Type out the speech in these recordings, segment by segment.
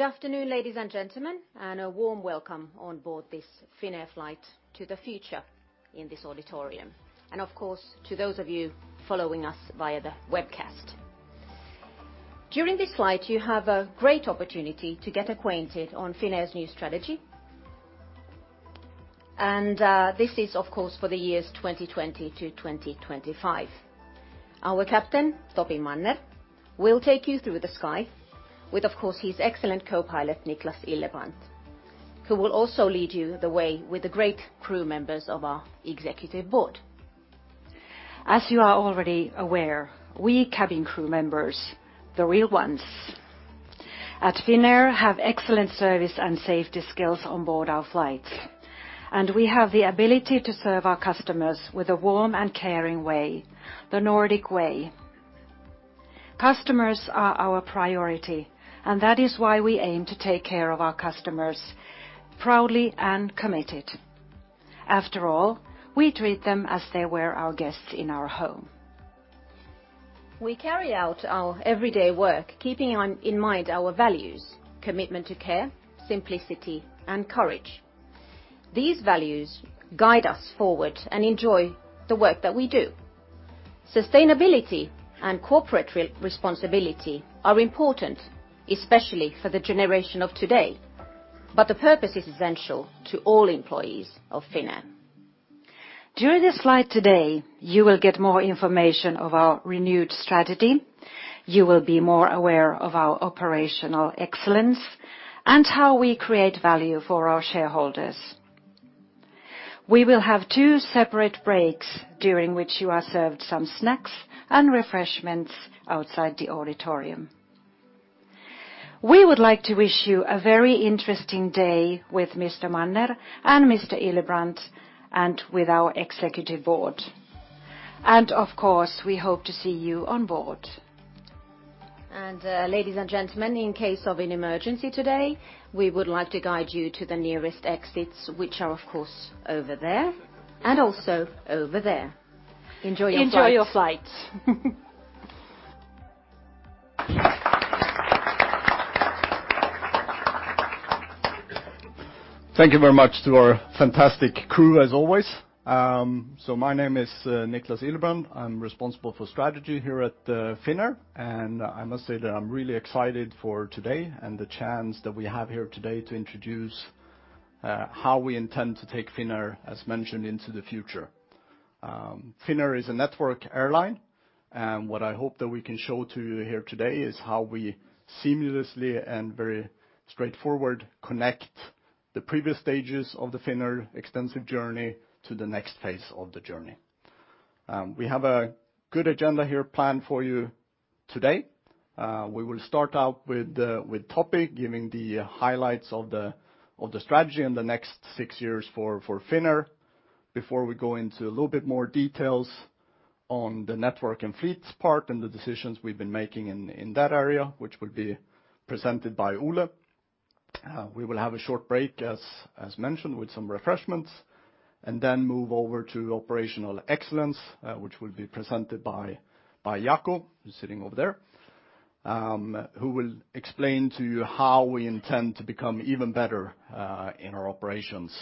Good afternoon, ladies and gentlemen, and a warm welcome on board this Finnair flight to the future in this auditorium, and of course to those of you following us via the webcast. During this flight, you have a great opportunity to get acquainted on Finnair's new strategy. This is, of course, for the years 2020 to 2025. Our captain, Topi Manner, will take you through the sky with, of course, his excellent co-pilot, Niklas Ilebrand, who will also lead you the way with the great crew members of our executive board. As you are already aware, we cabin crew members, the real ones, at Finnair have excellent service and safety skills on board our flights, and we have the ability to serve our customers with a warm and caring way, the Nordic way. Customers are our priority, and that is why we aim to take care of our customers proudly and committed. After all, we treat them as they were our guests in our home. We carry out our everyday work, keeping in mind our values, commitment to care, simplicity, and courage. These values guide us forward and enjoy the work that we do. Sustainability and corporate responsibility are important, especially for the generation of today, but the purpose is essential to all employees of Finnair. During this flight today, you will get more information of our renewed strategy. You will be more aware of our operational excellence and how we create value for our shareholders. We will have two separate breaks during which you are served some snacks and refreshments outside the auditorium. We would like to wish you a very interesting day with Mr. Manner and Mr. Ilebrand, and with our executive board. Of course, we hope to see you on board. Ladies and gentlemen, in case of an emergency today, we would like to guide you to the nearest exits, which are, of course, over there and also over there. Enjoy your flight. Enjoy your flight. Thank you very much to our fantastic crew, as always. My name is Niklas Ilebrand. I am responsible for strategy here at Finnair, and I must say that I am really excited for today and the chance that we have here today to introduce how we intend to take Finnair, as mentioned, into the future. Finnair is a network airline, and what I hope that we can show to you here today is how we seamlessly and very straightforward connect the previous stages of the Finnair extensive journey to the next phase of the journey. We have a good agenda here planned for you today. We will start out with Topi giving the highlights of the strategy and the next six years for Finnair before we go into a little bit more details on the network and fleets part and the decisions we've been making in that area, which will be presented by Ole. We will have a short break, as mentioned, with some refreshments, and then move over to operational excellence, which will be presented by Jaakko, who is sitting over there, who will explain to you how we intend to become even better in our operations.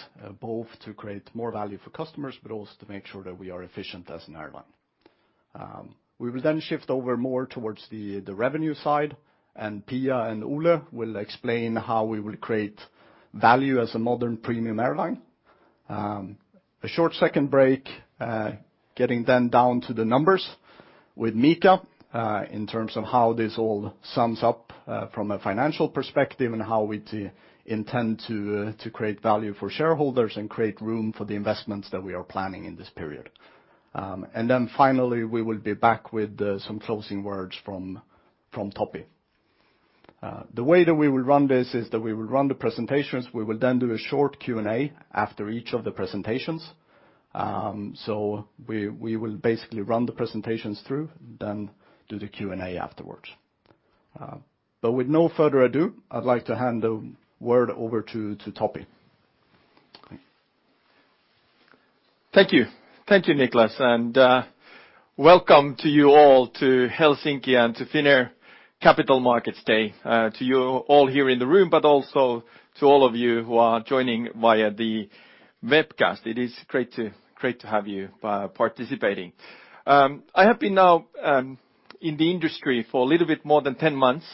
Both to create more value for customers, but also to make sure that we are efficient as an airline. We will then shift over more towards the revenue side, and Pia and Ole will explain how we will create value as a modern premium airline. A short second break, getting then down to the numbers with Mika, in terms of how this all sums up from a financial perspective and how we intend to create value for shareholders and create room for the investments that we are planning in this period. Finally, we will be back with some closing words from Topi. The way that we will run this is that we will run the presentations, we will then do a short Q&A after each of the presentations. We will basically run the presentations through, then do the Q&A afterwards. With no further ado, I'd like to hand the word over to Topi. Thank you. Thank you, Niklas, and welcome to you all to Helsinki and to Finnair Capital Markets Day. To you all here in the room, but also to all of you who are joining via the webcast. It is great to have you participating. I have been now in the industry for a little bit more than 10 months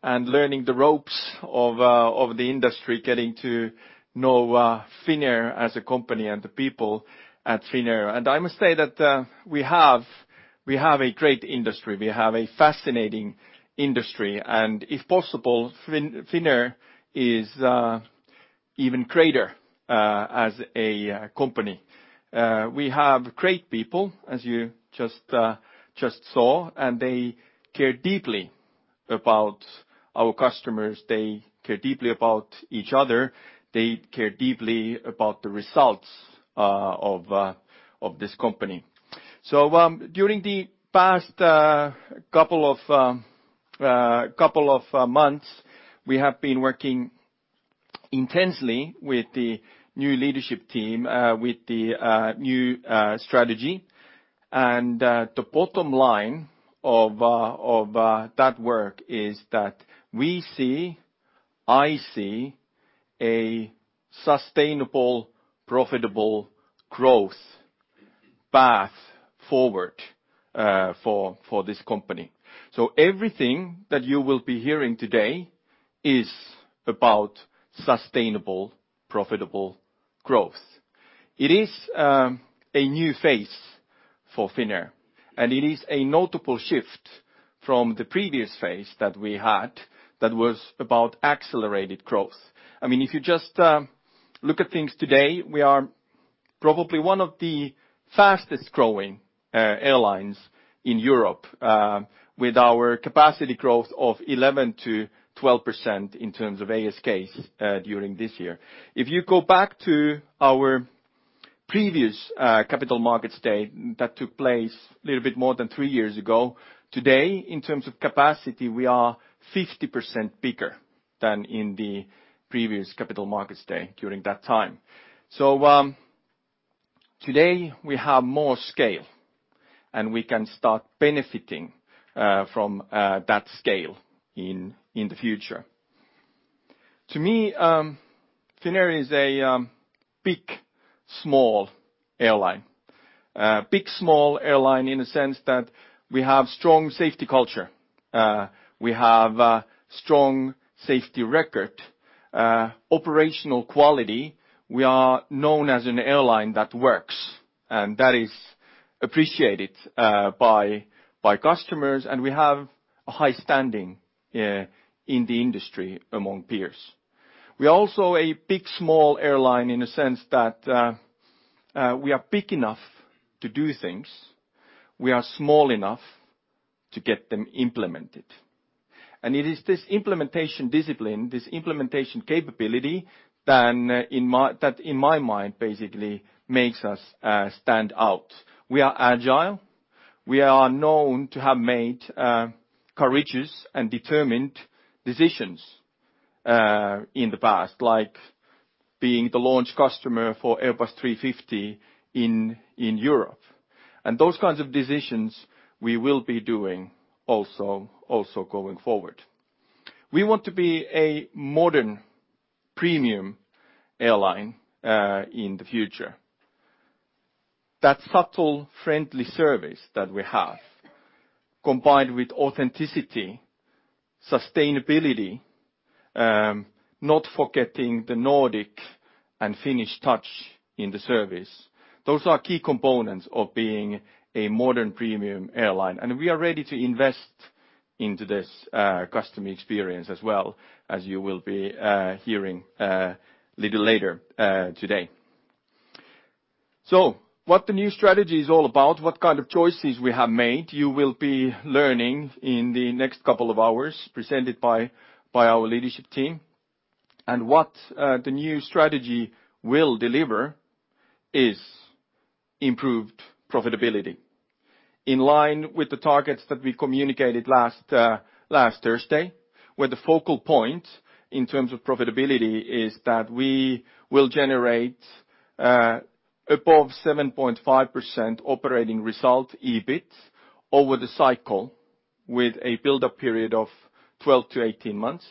and learning the ropes of the industry, getting to know Finnair as a company and the people at Finnair. I must say that we have a great industry. We have a fascinating industry, and if possible, Finnair is even greater as a company. We have great people, as you just saw, and they care deeply about our customers. They care deeply about each other. They care deeply about the results of this company. During the past couple of months, we have been working intensely with the new leadership team, with the new strategy. The bottom line of that work is that we see, I see, a sustainable, profitable growth path forward for this company. Everything that you will be hearing today is about sustainable, profitable growth. It is a new phase for Finnair, and it is a notable shift from the previous phase that we had that was about accelerated growth. If you just look at things today, we are probably one of the fastest-growing airlines in Europe, with our capacity growth of 11%-12% in terms of ASKs during this year. If you go back to our previous Capital Markets Day, that took place a little bit more than three years ago, today, in terms of capacity, we are 50% bigger than in the previous Capital Markets Day during that time. Today, we have more scale, and we can start benefiting from that scale in the future. To me, Finnair is a big-small airline. Big-small airline in a sense that we have strong safety culture. We have a strong safety record, operational quality. We are known as an airline that works, and that is appreciated by customers, and we have a high standing in the industry among peers. We are also a big-small airline in a sense that we are big enough to do things. We are small enough to get them implemented. It is this implementation discipline, this implementation capability that, in my mind, basically makes us stand out. We are agile. We are known to have made courageous and determined decisions in the past, like being the launch customer for Airbus A350 in Europe. Those kinds of decisions we will be doing also going forward. We want to be a modern premium airline in the future. That subtle, friendly service that we have, combined with authenticity, sustainability, not forgetting the Nordic and Finnish touch in the service, those are key components of being a modern premium airline, and we are ready to invest into this customer experience as well, as you will be hearing little later today. What the new strategy is all about, what kind of choices we have made, you will be learning in the next couple of hours, presented by our leadership team. What the new strategy will deliver is improved profitability. In line with the targets that we communicated last Thursday, where the focal point in terms of profitability is that we will generate above 7.5% operating result EBIT over the cycle, with a buildup period of 12-18 months,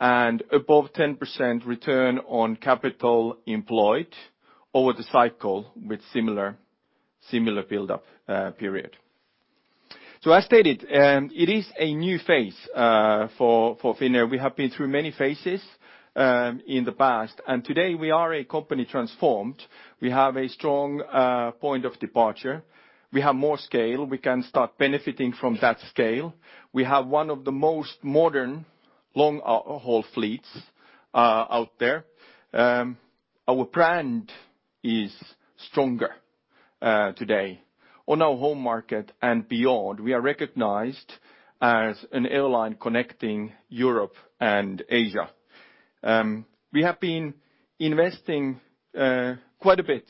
and above 10% return on capital employed over the cycle with similar buildup period. As stated, it is a new phase for Finnair. We have been through many phases in the past, and today we are a company transformed. We have a strong point of departure. We have more scale. We can start benefiting from that scale. We have one of the most modern long-haul fleets out there. Our brand is stronger today on our home market and beyond. We are recognized as an airline connecting Europe and Asia. We have been investing quite a bit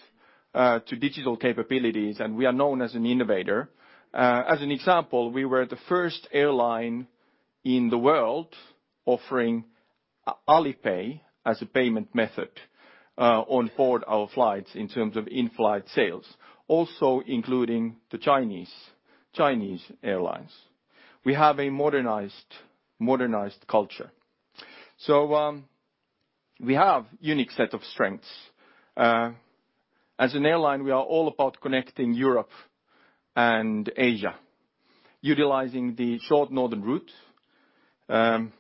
to digital capabilities, and we are known as an innovator. As an example, we were the first airline in the world offering Alipay as a payment method on board our flights in terms of in-flight sales, also including the Chinese airlines. We have a modernized culture. We have unique set of strengths. As an airline, we are all about connecting Europe and Asia, utilizing the short northern route, the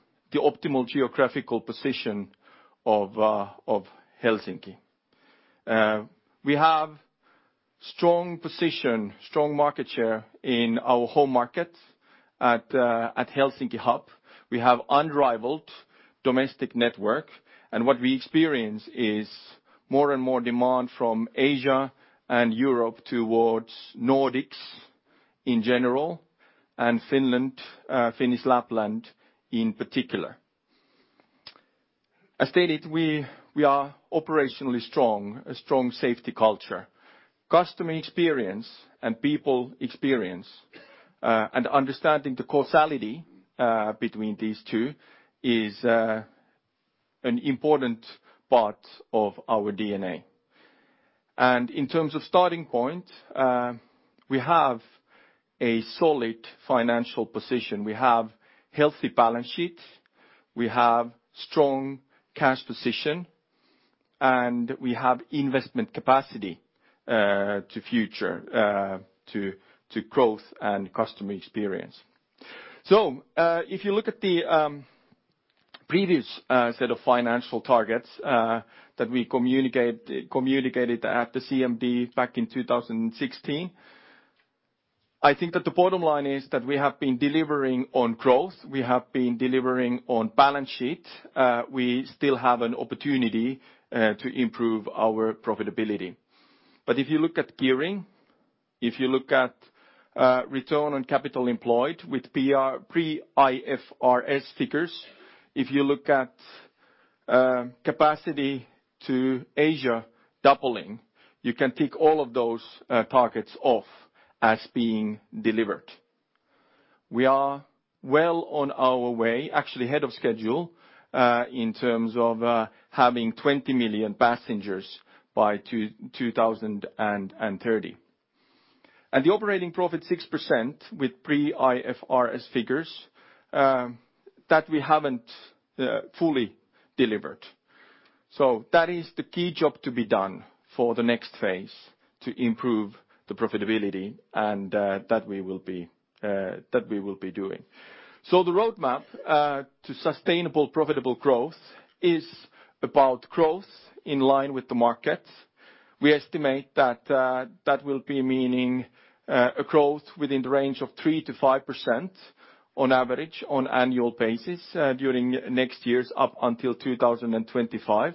optimal geographical position of Helsinki. We have strong position, strong market share in our home market at Helsinki Hub. We have unrivaled domestic network, and what we experience is more and more demand from Asia and Europe towards Nordics in general, and Finnish Lapland in particular. As stated, we are operationally strong, a strong safety culture. Customer experience and people experience, and understanding the causality between these two, is an important part of our DNA. In terms of starting point, we have a solid financial position. We have healthy balance sheets, we have strong cash position, and we have investment capacity to future, to growth and customer experience. If you look at the previous set of financial targets that we communicated at the CMD back in 2016, I think that the bottom line is that we have been delivering on growth, we have been delivering on balance sheet. We still have an opportunity to improve our profitability. If you look at gearing, if you look at return on capital employed with pre-IFRS figures, if you look at capacity to Asia doubling, you can tick all of those targets off as being delivered. We are well on our way, actually ahead of schedule, in terms of having 20 million passengers by 2030. The operating profit 6% with pre-IFRS figures, that we haven't fully delivered. That is the key job to be done for the next phase to improve the profitability and that we will be doing. The roadmap to sustainable profitable growth is about growth in line with the markets. We estimate that that will be meaning a growth within the range of 3%-5% on average on annual basis during next year's up until 2025.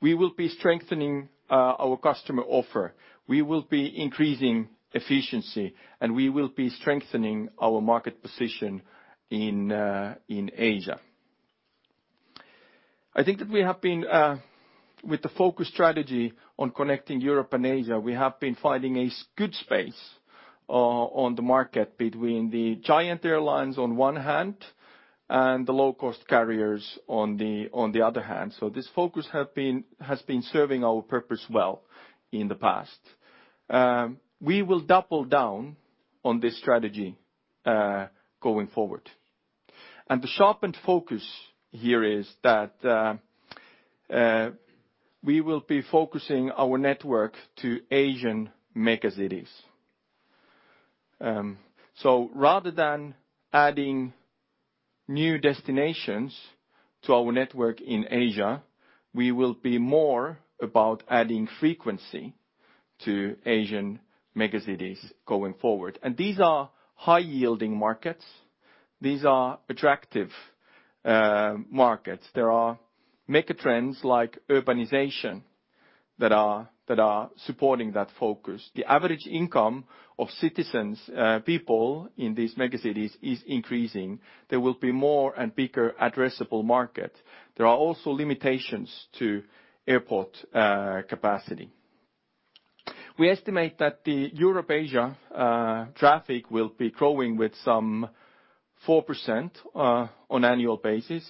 We will be strengthening our customer offer. We will be increasing efficiency, and we will be strengthening our market position in Asia. I think that we have been with the focus strategy on connecting Europe and Asia, we have been finding a good space on the market between the giant airlines on one hand and the low-cost carriers on the other hand. This focus has been serving our purpose well in the past. We will double down on this strategy going forward. The sharpened focus here is that we will be focusing our network to Asian megacities. Rather than adding new destinations to our network in Asia, we will be more about adding frequency to Asian megacities going forward. These are high-yielding markets. These are attractive markets. There are mega trends like urbanization that are supporting that focus. The average income of citizens, people in these megacities is increasing. There will be more and bigger addressable market. There are also limitations to airport capacity. We estimate that the Europe-Asia traffic will be growing with some 4% on annual basis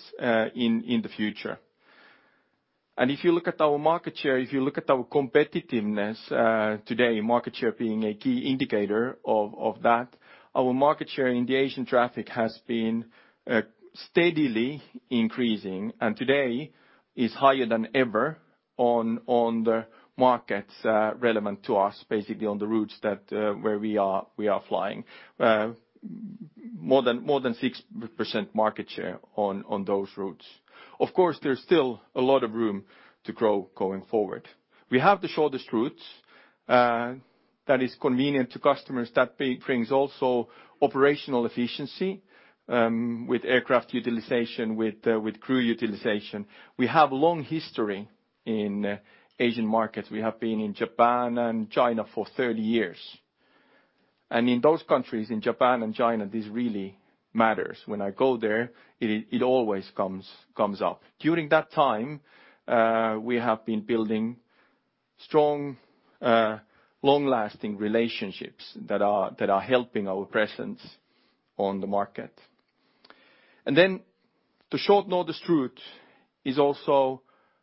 in the future. If you look at our market share, if you look at our competitiveness today, market share being a key indicator of that, our market share in the Asian traffic has been steadily increasing, and today is higher than ever on the markets relevant to us, basically on the routes where we are flying. More than 6% market share on those routes. Of course, there's still a lot of room to grow going forward. We have the shortest routes that is convenient to customers. That brings also operational efficiency with aircraft utilization, with crew utilization. We have long history in Asian markets. We have been in Japan and China for 30 years. In those countries, in Japan and China, this really matters. When I go there, it always comes up. During that time, we have been building strong, long-lasting relationships that are helping our presence on the market. Then the short-notice route is also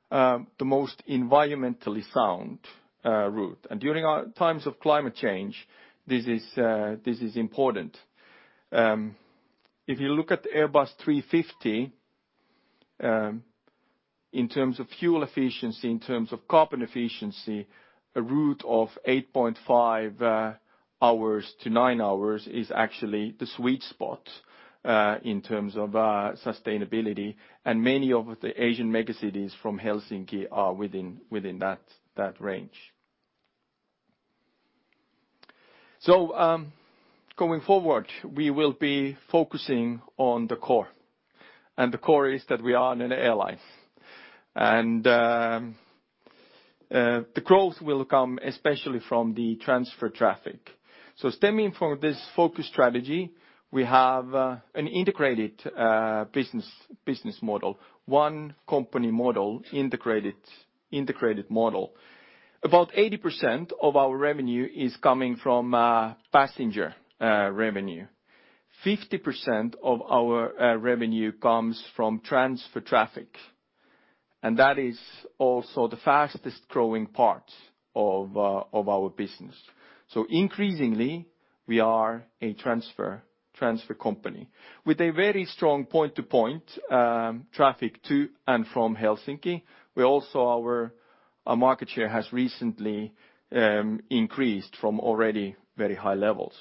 the most environmentally sound route. During our times of climate change, this is important. If you look at Airbus A350, in terms of fuel efficiency, in terms of carbon efficiency, a route of 8.5 hours to nine hours is actually the sweet spot in terms of sustainability. Many of the Asian megacities from Helsinki are within that range. Going forward, we will be focusing on the core, and the core is that we are an airline. The growth will come especially from the transfer traffic. Stemming from this focus strategy, we have an integrated business model, one company model, integrated model. About 80% of our revenue is coming from passenger revenue. 50% of our revenue comes from transfer traffic, and that is also the fastest-growing part of our business. Increasingly, we are a transfer company with a very strong point-to-point traffic to and from Helsinki, where also our market share has recently increased from already very high levels.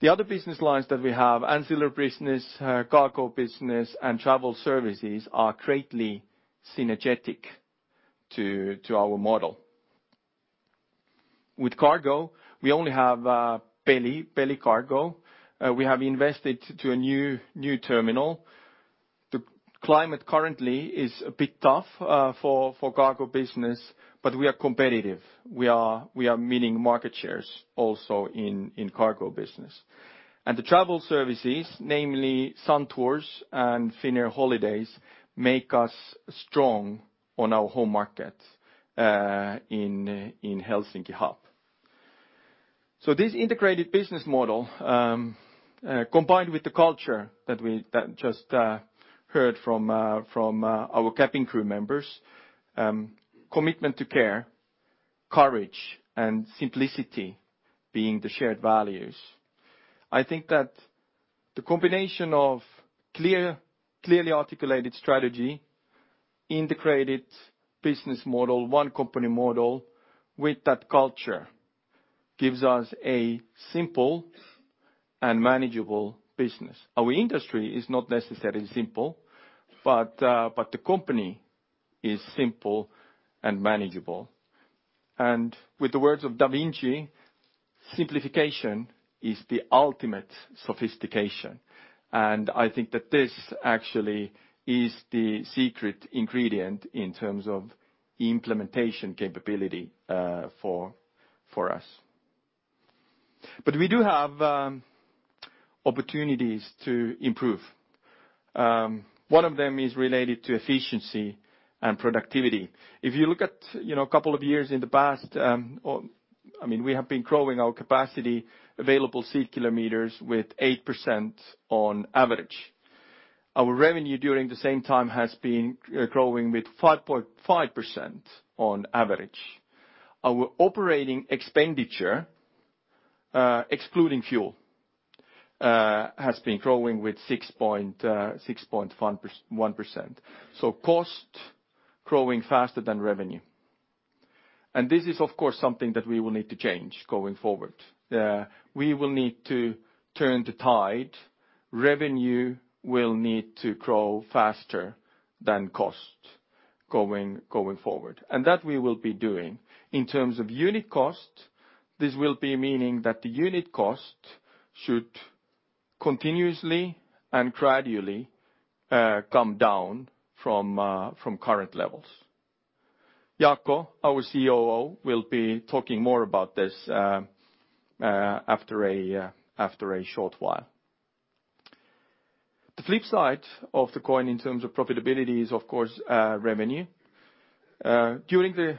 The other business lines that we have, ancillary business, cargo business, and travel services, are greatly synergetic to our model. With cargo, we only have belly cargo. We have invested to a new terminal. The climate currently is a bit tough for cargo business, but we are competitive. We are winning market shares also in cargo business. The travel services, namely Suntours and Finnair Holidays, make us strong on our home market in Helsinki Hub. This integrated business model, combined with the culture that just heard from our cabin crew members, commitment to care, courage, and simplicity being the shared values. I think that the combination of clearly articulated strategy, integrated business model, one company model with that culture gives us a simple and manageable business. Our industry is not necessarily simple, but the company is simple and manageable. With the words of Da Vinci, "Simplification is the ultimate sophistication." I think that this actually is the secret ingredient in terms of implementation capability for us. We do have opportunities to improve. One of them is related to efficiency and productivity. If you look at a couple of years in the past, we have been growing our capacity Available Seat Kilometers with 8% on average. Our revenue during the same time has been growing with 5.5% on average. Our operating expenditure, excluding fuel, has been growing with 6.1%. Cost growing faster than revenue. This is, of course, something that we will need to change going forward. We will need to turn the tide. Revenue will need to grow faster than cost going forward. That we will be doing. In terms of unit cost, this will be meaning that the unit cost should continuously and gradually come down from current levels. Jaakko, our COO, will be talking more about this after a short while. The flip side of the coin in terms of profitability is, of course, revenue. During the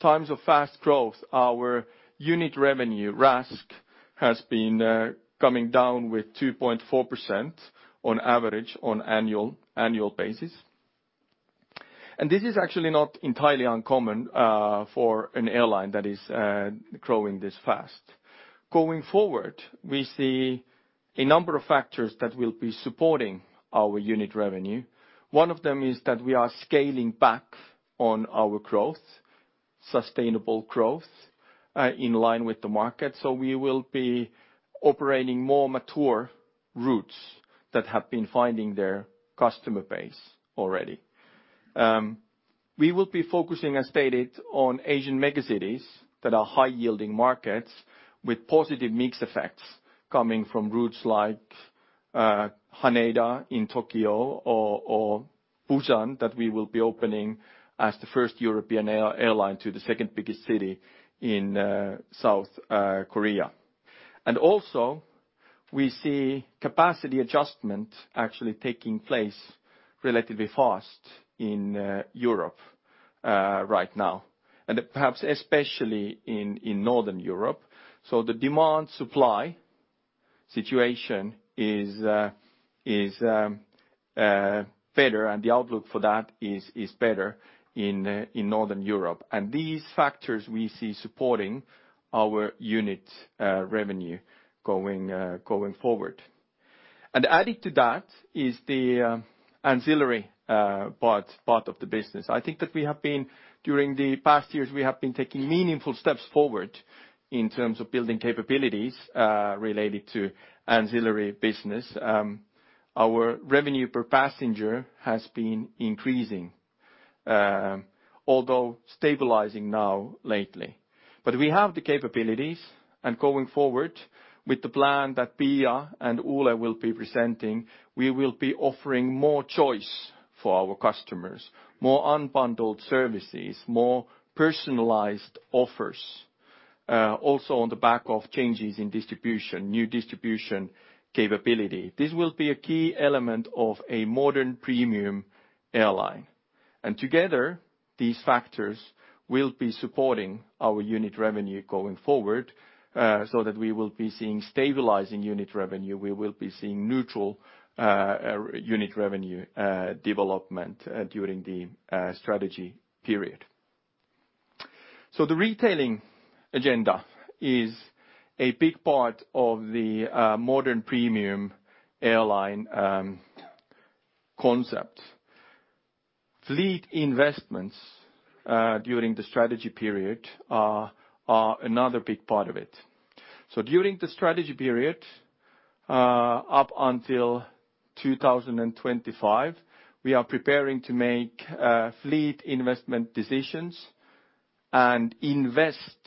times of fast growth, our unit revenue RASK has been coming down with 2.4% on average on annual basis. This is actually not entirely uncommon for an airline that is growing this fast. Going forward, we see a number of factors that will be supporting our unit revenue. One of them is that we are scaling back on our growth, sustainable growth, in line with the market. We will be operating more mature routes that have been finding their customer base already. We will be focusing, as stated, on Asian megacities that are high-yielding markets with positive mix effects coming from routes like Haneda in Tokyo or Busan that we will be opening as the first European airline to the second biggest city in South Korea. Also we see capacity adjustment actually taking place relatively fast in Europe right now. Perhaps especially in Northern Europe. The demand-supply situation is better, and the outlook for that is better in Northern Europe. These factors we see supporting our unit revenue going forward. Added to that is the ancillary part of the business. I think that during the past years, we have been taking meaningful steps forward in terms of building capabilities related to ancillary business. Our revenue per passenger has been increasing, although stabilizing now lately. We have the capabilities and going forward with the plan that Piia and Ole will be presenting, we will be offering more choice for our customers, more unbundled services, more personalized offers, also on the back of changes in distribution, new distribution capability. This will be a key element of a modern premium airline. Together, these factors will be supporting our unit revenue going forward, so that we will be seeing stabilizing unit revenue, we will be seeing neutral unit revenue development during the strategy period. The retailing agenda is a big part of the modern premium airline concept. Fleet investments during the strategy period are another big part of it. During the strategy period, up until 2025, we are preparing to make fleet investment decisions and invest,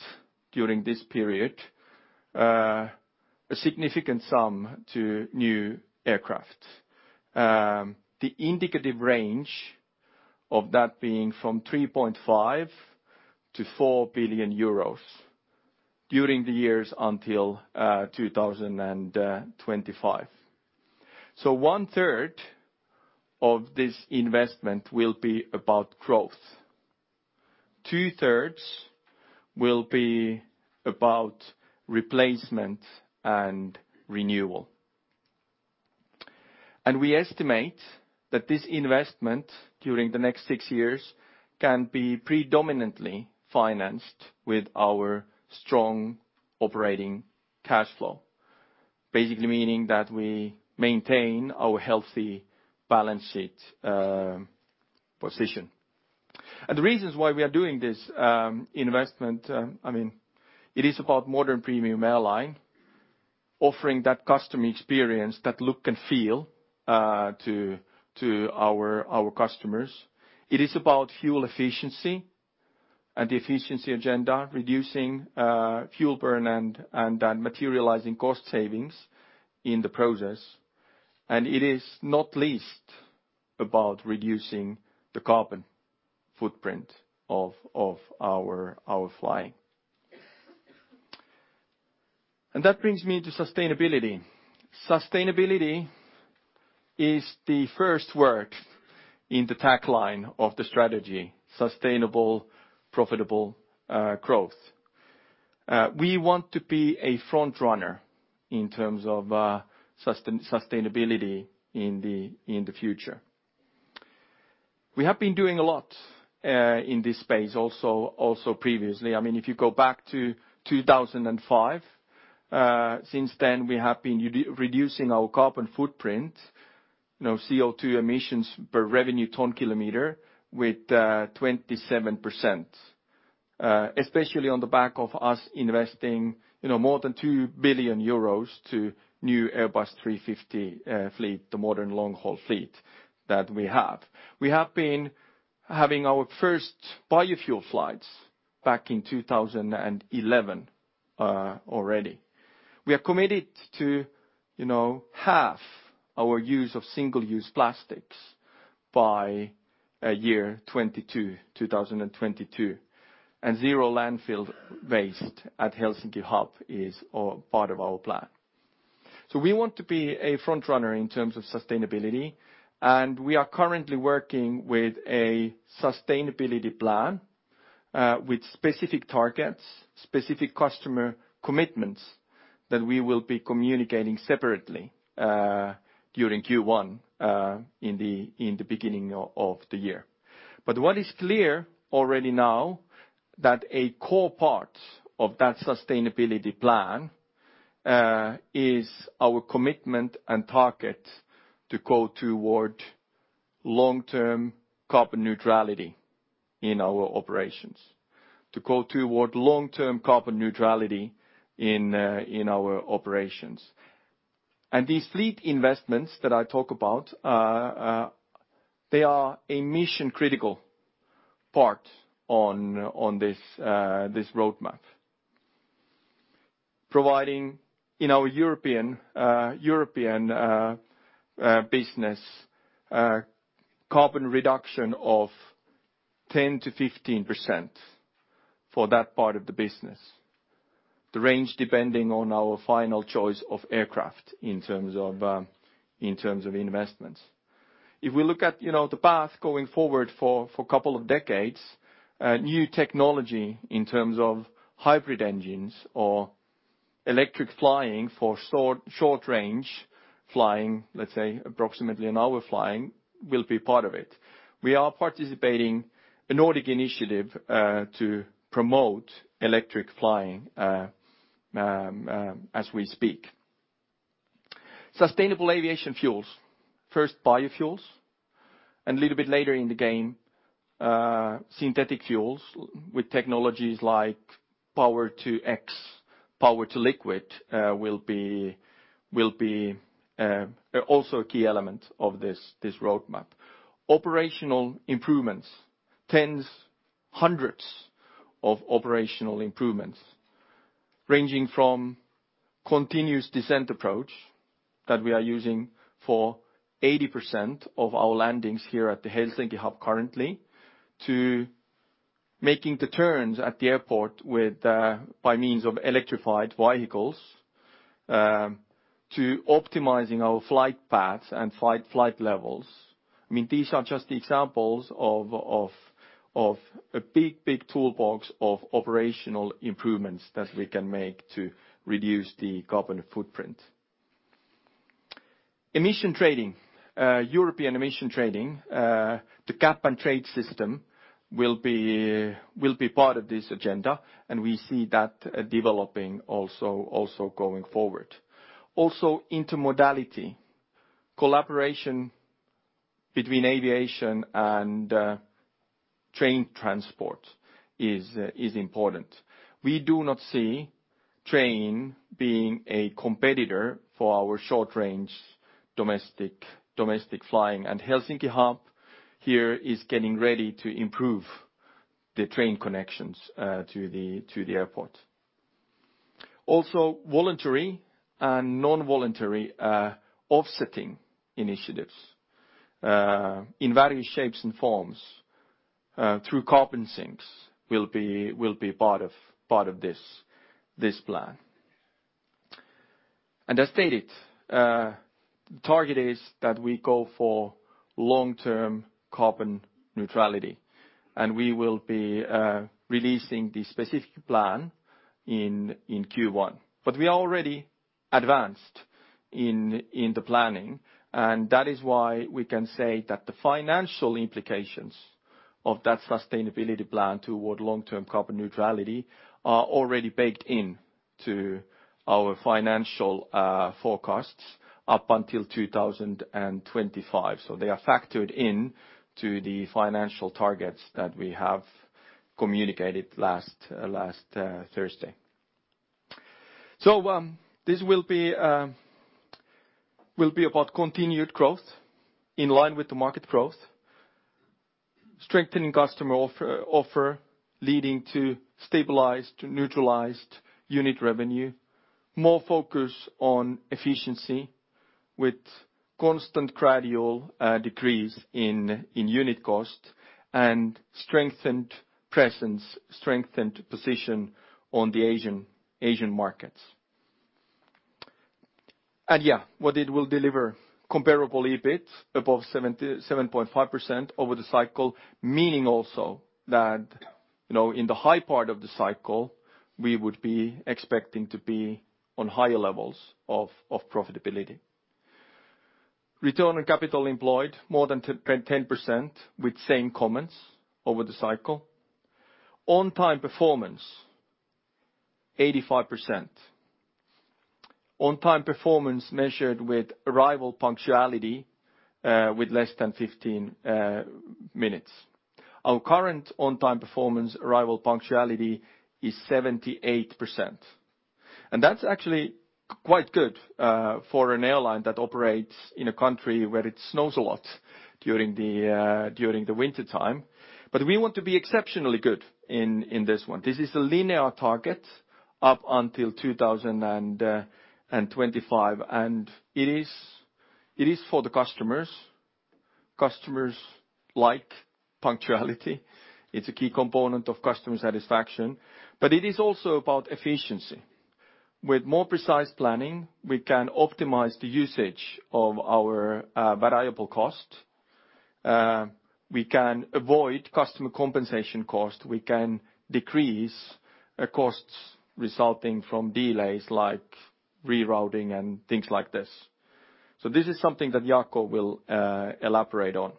during this period, a significant sum to new aircraft. The indicative range of that being from 3.5 billion to 4 billion euros during the years until 2025. One third of this investment will be about growth. Two-thirds will be about replacement and renewal. We estimate that this investment during the next six years can be predominantly financed with our strong operating cash flow. Basically meaning that we maintain our healthy balance sheet position. The reasons why we are doing this investment, it is about modern premium airline offering that customer experience, that look and feel to our customers. It is about fuel efficiency and efficiency agenda, reducing fuel burn and then materializing cost savings in the process. It is not least about reducing the carbon footprint of our flying. That brings me to sustainability. Sustainability is the first word in the tagline of the strategy: sustainable, profitable growth. We want to be a frontrunner in terms of sustainability in the future. We have been doing a lot in this space also previously. If you go back to 2005, since then we have been reducing our carbon footprint, CO2 emissions per revenue ton kilometer with 27%, especially on the back of us investing more than 2 billion euros to new Airbus A350 fleet, the modern long-haul fleet that we have. We have been having our first biofuel flights back in 2011 already. We are committed to half our use of single-use plastics by year 2022. Zero landfill waste at Helsinki Hub is part of our plan. We want to be a frontrunner in terms of sustainability, and we are currently working with a sustainability plan, with specific targets, specific customer commitments that we will be communicating separately, during Q1, in the beginning of the year. What is clear already now, that a core part of that sustainability plan is our commitment and target to go toward long-term carbon neutrality in our operations. These fleet investments that I talk about, they are a mission-critical part on this roadmap. Providing in our European business carbon reduction of 10%-15% for that part of the business. The range depending on our final choice of aircraft in terms of investments. If we look at the path going forward for couple of decades, new technology in terms of hybrid engines or electric flying for short-range flying, let's say approximately an hour flying, will be part of it. We are participating a Nordic initiative to promote electric flying as we speak. Sustainable aviation fuels. First biofuels, and a little bit later in the game, synthetic fuels with technologies like Power-to-X, Power-to-Liquid will be also a key element of this roadmap. Operational improvements, tens, hundreds of operational improvements ranging from continuous descent approach that we are using for 80% of our landings here at the Helsinki Hub currently, to Making the turns at the airport by means of electrified vehicles, to optimizing our flight paths and flight levels. These are just the examples of a big toolbox of operational improvements that we can make to reduce the carbon footprint. Emission trading. European emission trading, the cap and trade system will be part of this agenda, and we see that developing also going forward. Intermodality, collaboration between aviation and train transport is important. We do not see train being a competitor for our short-range domestic flying, and Helsinki Hub here is getting ready to improve the train connections to the airport. Voluntary and non-voluntary offsetting initiatives in various shapes and forms through carbon sinks will be part of this plan. As stated, the target is that we go for long-term carbon neutrality, and we will be releasing the specific plan in Q1. We are already advanced in the planning, and that is why we can say that the financial implications of that sustainability plan toward long-term carbon neutrality are already baked into our financial forecasts up until 2025. They are factored in to the financial targets that we have communicated last Thursday. This will be about continued growth in line with the market growth, strengthening customer offer, leading to stabilized, to neutralized unit revenue, more focus on efficiency with constant gradual decrease in unit cost, and strengthened presence, strengthened position on the Asian markets. What it will deliver comparable EBIT above 7.5% over the cycle, meaning also that in the high part of the cycle, we would be expecting to be on higher levels of profitability. Return on capital employed more than 10% with same comments over the cycle. On-time performance, 85%. On-time performance measured with arrival punctuality with less than 15 minutes. Our current on-time performance arrival punctuality is 78%. That's actually quite good for an airline that operates in a country where it snows a lot during the wintertime. We want to be exceptionally good in this one. This is a linear target up until 2025, and it is for the customers. Customers like punctuality. It's a key component of customer satisfaction. It is also about efficiency. With more precise planning, we can optimize the usage of our variable cost. We can avoid customer compensation cost. We can decrease costs resulting from delays like rerouting and things like this. This is something that Jaakko will elaborate on.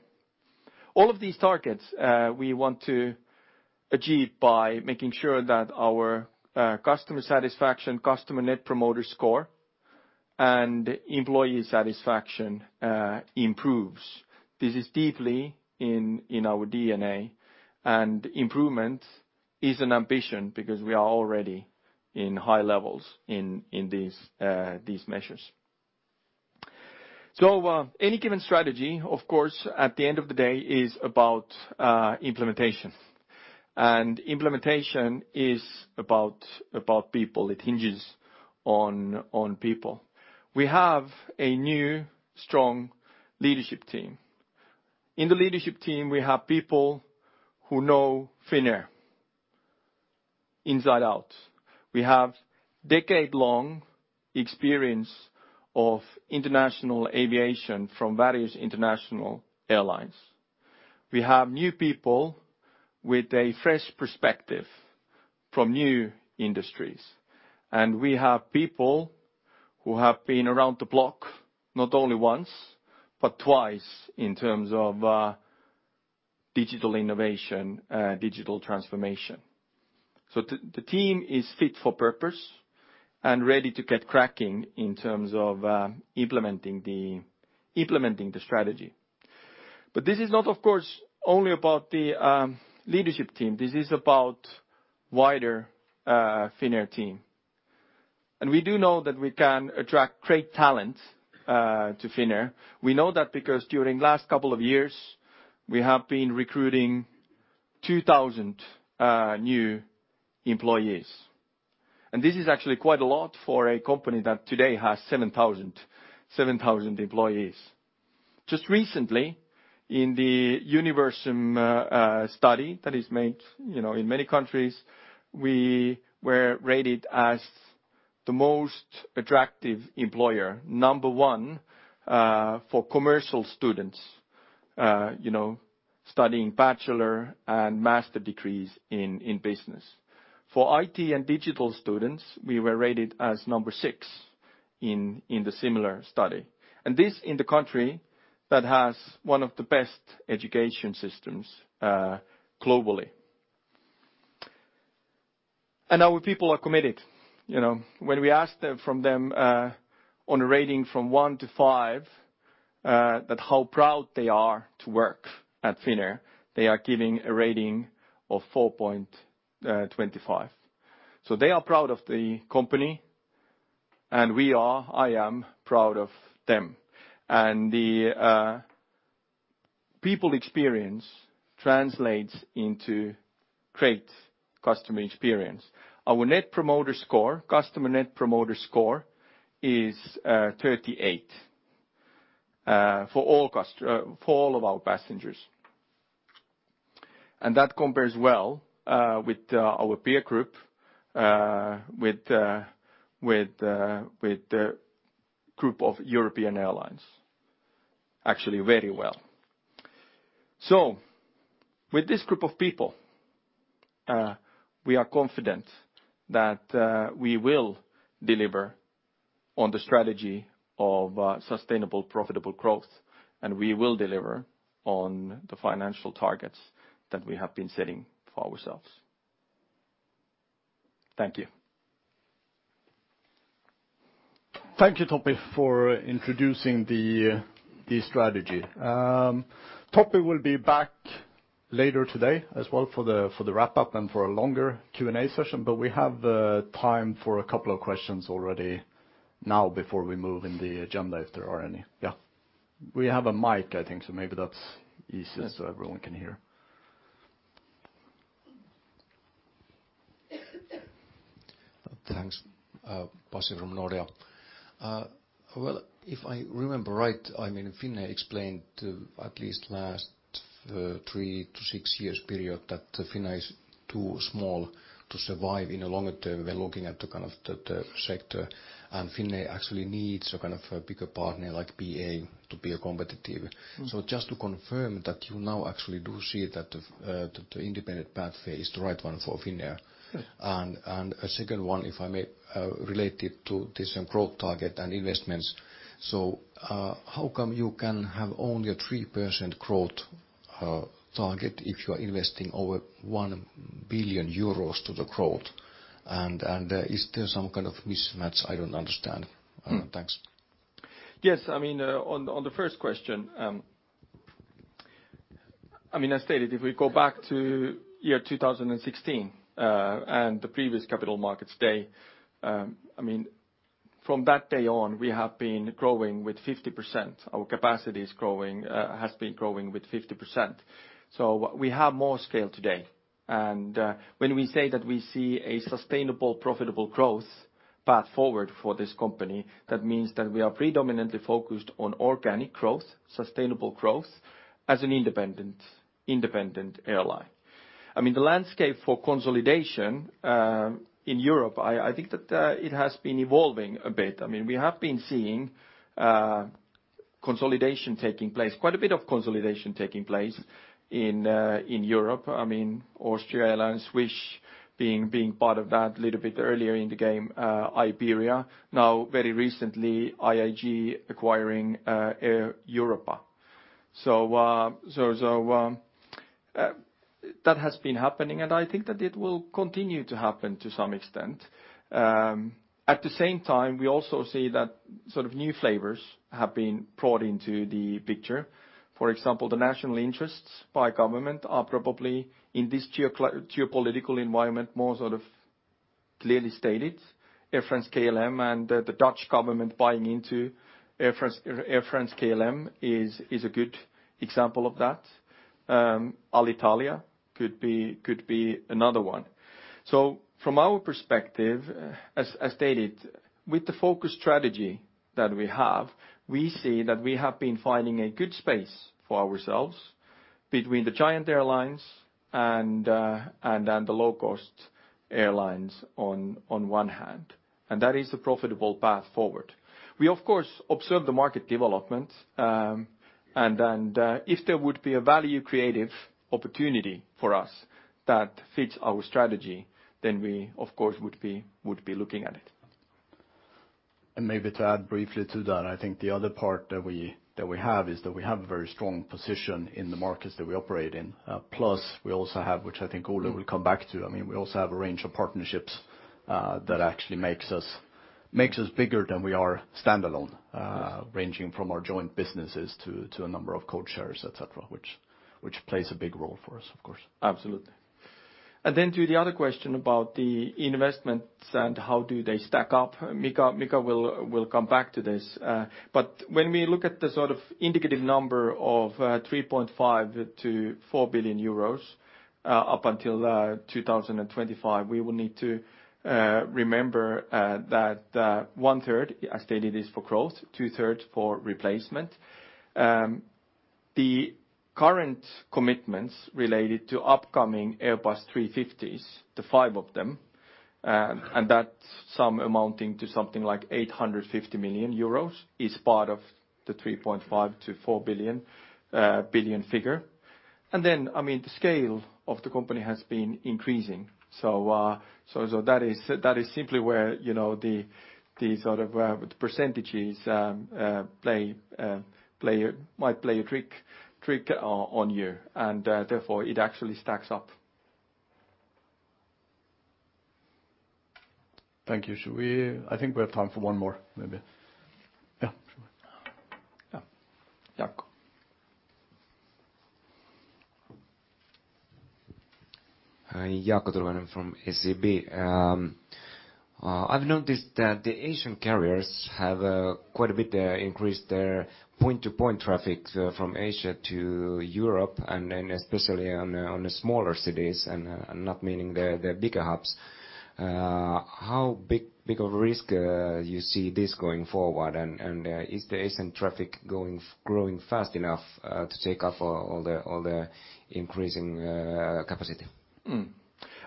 All of these targets we want to achieve by making sure that our customer satisfaction, customer Net Promoter Score, and employee satisfaction improves. This is deeply in our DNA, and improvement is an ambition because we are already in high levels in these measures. Any given strategy, of course, at the end of the day, is about implementation. Implementation is about people. It hinges on people. We have a new, strong leadership team. In the leadership team, we have people who know Finnair inside out. We have decade-long experience of international aviation from various international airlines. We have new people with a fresh perspective from new industries. We have people who have been around the block not only once, but twice in terms of digital innovation, digital transformation. The team is fit for purpose and ready to get cracking in terms of implementing the strategy. This is not, of course, only about the leadership team. This is about wider Finnair team. We do know that we can attract great talent to Finnair. We know that because during last couple of years, we have been recruiting 2,000 new employees. This is actually quite a lot for a company that today has 7,000 employees. Just recently, in the Universum study that is made in many countries, we were rated as the most attractive employer, number 1 for commercial students studying bachelor and master degrees in business. For IT and digital students, we were rated as number 6 in the similar study. This in the country that has one of the best education systems globally. Our people are committed. When we asked from them on a rating from 1 to 5 that how proud they are to work at Finnair, they are giving a rating of 4.25. They are proud of the company, and we are, I am proud of them. The people experience translates into great customer experience. Our net promoter score, customer net promoter score is 38 for all of our passengers. That compares well with our peer group, with the group of European airlines, actually very well. With this group of people, we are confident that we will deliver on the strategy of sustainable profitable growth, and we will deliver on the financial targets that we have been setting for ourselves. Thank you. Thank you, Topi, for introducing the strategy. Topi will be back later today as well for the wrap-up and for a longer Q&A session. We have time for a couple of questions already now before we move in the agenda, if there are any. Yeah. We have a mic, I think. Maybe that's easiest so everyone can hear. Thanks. Pasi from Nordea. Well, if I remember right, Finnair explained at least last three to six years period that Finnair is too small to survive in a longer term when looking at the kind of the sector. Finnair actually needs a kind of a bigger partner like BA to be competitive. Just to confirm that you now actually do see that the independent pathway is the right one for Finnair. Yes. A second one, if I may, related to this growth target and investments. How come you can have only a 3% growth target if you are investing over 1 billion euros to the growth? Is there some kind of mismatch I don't understand? Thanks. Yes. On the first question, I stated if we go back to year 2016, and the previous capital markets day, from that day on, we have been growing with 50%. Our capacity has been growing with 50%. We have more scale today. When we say that we see a sustainable profitable growth path forward for this company, that means that we are predominantly focused on organic growth, sustainable growth as an independent airline. The landscape for consolidation, in Europe, I think that it has been evolving a bit. We have been seeing consolidation taking place, quite a bit of consolidation taking place in Europe. Austrian Airlines, Swiss being part of that a little bit earlier in the game, Iberia. Now, very recently, IAG acquiring Air Europa. That has been happening, and I think that it will continue to happen to some extent. At the same time, we also see that sort of new flavors have been brought into the picture. For example, the national interests by government are probably, in this geopolitical environment, more sort of clearly stated. Air France-KLM and the Dutch government buying into Air France-KLM is a good example of that. Alitalia could be another one. From our perspective, as stated, with the focus strategy that we have, we see that we have been finding a good space for ourselves between the giant airlines and the low-cost airlines on one hand, and that is a profitable path forward. We, of course, observe the market development, and if there would be a value creative opportunity for us that fits our strategy, then we, of course, would be looking at it. Maybe to add briefly to that, I think the other part that we have is that we have a very strong position in the markets that we operate in. We also have, which I think Ole will come back to, we also have a range of partnerships that actually makes us bigger than we are standalone, ranging from our joint businesses to a number of codeshares, et cetera, which plays a big role for us, of course. Absolutely. Then to the other question about the investments and how do they stack up, Mika will come back to this. When we look at the sort of indicative number of 3.5 billion-4 billion euros- Up until 2025, we will need to remember that one third, as stated, is for growth, two third for replacement. The current commitments related to upcoming Airbus A350s, the five of them, and that sum amounting to something like 850 million euros, is part of the 3.5 billion-4 billion figure. Then the scale of the company has been increasing. That is simply where the sort of percentages might play a trick on you. Therefore, it actually stacks up. Thank you. I think we have time for one more, maybe. Yeah. Sure. Yeah. Jaakko. Hi, Jaakko Tyrväinen from SEB. I've noticed that the Asian carriers have quite a bit increased their point-to-point traffic from Asia to Europe then especially on the smaller cities and not meaning the bigger hubs. How big of a risk you see this going forward? Is the Asian traffic growing fast enough to take off all the increasing capacity?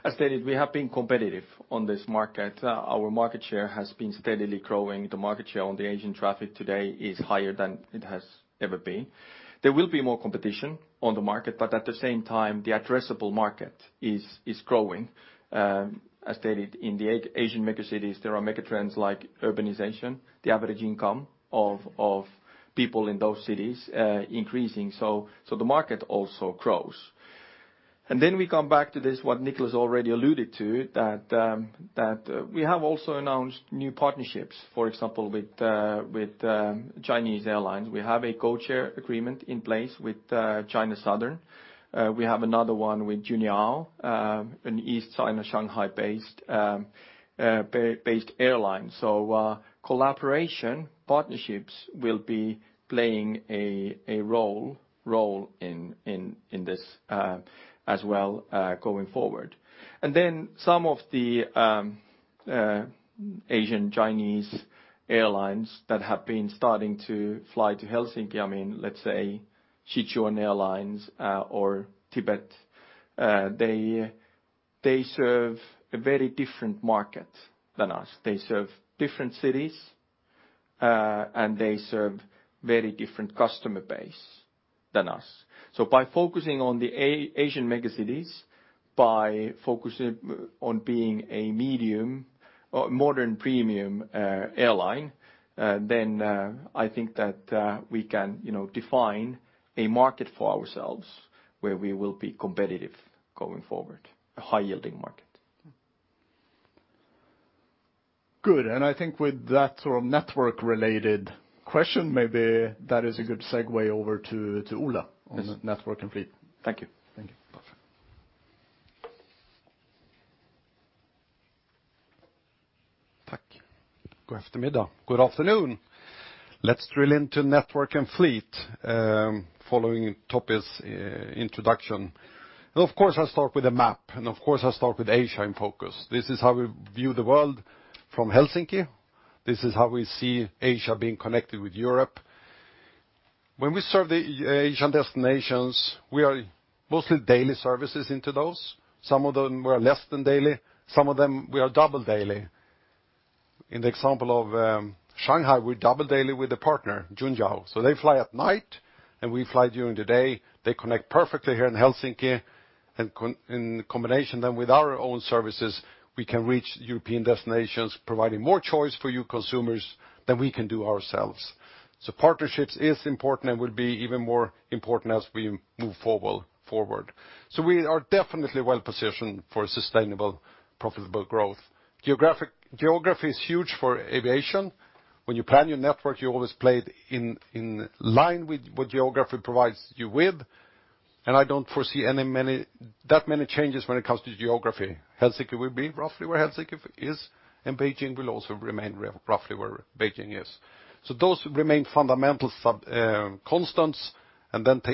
As stated, we have been competitive on this market. Our market share has been steadily growing. The market share on the Asian traffic today is higher than it has ever been. There will be more competition on the market, but at the same time, the addressable market is growing. As stated, in the Asian megacities, there are megatrends like urbanization, the average income of people in those cities increasing. The market also grows. Then we come back to this, what Niklas already alluded to, that we have also announced new partnerships, for example, with Chinese airlines. We have a codeshare agreement in place with China Southern. We have another one with Juneyao, an East China Shanghai-based airline. Collaboration partnerships will be playing a role in this as well going forward. Some of the Asian Chinese airlines that have been starting to fly to Helsinki, let's say Sichuan Airlines or Tibet Airlines, they serve a very different market than us. They serve different cities, and they serve very different customer base than us. By focusing on the Asian megacities, by focusing on being a modern premium airline, then I think that we can define a market for ourselves where we will be competitive going forward, a high-yielding market. Good. I think with that sort of network-related question, maybe that is a good segue over to Ole on- Yes network and fleet. Thank you. Thank you. Perfect. Tack. Good afternoon. Good afternoon. Let's drill into network and fleet, following Topi's introduction. Of course, I'll start with a map. Of course, I'll start with Asia in focus. This is how we view the world from Helsinki. This is how we see Asia being connected with Europe. When we serve the Asian destinations, we are mostly daily services into those. Some of them were less than daily. Some of them we are double daily. In the example of Shanghai, we're double daily with a partner, Juneyao. They fly at night, and we fly during the day. They connect perfectly here in Helsinki. In combination then with our own services, we can reach European destinations, providing more choice for you consumers than we can do ourselves. Partnerships is important and will be even more important as we move forward. We are definitely well-positioned for sustainable, profitable growth. Geography is huge for aviation. When you plan your network, you always play it in line with what geography provides you with. I don't foresee that many changes when it comes to geography. Helsinki will be roughly where Helsinki is, and Beijing will also remain roughly where Beijing is. Those remain fundamental constants.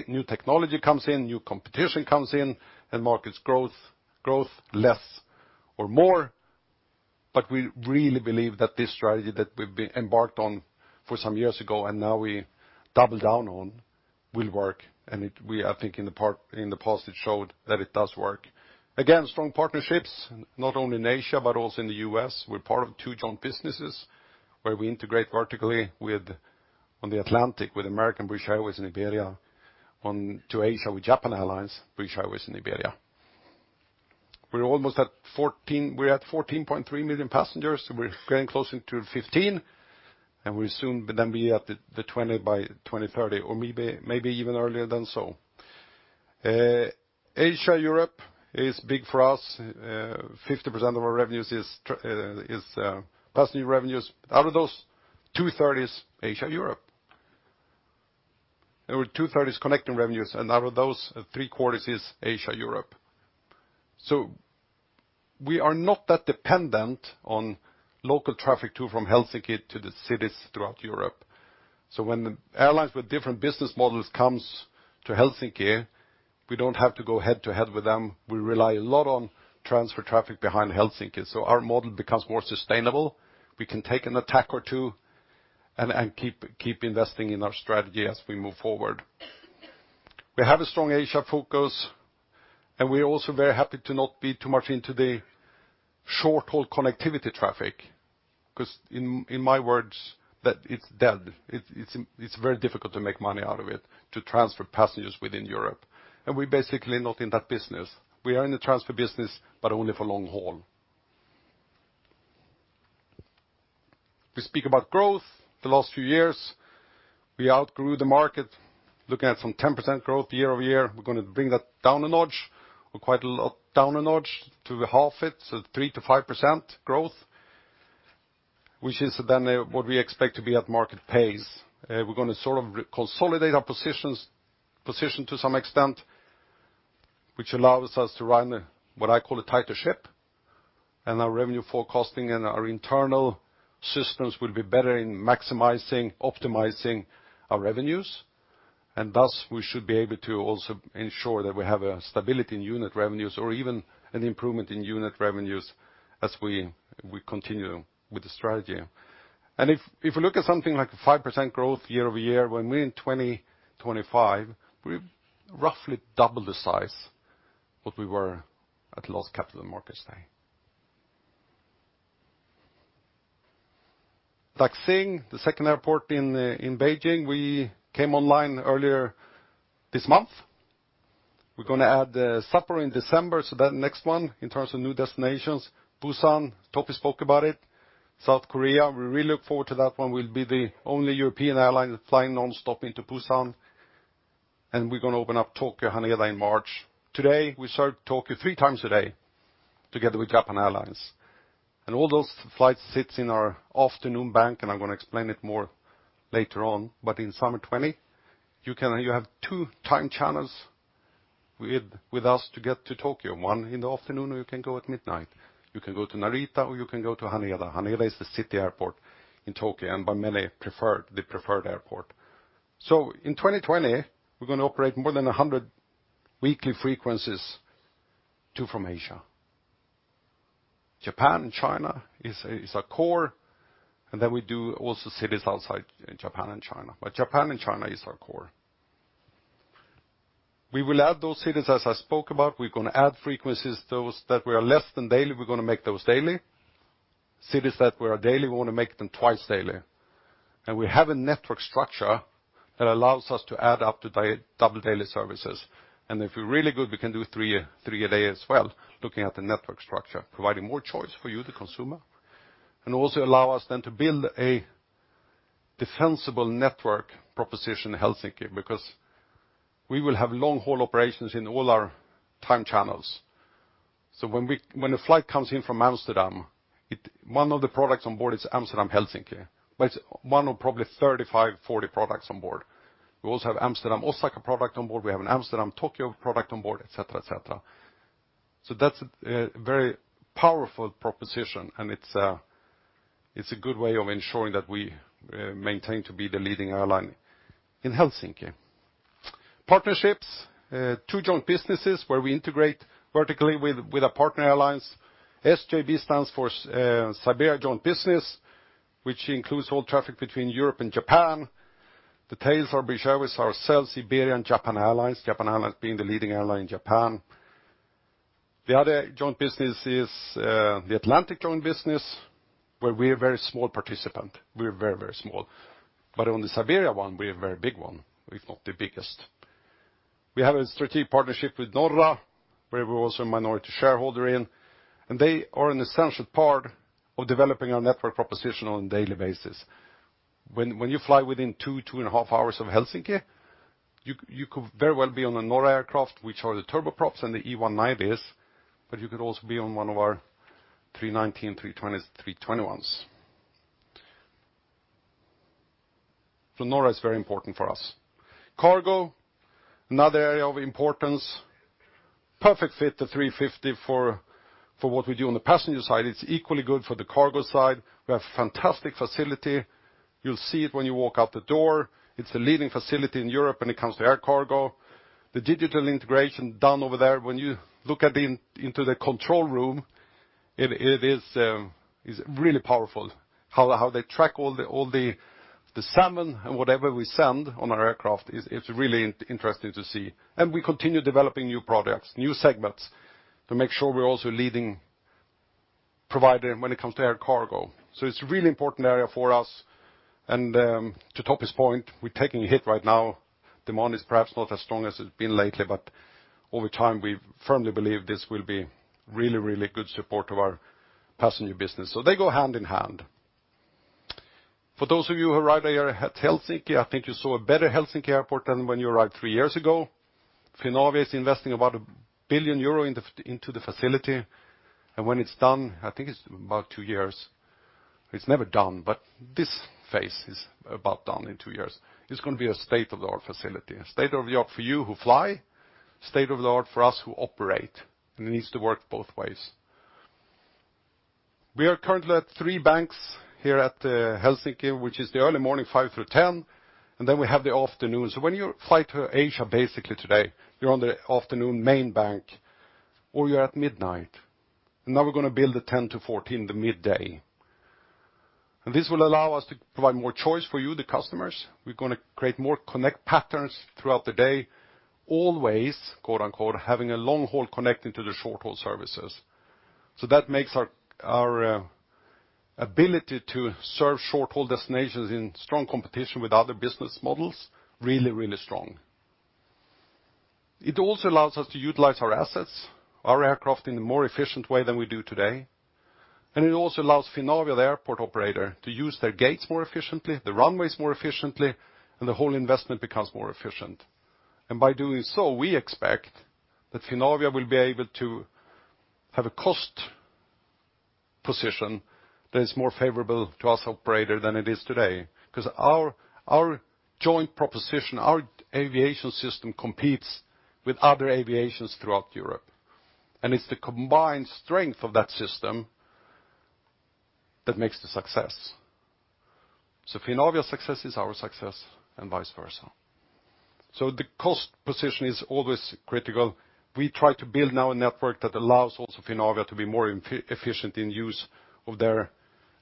New technology comes in, new competition comes in, and markets growth less or more. We really believe that this strategy that we've embarked on for some years ago, and now we double down on, will work. We, I think in the past it showed that it does work. Again, strong partnerships, not only in Asia but also in the U.S. We're part of two joint businesses where we integrate vertically on the Atlantic with American, British Airways, and Iberia, on to Asia with Japan Airlines, British Airways, and Iberia. We're at 14.3 million passengers, so we're getting closer to 15, and we'll soon then be at the 20 by 2030 or maybe even earlier than so. Asia-Europe is big for us. 50% of our passenger revenues, out of those, 2/3 is Asia-Europe. 2/3 is connecting revenues, and out of those, 3/4 is Asia-Europe. We are not that dependent on local traffic to from Helsinki to the cities throughout Europe. When the airlines with different business models comes to Helsinki, we don't have to go head-to-head with them. We rely a lot on transfer traffic behind Helsinki. Our model becomes more sustainable. We can take an attack or two and keep investing in our strategy as we move forward. We have a strong Asia focus. We are also very happy to not be too much into the short-haul connectivity traffic, because in my words, it's dead. It's very difficult to make money out of it, to transfer passengers within Europe. We're basically not in that business. We are in the transfer business, but only for long haul. We speak about growth. The last few years, we outgrew the market, looking at 10% growth year-over-year. We're going to bring that down a notch. Quite a lot down a notch to half it, so 3%-5% growth, which is then what we expect to be at market pace. We're going to sort of consolidate our position to some extent, which allows us to run the, what I call a tighter ship, and our revenue forecasting and our internal systems will be better in maximizing, optimizing our revenues. Thus, we should be able to also ensure that we have a stability in unit revenues or even an improvement in unit revenues as we continue with the strategy. If we look at something like a 5% growth year-over-year, when we're in 2025, we're roughly double the size what we were at last capital markets day. Daxing, the second airport in Beijing. We came online earlier this month. We're going to add Sapporo in December, so the next one in terms of new destinations, Busan, Topi spoke about it, South Korea. We really look forward to that one. We'll be the only European airline flying nonstop into Busan, and we're going to open up Tokyo Haneda in March. Today, we serve Tokyo three times a day together with Japan Airlines. All those flights sits in our afternoon bank, and I'm going to explain it more later on. In summer 2020, you have two time channels with us to get to Tokyo, one in the afternoon, or you can go at midnight. You can go to Narita, or you can go to Haneda. Haneda is the city airport in Tokyo and by many, the preferred airport. In 2020, we're going to operate more than 100 weekly frequencies to from Asia. Japan and China is our core, and then we do also cities outside Japan and China. Japan and China is our core. We will add those cities as I spoke about. We're going to add frequencies, those that were less than daily, we're going to make those daily. Cities that were daily, we're going to make them twice daily. We have a network structure that allows us to add up to double daily services. If we're really good, we can do three a day as well, looking at the network structure. Providing more choice for you, the consumer, and also allow us then to build a defensible network proposition in Helsinki, because we will have long-haul operations in all our time channels. When a flight comes in from Amsterdam, one of the products on board is Amsterdam-Helsinki, but it's one of probably 35, 40 products on board. We also have Amsterdam-Osaka product on board. We have an Amsterdam-Tokyo product on board, et cetera. That's a very powerful proposition, and it's a good way of ensuring that we maintain to be the leading airline in Helsinki. Partnerships. Two joint businesses where we integrate vertically with partner airlines. SJB stands for Siberian Joint Business, which includes all traffic between Europe and Japan. The tails are being serviced ourselves, Siberian and Japan Airlines, Japan Airlines being the leading airline in Japan. The other joint business is the Atlantic Joint Business, where we're a very small participant. We're very small. On the Siberian one, we're a very big one, if not the biggest. We have a strategic partnership with Norra, where we're also a minority shareholder in. They are an essential part of developing our network proposition on a daily basis. When you fly within two and a half hours of Helsinki, you could very well be on a Norra aircraft, which are the turboprops and the E190s, but you could also be on one of our 319, 320s, 321s. Norra is very important for us. Cargo, another area of importance. Perfect fit to 350 for what we do on the passenger side. It's equally good for the cargo side. We have a fantastic facility. You'll see it when you walk out the door. It's a leading facility in Europe when it comes to air cargo. The digital integration done over there. When you look into the control room, it is really powerful how they track all the salmon and whatever we send on our aircraft. It's really interesting to see. We continue developing new products, new segments to make sure we're also a leading provider when it comes to air cargo. It's a really important area for us. To Topi's point, we're taking a hit right now. Demand is perhaps not as strong as it's been lately, but over time, we firmly believe this will be really good support of our passenger business. They go hand in hand. For those of you who arrived earlier at Helsinki, I think you saw a better Helsinki airport than when you arrived three years ago. Finavia is investing about 1 billion euro into the facility. When it's done, I think it's about two years. It's never done, but this phase is about done in two years. It's going to be a state-of-the-art facility. State-of-the-art for you who fly, state-of-the-art for us who operate. It needs to work both ways. We are currently at three banks here at Helsinki, which is the early morning 5:00 A.M. through 10:00 A.M., and then we have the afternoon. When you fly to Asia, basically today, you're on the afternoon main bank or you're at midnight. Now we're going to build the 10:00 A.M. to 2:00 P.M., the midday. This will allow us to provide more choice for you, the customers. We're going to create more connect patterns throughout the day, always, quote unquote, "Having a long-haul connecting to the short-haul services." That makes our ability to serve short-haul destinations in strong competition with other business models really, really strong. It also allows us to utilize our assets, our aircraft, in a more efficient way than we do today. It also allows Finavia, the airport operator, to use their gates more efficiently, the runways more efficiently, and the whole investment becomes more efficient. By doing so, we expect that Finavia will be able to have a cost position that is more favorable to us operator than it is today. Because our joint proposition, our aviation system competes with other aviations throughout Europe. It's the combined strength of that system that makes the success. Finavia's success is our success and vice versa. The cost position is always critical. We try to build now a network that allows also Finavia to be more efficient in use of their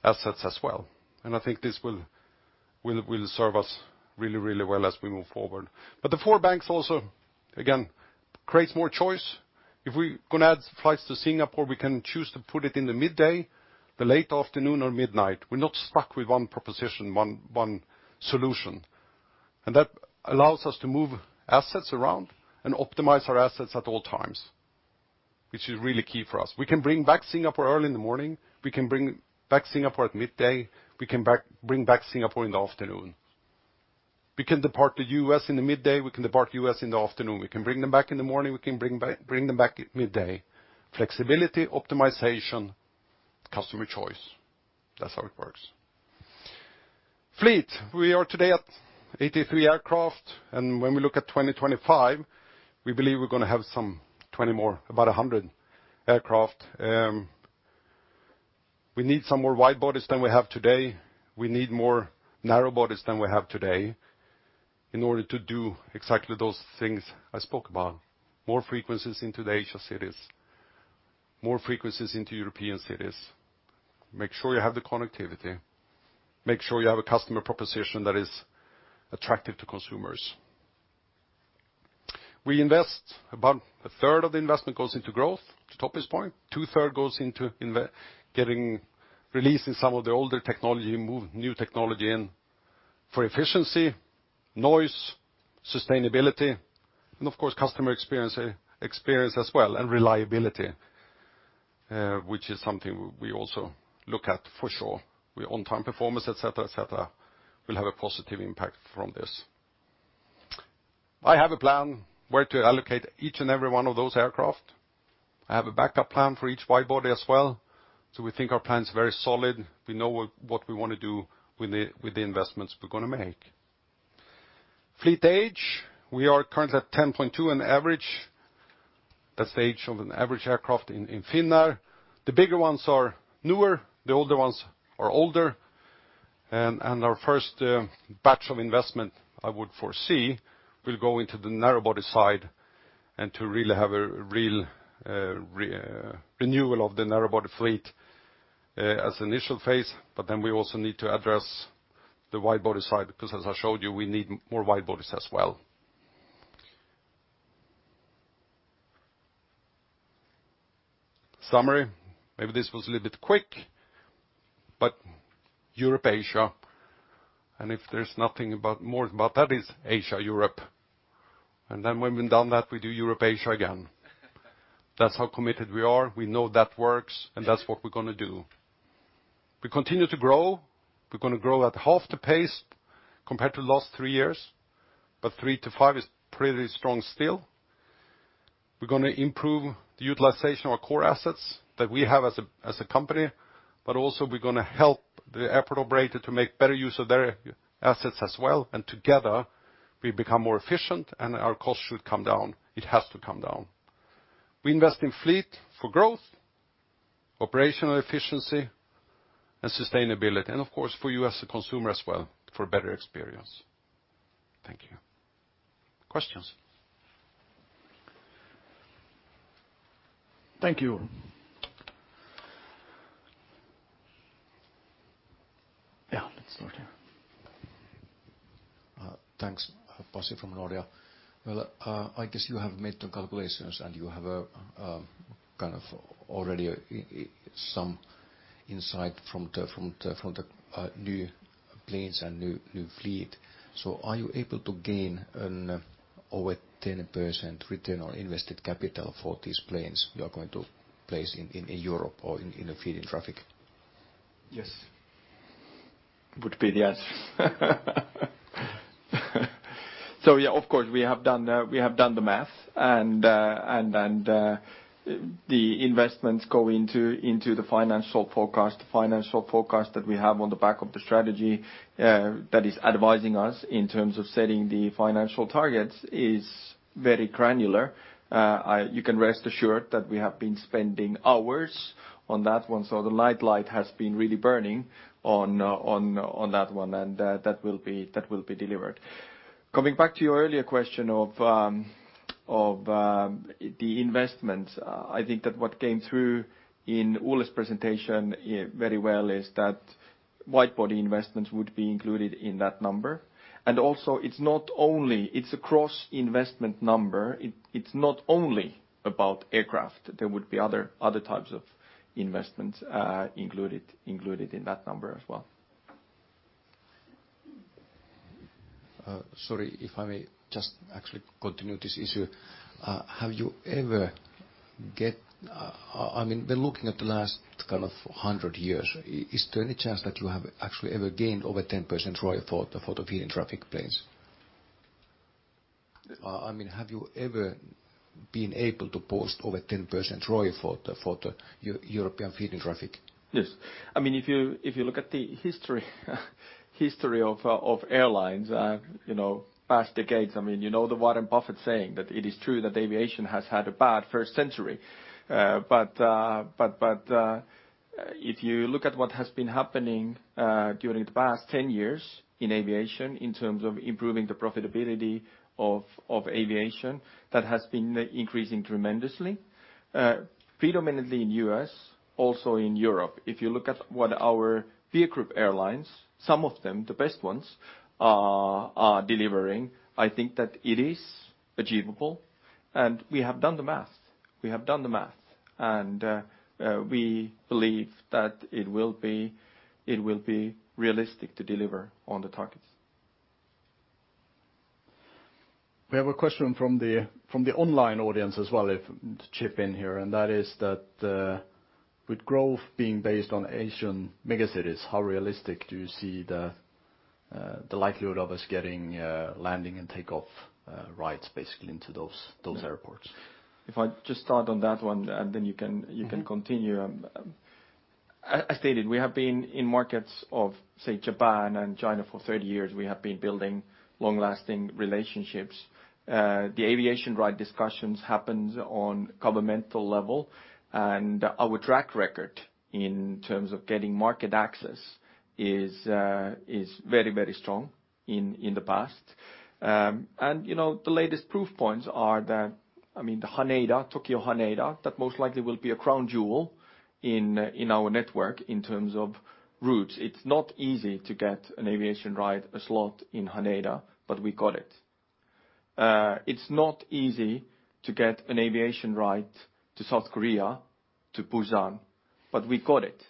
assets as well. I think this will serve us really, really well as we move forward. The four banks also, again, creates more choice. If we going to add flights to Singapore, we can choose to put it in the midday, the late afternoon or midnight. We're not stuck with one proposition, one solution. That allows us to move assets around and optimize our assets at all times, which is really key for us. We can bring back Singapore early in the morning. We can bring back Singapore at midday. We can bring back Singapore in the afternoon. We can depart the U.S. in the midday. We can depart U.S. in the afternoon. We can bring them back in the morning. We can bring them back midday. Flexibility, optimization, customer choice. That's how it works. Fleet. We are today at 83 aircraft. When we look at 2025, we believe we're going to have some 20 more, about 100 aircraft. We need some more wide-bodies than we have today. We need more narrow-bodies than we have today in order to do exactly those things I spoke about. More frequencies into the Asia cities, more frequencies into European cities. Make sure you have the connectivity. Make sure you have a customer proposition that is attractive to consumers. We invest, about a third of the investment goes into growth, to Topi's point. Two third goes into releasing some of the older technology and move new technology in for efficiency, noise, sustainability, and of course, customer experience as well, and reliability, which is something we also look at for sure, with on-time performance, et cetera, et cetera, will have a positive impact from this. I have a plan where to allocate each and every one of those aircraft. I have a backup plan for each wide-body as well. We think our plan is very solid. We know what we want to do with the investments we're going to make. Fleet age. We are currently at 10.2 on average. That's the age of an average aircraft in Finnair. The bigger ones are newer, the older ones are older. Our first batch of investment, I would foresee, will go into the narrow-body side and to really have a real renewal of the narrow-body fleet as initial phase. Then we also need to address the wide-body side because as I showed you, we need more wide-bodies as well. Summary. Maybe this was a little bit quick, but Europe, Asia. If there's nothing more about that is Asia, Europe. Then when we're done that, we do Europe, Asia again. That's how committed we are. We know that works, that's what we're going to do. We continue to grow. We're going to grow at half the pace compared to last three years, but three to five is pretty strong still. We're going to improve the utilization of our core assets that we have as a company, but also we're going to help the airport operator to make better use of their assets as well. Together, we become more efficient and our cost should come down. It has to come down. We invest in fleet for growth, operational efficiency, and sustainability, and of course, for you as a consumer as well, for better experience. Thank you. Questions? Thank you. Yeah, let's start here. Thanks. Pasi from Nordea. Well, I guess you have made some calculations and you have kind of already some insight from the new planes and new fleet. Are you able to gain over 10% return on invested capital for these planes you are going to place in Europe or in the feeding traffic? Yes. Would be yes. Yeah, of course, we have done the math and the investments go into the financial forecast. The financial forecast that we have on the back of the strategy that is advising us in terms of setting the financial targets is very granular. You can rest assured that we have been spending hours on that one. The nightlight has been really burning on that one, and that will be delivered. Coming back to your earlier question of the investments, I think that what came through in Ole's presentation very well is that wide-body investments would be included in that number. Also, it's a cross-investment number. It's not only about aircraft. There would be other types of investments included in that number as well. Sorry, if I may just actually continue this issue. When looking at the last kind of 100 years, is there any chance that you have actually ever gained over 10% ROI for the feed-in traffic planes? Have you ever been able to post over 10% ROI for the European feed-in traffic? Yes. If you look at the history of airlines past decades, you know the Warren Buffett saying that it is true that aviation has had a bad first century. If you look at what has been happening during the past 10 years in aviation in terms of improving the profitability of aviation, that has been increasing tremendously, predominantly in U.S., also in Europe. If you look at what our peer group airlines, some of them, the best ones, are delivering, I think that it is achievable and we have done the math. We have done the math. We believe that it will be realistic to deliver on the targets. We have a question from the online audience as well to chip in here, that is that with growth being based on Asian megacities, how realistic do you see the likelihood of us getting landing and takeoff rights, basically, into those airports? If I just start on that one, then you can continue. As stated, we have been in markets of, say, Japan and China for 30 years. We have been building long-lasting relationships. The aviation right discussions happens on governmental level, our track record in terms of getting market access is very strong in the past. The latest proof points are that Haneda, Tokyo Haneda, that most likely will be a crown jewel in our network in terms of routes. It's not easy to get an aviation right, a slot in Haneda, we got it. It's not easy to get an aviation right to South Korea, to Busan, we got it.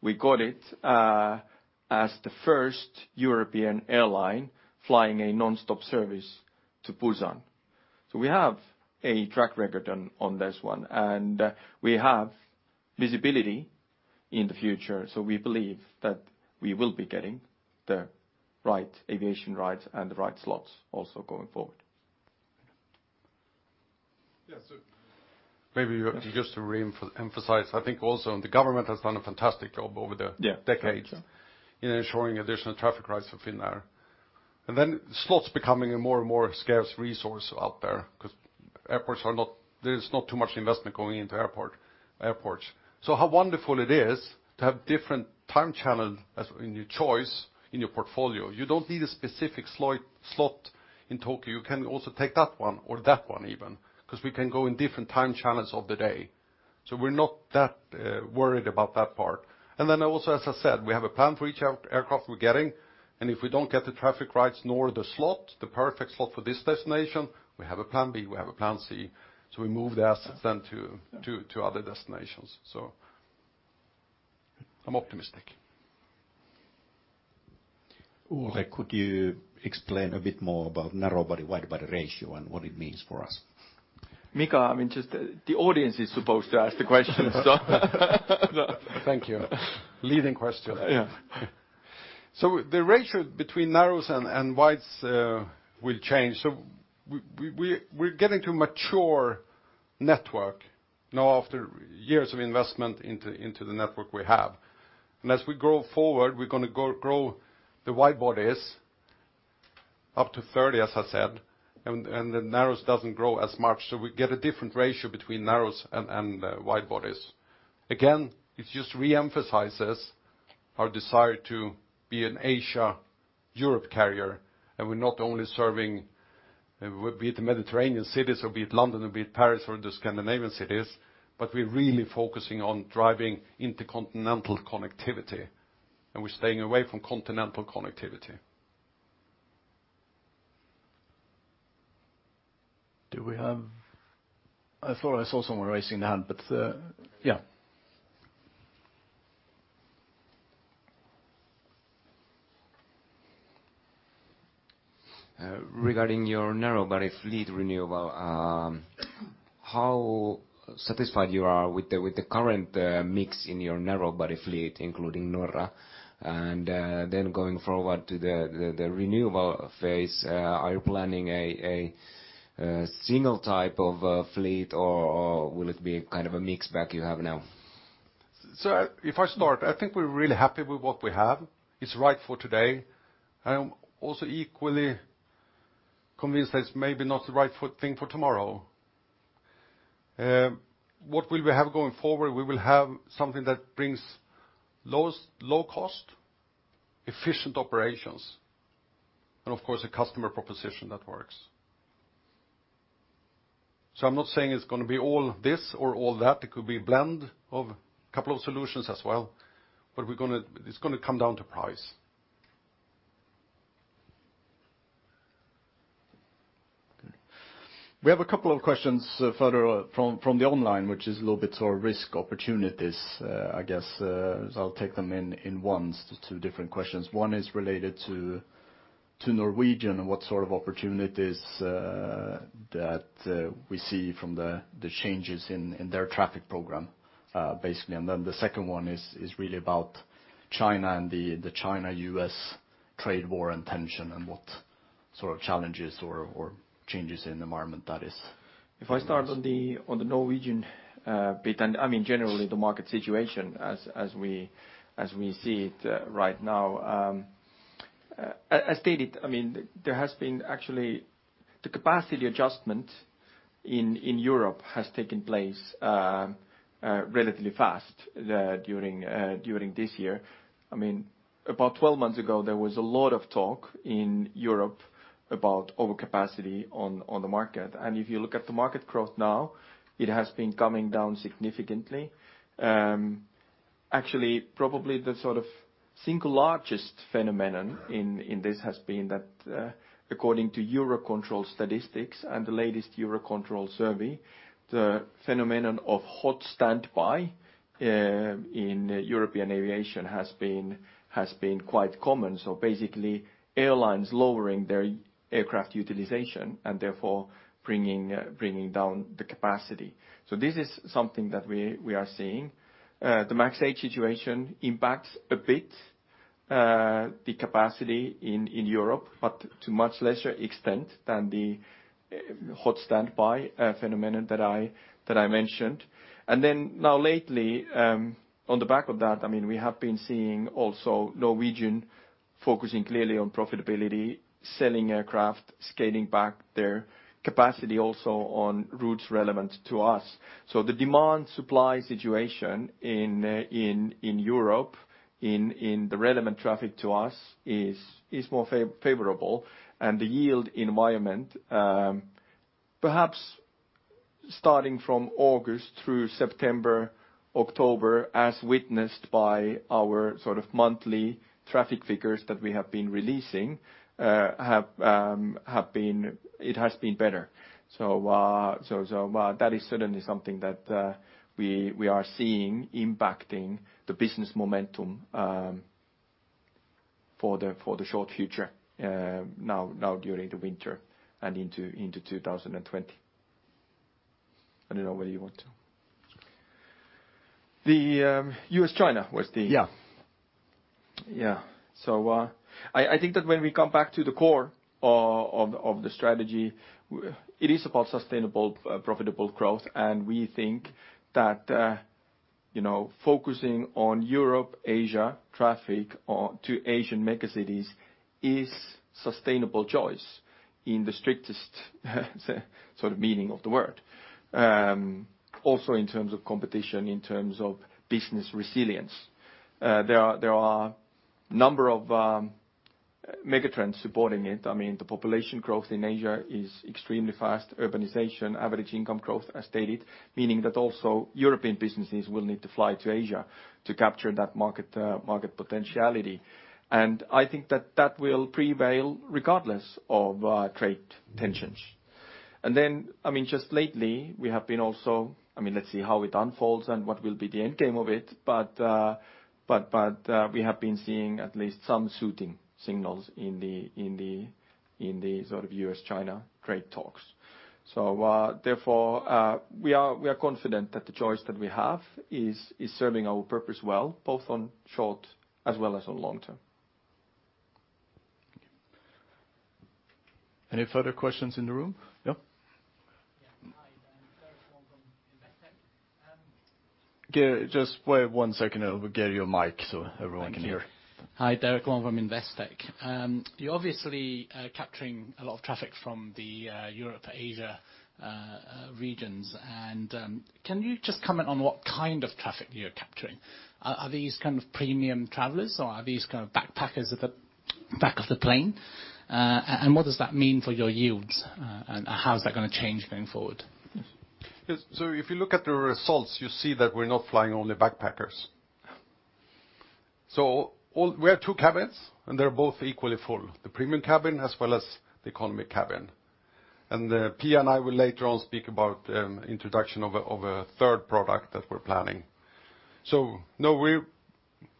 We got it as the first European airline flying a non-stop service to Busan. We have a track record on this one, and we have visibility in the future. We believe that we will be getting the right aviation rights and the right slots also going forward. Yes. Maybe just to re-emphasize, I think also the government has done a fantastic job over the- Yeah decades in ensuring additional traffic rights for Finnair. Slots becoming a more and more scarce resource out there because airports there is not too much investment going into airports. How wonderful it is to have different time channels as in your choice in your portfolio. You don't need a specific slot in Tokyo. You can also take that one or that one even, because we can go in different time channels of the day. We're not that worried about that part. Also, as I said, we have a plan for each aircraft we're getting, and if we don't get the traffic rights nor the slot, the perfect slot for this destination, we have a plan B, we have a plan C, we move the assets then to other destinations. I'm optimistic. Ole, could you explain a bit more about narrow body, wide body ratio and what it means for us? Mika, the audience is supposed to ask the questions. Thank you. Leading question. The ratio between narrows and wides will change. We're getting to mature network now after years of investment into the network we have. As we go forward, we're going to grow the wide bodies up to 30, as I said, and the narrows doesn't grow as much. We get a different ratio between narrows and wide bodies. It just re-emphasizes our desire to be an Asia-Europe carrier. We're not only serving be it the Mediterranean cities, or be it London, or be it Paris, or the Scandinavian cities, but we're really focusing on driving intercontinental connectivity. We're staying away from continental connectivity. Do we have? I thought I saw someone raising their hand. Regarding your narrow body fleet. How satisfied you are with the current mix in your narrow-body fleet, including Norra? Then going forward to the renewal phase, are you planning a single type of fleet or will it be a mix like you have now? If I start, I think we're really happy with what we have. It's right for today. I am also equally convinced that it's maybe not the right thing for tomorrow. What will we have going forward? We will have something that brings low cost, efficient operations, and of course, a customer proposition that works. I'm not saying it's going to be all this or all that. It could be a blend of a couple of solutions as well. It's going to come down to price. We have a couple of questions further from the online, which is a little bit risk opportunities, I guess. I'll take them in once, the two different questions. One is related to Norwegian and what sort of opportunities that we see from the changes in their traffic program, basically. The second one is really about China and the China-U.S. trade war and tension and what sort of challenges or changes in environment that is. If I start on the Norwegian bit, and generally the market situation as we see it right now. As stated, actually, the capacity adjustment in Europe has taken place relatively fast during this year. About 12 months ago, there was a lot of talk in Europe about overcapacity on the market. If you look at the market growth now, it has been coming down significantly. Actually, probably the single largest phenomenon in this has been that according to Eurocontrol statistics and the latest Eurocontrol survey, the phenomenon of hot standby in European aviation has been quite common. Basically airlines lowering their aircraft utilization and therefore bringing down the capacity. This is something that we are seeing. The MAX 8 situation impacts a bit the capacity in Europe, but to much lesser extent than the hot standby phenomenon that I mentioned. Now lately, on the back of that, we have been seeing also Norwegian focusing clearly on profitability, selling aircraft, scaling back their capacity also on routes relevant to us. The demand-supply situation in Europe in the relevant traffic to us is more favorable. The yield environment perhaps starting from August through September, October, as witnessed by our monthly traffic figures that we have been releasing, it has been better. That is certainly something that we are seeing impacting the business momentum for the short future now during the winter and into 2020. I don't know whether you want to. The U.S., China was the- Yeah. Yeah. I think that when we come back to the core of the strategy, it is about sustainable, profitable growth. We think that focusing on Europe, Asia traffic to Asian megacities is sustainable choice in the strictest meaning of the word. Also in terms of competition, in terms of business resilience. There are number of megatrends supporting it. The population growth in Asia is extremely fast. Urbanization, average income growth, as stated. Meaning that also European businesses will need to fly to Asia to capture that market potentiality. I think that will prevail regardless of trade tensions. Just lately, we have been also-- Let's see how it unfolds and what will be the end game of it, but we have been seeing at least some suiting signals in the U.S.-China trade talks. Therefore, we are confident that the choice that we have is serving our purpose well, both on short as well as on long term. Any further questions in the room? Yeah. Yeah. Hi, I'm Derek Wong from Investec. Just wait one second. I will get you a mic so everyone can hear. Thank you. Hi, Derek Wong from Investec. You are obviously capturing a lot of traffic from the Europe-Asia regions. Can you just comment on what kind of traffic you are capturing? Are these premium travelers or are these backpackers at the back of the plane? What does that mean for your yields? How is that going to change going forward? If you look at the results, you see that we're not flying only backpackers. We have two cabins and they're both equally full. The premium cabin as well as the economy cabin. Pia and I will later on speak about introduction of a third product that we're planning. No,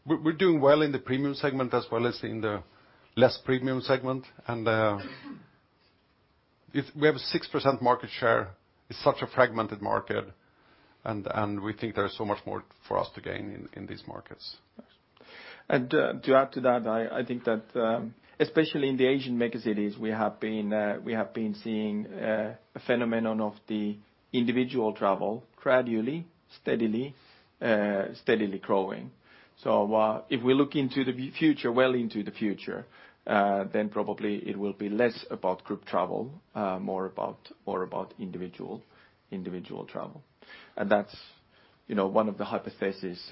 we're doing well in the premium segment as well as in the less premium segment. We have a 6% market share. It's such a fragmented market, and we think there is so much more for us to gain in these markets. To add to that, I think that especially in the Asian megacities, we have been seeing a phenomenon of the individual travel gradually, steadily growing. If we look well into the future, then probably it will be less about group travel, more about individual travel. That's one of the hypotheses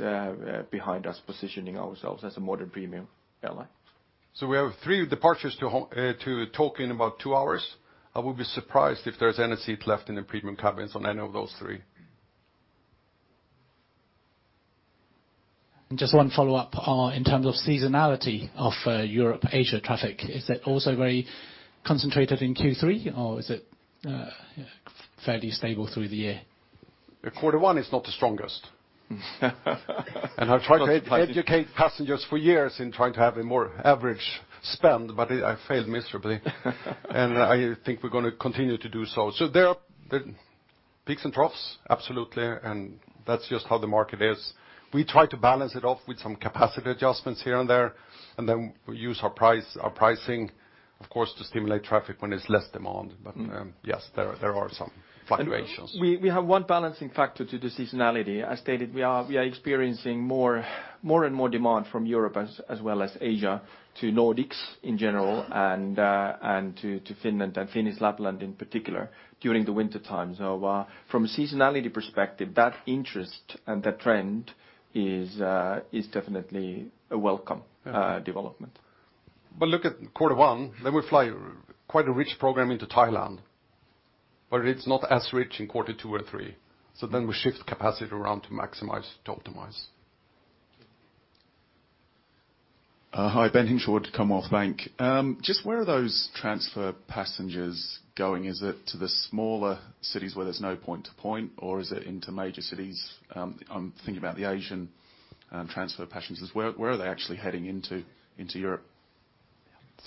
behind us positioning ourselves as a modern premium airline. We have three departures to Tokyo in about two hours. I would be surprised if there's any seat left in the premium cabins on any of those three. Just one follow-up, in terms of seasonality of Europe-Asia traffic. Is it also very concentrated in Q3, or is it fairly stable through the year? Quarter one is not the strongest. I've tried to educate passengers for years in trying to have a more average spend, but I failed miserably. I think we're going to continue to do so. There are peaks and troughs. Absolutely, that's just how the market is. We try to balance it off with some capacity adjustments here and there, then we use our pricing, of course, to stimulate traffic when it's less demand. Yes, there are some fluctuations. We have one balancing factor to the seasonality. As stated, we are experiencing more and more demand from Europe, as well as Asia to Nordics in general and to Finland and Finnish Lapland in particular during the wintertime. From a seasonality perspective, that interest and that trend is definitely a welcome development. Look at quarter one, then we fly quite a rich program into Thailand, but it's not as rich in quarter two or three. We shift capacity around to maximize, to optimize. Hi, Ben Hinshaw at Commonwealth Bank. Just where are those transfer passengers going? Is it to the smaller cities where there's no point to point, or is it into major cities? I'm thinking about the Asian transfer passengers. Where are they actually heading into Europe?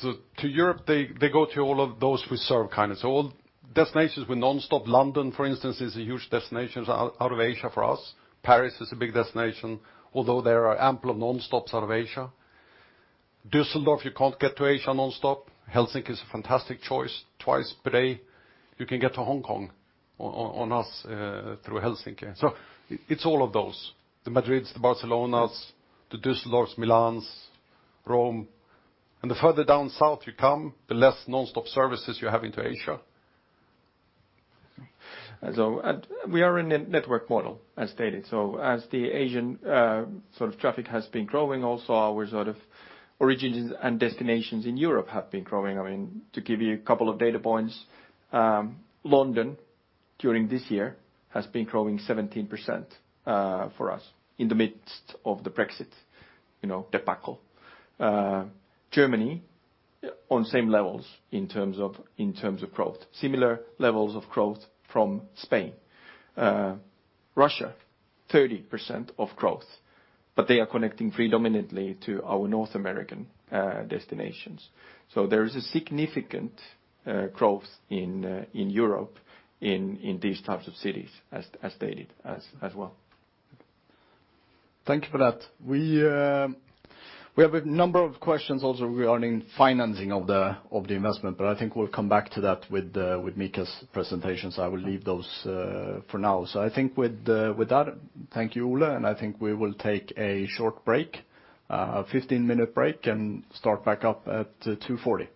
To Europe, they go to all of those we serve. All destinations with nonstop. London, for instance, is a huge destination out of Asia for us. Paris is a big destination, although there are ample nonstops out of Asia. Düsseldorf, you can't get to Asia nonstop. Helsinki is a fantastic choice. Twice per day, you can get to Hong Kong on us through Helsinki. It's all of those. The Madrids, the Barcelonas, the Düsseldorfs, Milans, Rome. The further down south you come, the less nonstop services you have into Asia. We are in a network model, as stated. As the Asian traffic has been growing also, our origins and destinations in Europe have been growing. To give you a couple of data points, London during this year has been growing 17% for us in the midst of the Brexit debacle. Germany, on same levels in terms of growth. Similar levels of growth from Spain. Russia, 30% of growth, but they are connecting predominantly to our North American destinations. There is a significant growth in Europe in these types of cities, as stated as well. Thank you for that. We have a number of questions also regarding financing of the investment, but I think we'll come back to that with Mika's presentation. I will leave those for now. I think with that, thank you, Ole, and I think we will take a short break, a 15-minute break, and start back up at 2:40.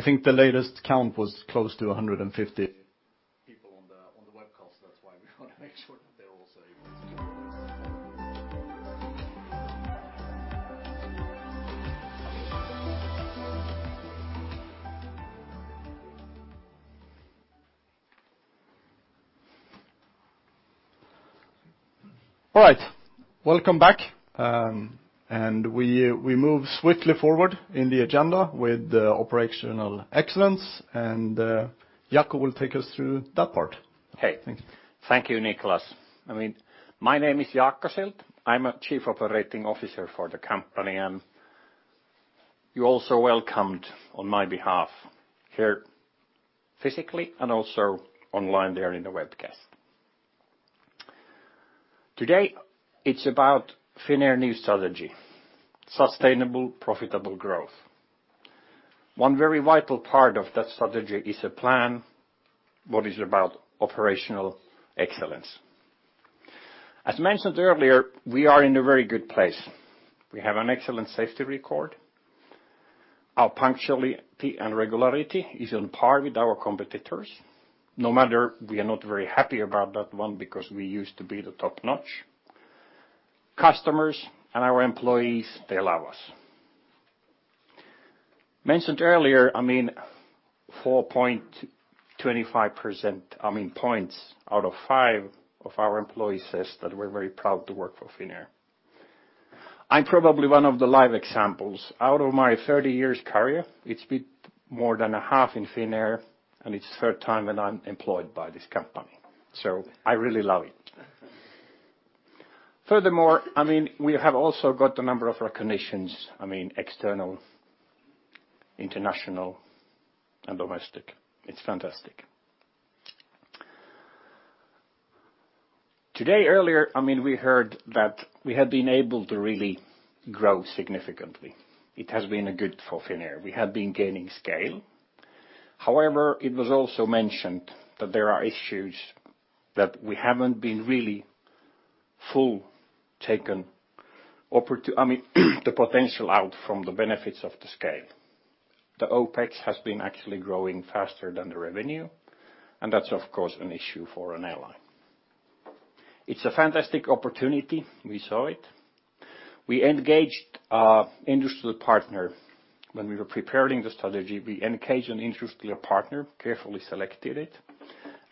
I think the latest count was close to 150 people on the webcast. That's why we want to make sure that they're also able to hear this. All right, welcome back. We move swiftly forward in the agenda with the operational excellence, and Jaakko will take us through that part. Hey. Thanks. Thank you, Niklas. My name is Jaakko Schildt. I'm a Chief Operating Officer for the company, and you're also welcomed on my behalf here physically and also online there in the webcast. Today, it's about Finnair new strategy, sustainable, profitable growth. One very vital part of that strategy is a plan what is about operational excellence. As mentioned earlier, we are in a very good place. We have an excellent safety record. Our punctuality and regularity is on par with our competitors. No matter we are not very happy about that one because we used to be the top-notch. Customers and our employees, they allow us. Mentioned earlier, 4.25 percentage points out of five of our employees says that we're very proud to work for Finnair. I'm probably one of the live examples. Out of my 30 years career, it's been more than a half in Finnair, and it's third time that I'm employed by this company. I really love it. Furthermore, we have also got a number of recognitions, external, international and domestic. It's fantastic. Today, earlier, we heard that we had been able to really grow significantly. It has been a good for Finnair. We have been gaining scale. However, it was also mentioned that there are issues that we haven't been really full taken the potential out from the benefits of the scale. The OPEX has been actually growing faster than the revenue, and that's of course an issue for an airline. It's a fantastic opportunity. We saw it. We engaged our industrial partner when we were preparing the strategy. We engaged an industrial partner, carefully selected it,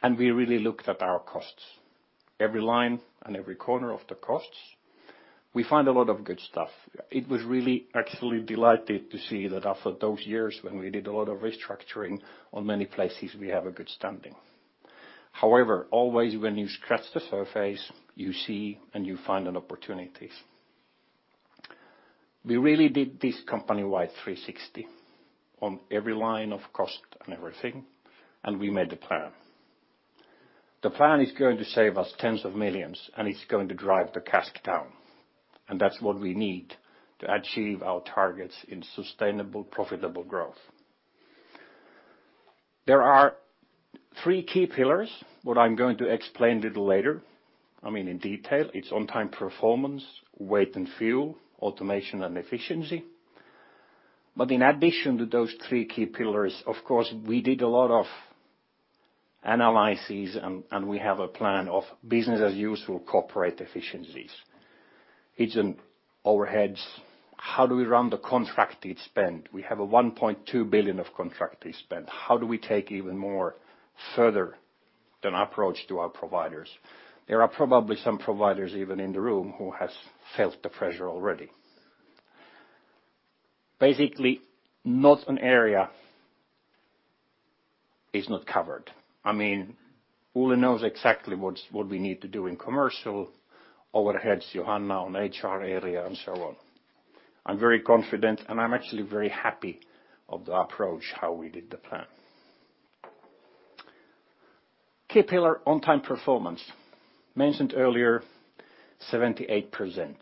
and we really looked at our costs, every line and every corner of the costs. We find a lot of good stuff. It was really actually delighted to see that after those years when we did a lot of restructuring on many places, we have a good standing. However, always when you scratch the surface, you see and you find an opportunities. We really did this company-wide 360 on every line of cost and everything, and we made the plan. The plan is going to save us tens of millions, and it's going to drive the CASK down. That's what we need to achieve our targets in sustainable, profitable growth. There are three key pillars what I'm going to explain little later, in detail. It's on-time performance, weight and fuel, automation and efficiency. In addition to those three key pillars, of course, we did a lot of analysis and we have a plan of business as usual corporate efficiencies in overheads. How do we run the contracted spend? We have a 1.2 billion of contracted spend. How do we take even more further an approach to our providers? There are probably some providers even in the room who has felt the pressure already. Basically, not an area is not covered. Ole knows exactly what we need to do in commercial, overheads, Johanna on HR area, and so on. I'm very confident, I'm actually very happy of the approach, how we did the plan. Key pillar, on-time performance. Mentioned earlier, 78%.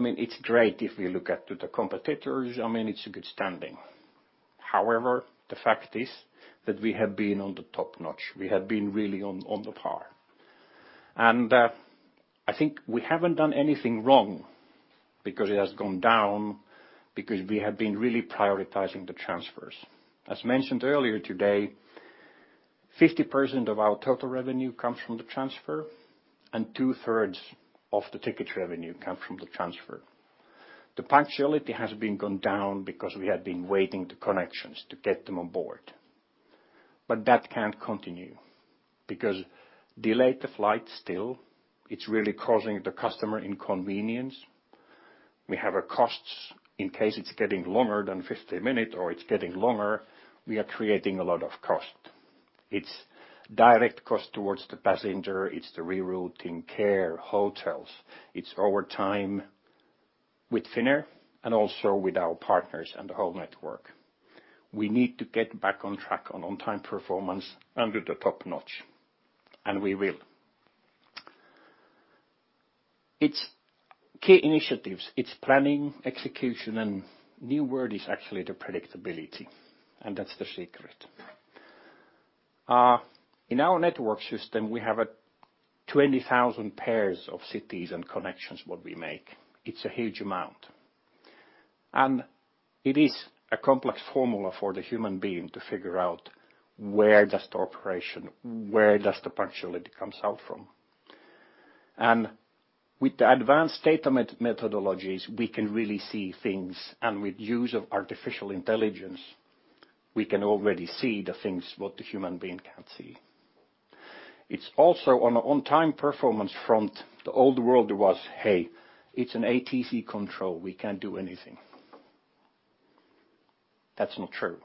It's great if you look at the competitors. It's a good standing. However, the fact is that we have been on the top-notch. We have been really on the par. I think we haven't done anything wrong, because it has gone down, because we have been really prioritizing the transfers. As mentioned earlier today, 50% of our total revenue comes from the transfer, and two-thirds of the ticket revenue come from the transfer. The punctuality has been gone down because we have been waiting the connections to get them on board. That can't continue, because delayed flight still, it's really causing the customer inconvenience. We have a cost in case it's getting longer than 50 minute or it's getting longer, we are creating a lot of cost. It's direct cost towards the passenger, it's the rerouting care, hotels. It's over time with Finnair and also with our partners and the whole network. We need to get back on track on on-time performance under the top-notch. We will. It's key initiatives, it's planning, execution, new word is actually the predictability, That's the secret. In our network system, we have 20,000 pairs of cities and connections what we make. It's a huge amount. It is a complex formula for the human being to figure out where does the operation, where does the punctuality comes out from. With the advanced data methodologies, we can really see things, and with use of artificial intelligence, we can already see the things what the human being can't see. It's also on on-time performance front, the old world was, "Hey, it's an ATC control. We can't do anything." That's not true.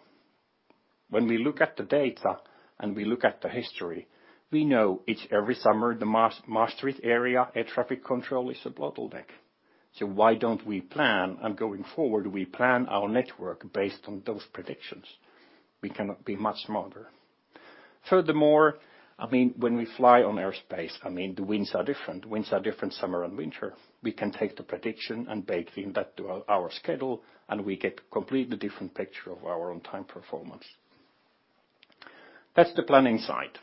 When we look at the data and we look at the history, we know it's every summer, the Maastricht area, air traffic control is a bottleneck. Why don't we plan and going forward, we plan our network based on those predictions. We can be much smarter. Furthermore, when we fly on airspace, the winds are different summer and winter. We can take the prediction and bake in that to our schedule, and we get completely different picture of our on-time performance. That's the planning side.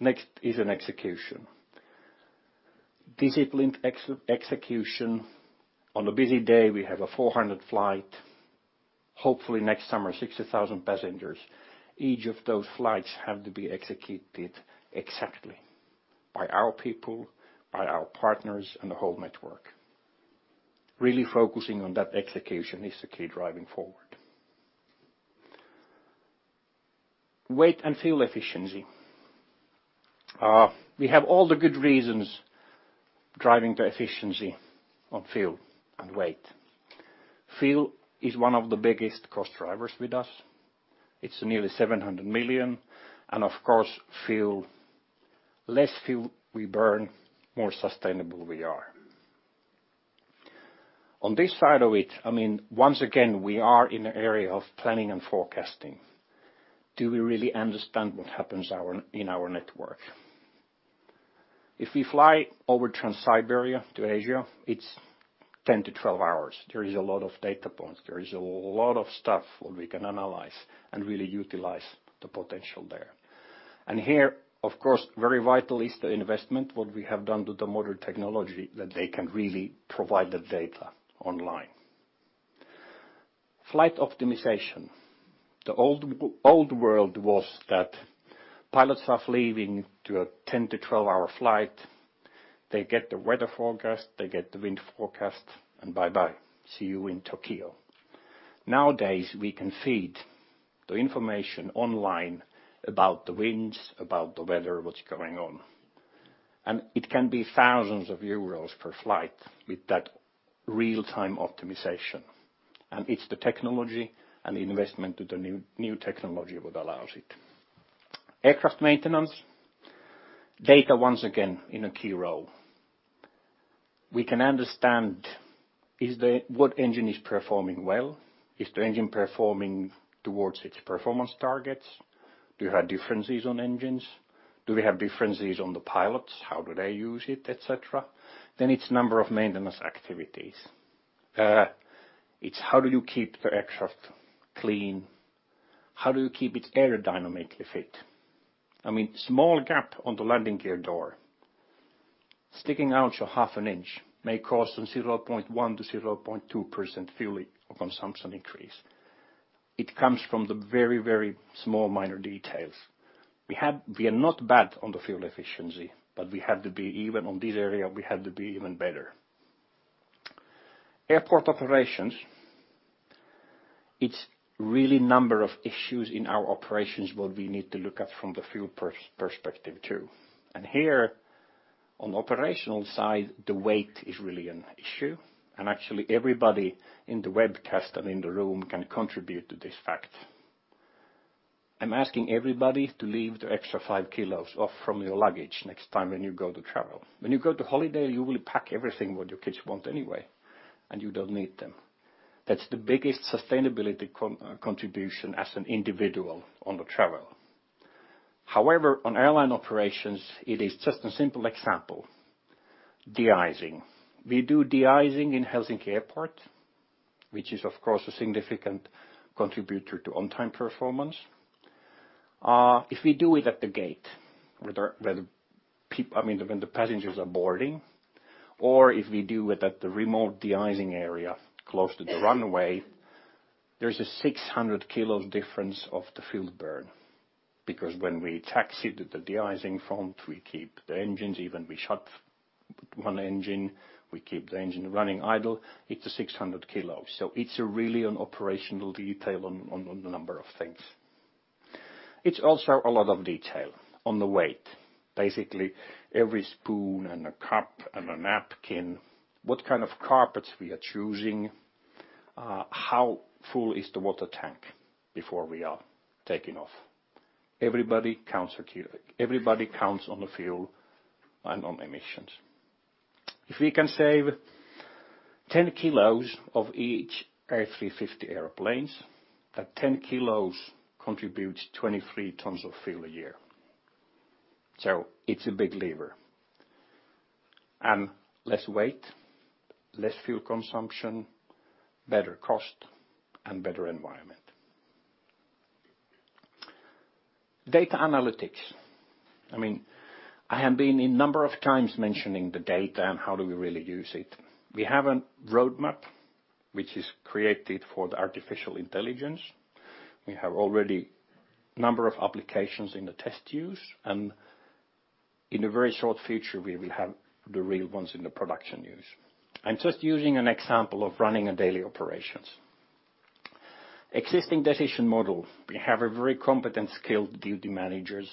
Next is an execution. Disciplined execution. On a busy day, we have a 400 flight. Hopefully next summer, 60,000 passengers. Each of those flights have to be executed exactly by our people, by our partners and the whole network. Really focusing on that execution is the key driving forward. Weight and fuel efficiency. We have all the good reasons driving the efficiency on fuel and weight. Fuel is one of the biggest cost drivers with us. It's nearly 700 million. Less fuel we burn, more sustainable we are. On this side of it, once again, we are in an area of planning and forecasting. Do we really understand what happens in our network? If we fly over Trans-Siberia to Asia, it's 10 to 12 hours. There is a lot of data points. There is a lot of stuff what we can analyze and really utilize the potential there. Here, of course, very vital is the investment, what we have done to the modern technology that they can really provide the data online. Flight optimization. The old world was that pilots are leaving to a 10 to 12-hour flight. They get the weather forecast, they get the wind forecast, and bye-bye. See you in Tokyo. Nowadays, we can feed the information online about the winds, about the weather, what's going on. It can be thousands of EUR per flight with that real-time optimization. It's the technology and the investment to the new technology what allows it. Aircraft maintenance, data, once again, in a key role. We can understand what engine is performing well. Is the engine performing towards its performance targets? Do you have differences on engines? Do we have differences on the pilots? How do they use it, et cetera? It's number of maintenance activities. It's how do you keep the aircraft clean? How do you keep it aerodynamically fit? Small gap on the landing gear door sticking out to half an inch may cause some 0.1%-0.2% fuel consumption increase. It comes from the very small minor details. We are not bad on the fuel efficiency, but even on this area, we have to be even better. Airport operations. It's really number of issues in our operations, what we need to look at from the fuel perspective, too. Here, on the operational side, the weight is really an issue. Actually, everybody in the webcast and in the room can contribute to this fact. I'm asking everybody to leave their extra 5 kilos off from your luggage next time when you go to travel. When you go to holiday, you will pack everything what your kids want anyway, and you don't need them. That's the biggest sustainability contribution as an individual on the travel. However, on airline operations, it is just a simple example. De-icing. We do de-icing in Helsinki Airport, which is of course, a significant contributor to on-time performance. If we do it at the gate when the passengers are boarding or if we do it at the remote de-icing area close to the runway, there's a 600 kilos difference of the fuel burn because when we taxi to the de-icing front, we keep the engines even. We shut one engine, we keep the engine running idle, it's a 600 kilos. It's really an operational detail on the number of things. It's also a lot of detail on the weight. Basically, every spoon and a cup and a napkin, what kind of carpets we are choosing, how full is the water tank before we are taking off. Everybody counts on the fuel and on emissions. If we can save 10 kilos of each A350 airplanes, that 10 kilos contributes 23 tons of fuel a year. It's a big lever. Less weight, less fuel consumption, better cost, and better environment. Data analytics. I have been a number of times mentioning the data and how do we really use it. We have a roadmap which is created for the artificial intelligence. We have already number of applications in the test use and in a very short future we will have the real ones in the production use. I'm just using an example of running a daily operations. Existing decision model, we have a very competent skilled duty managers,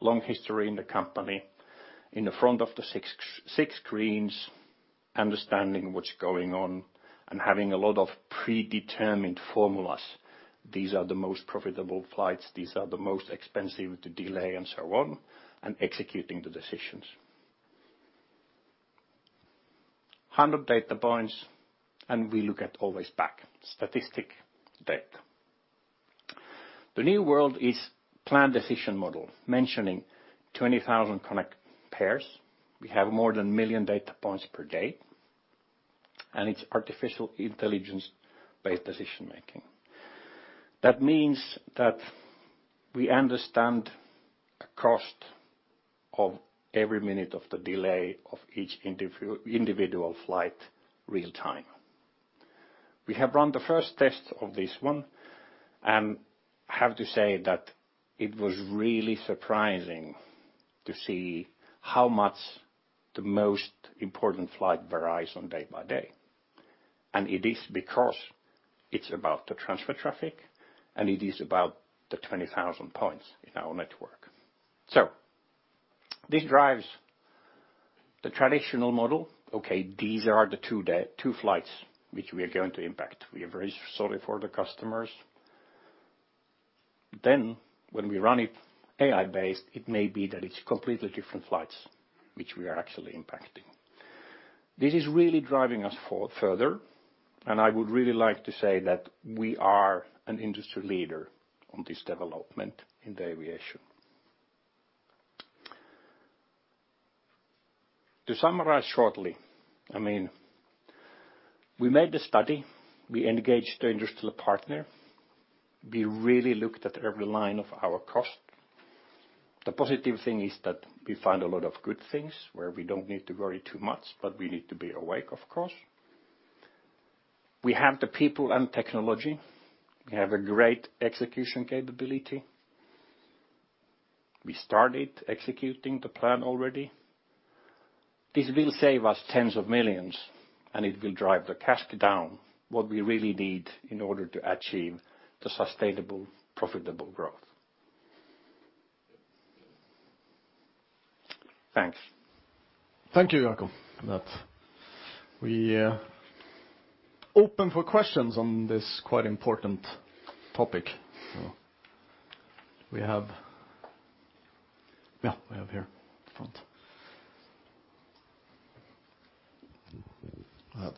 long history in the company, in the front of the six screens, understanding what's going on and having a lot of predetermined formulas. These are the most profitable flights. These are the most expensive to delay and so on, and executing the decisions. 100 data points and we look at always back statistical data. The new world is planned decision model mentioning 20,000 connect pairs. We have more than 1 million data points per day, and it's artificial intelligence-based decision-making. That means that we understand a cost of every minute of the delay of each individual flight real time. We have run the first test of this one, and I have to say that it was really surprising to see how much the most important flight varies on day by day. It is because it's about the transfer traffic, and it is about the 20,000 points in our network. This drives the traditional model. Okay, these are the two flights which we are going to impact. We are very sorry for the customers. When we run it AI-based, it may be that it's completely different flights which we are actually impacting. This is really driving us further, and I would really like to say that we are an industry leader on this development in the aviation. To summarize shortly, we made the study, we engaged the industrial partner. We really looked at every line of our cost. The positive thing is that we found a lot of good things where we don't need to worry too much, but we need to be awake of course. We have the people and technology. We have a great execution capability. We started executing the plan already. This will save us tens of millions, and it will drive the cash down, what we really need in order to achieve the sustainable profitable growth. Thanks. Thank you, Jaakko, for that. We open for questions on this quite important topic. We have here at the front.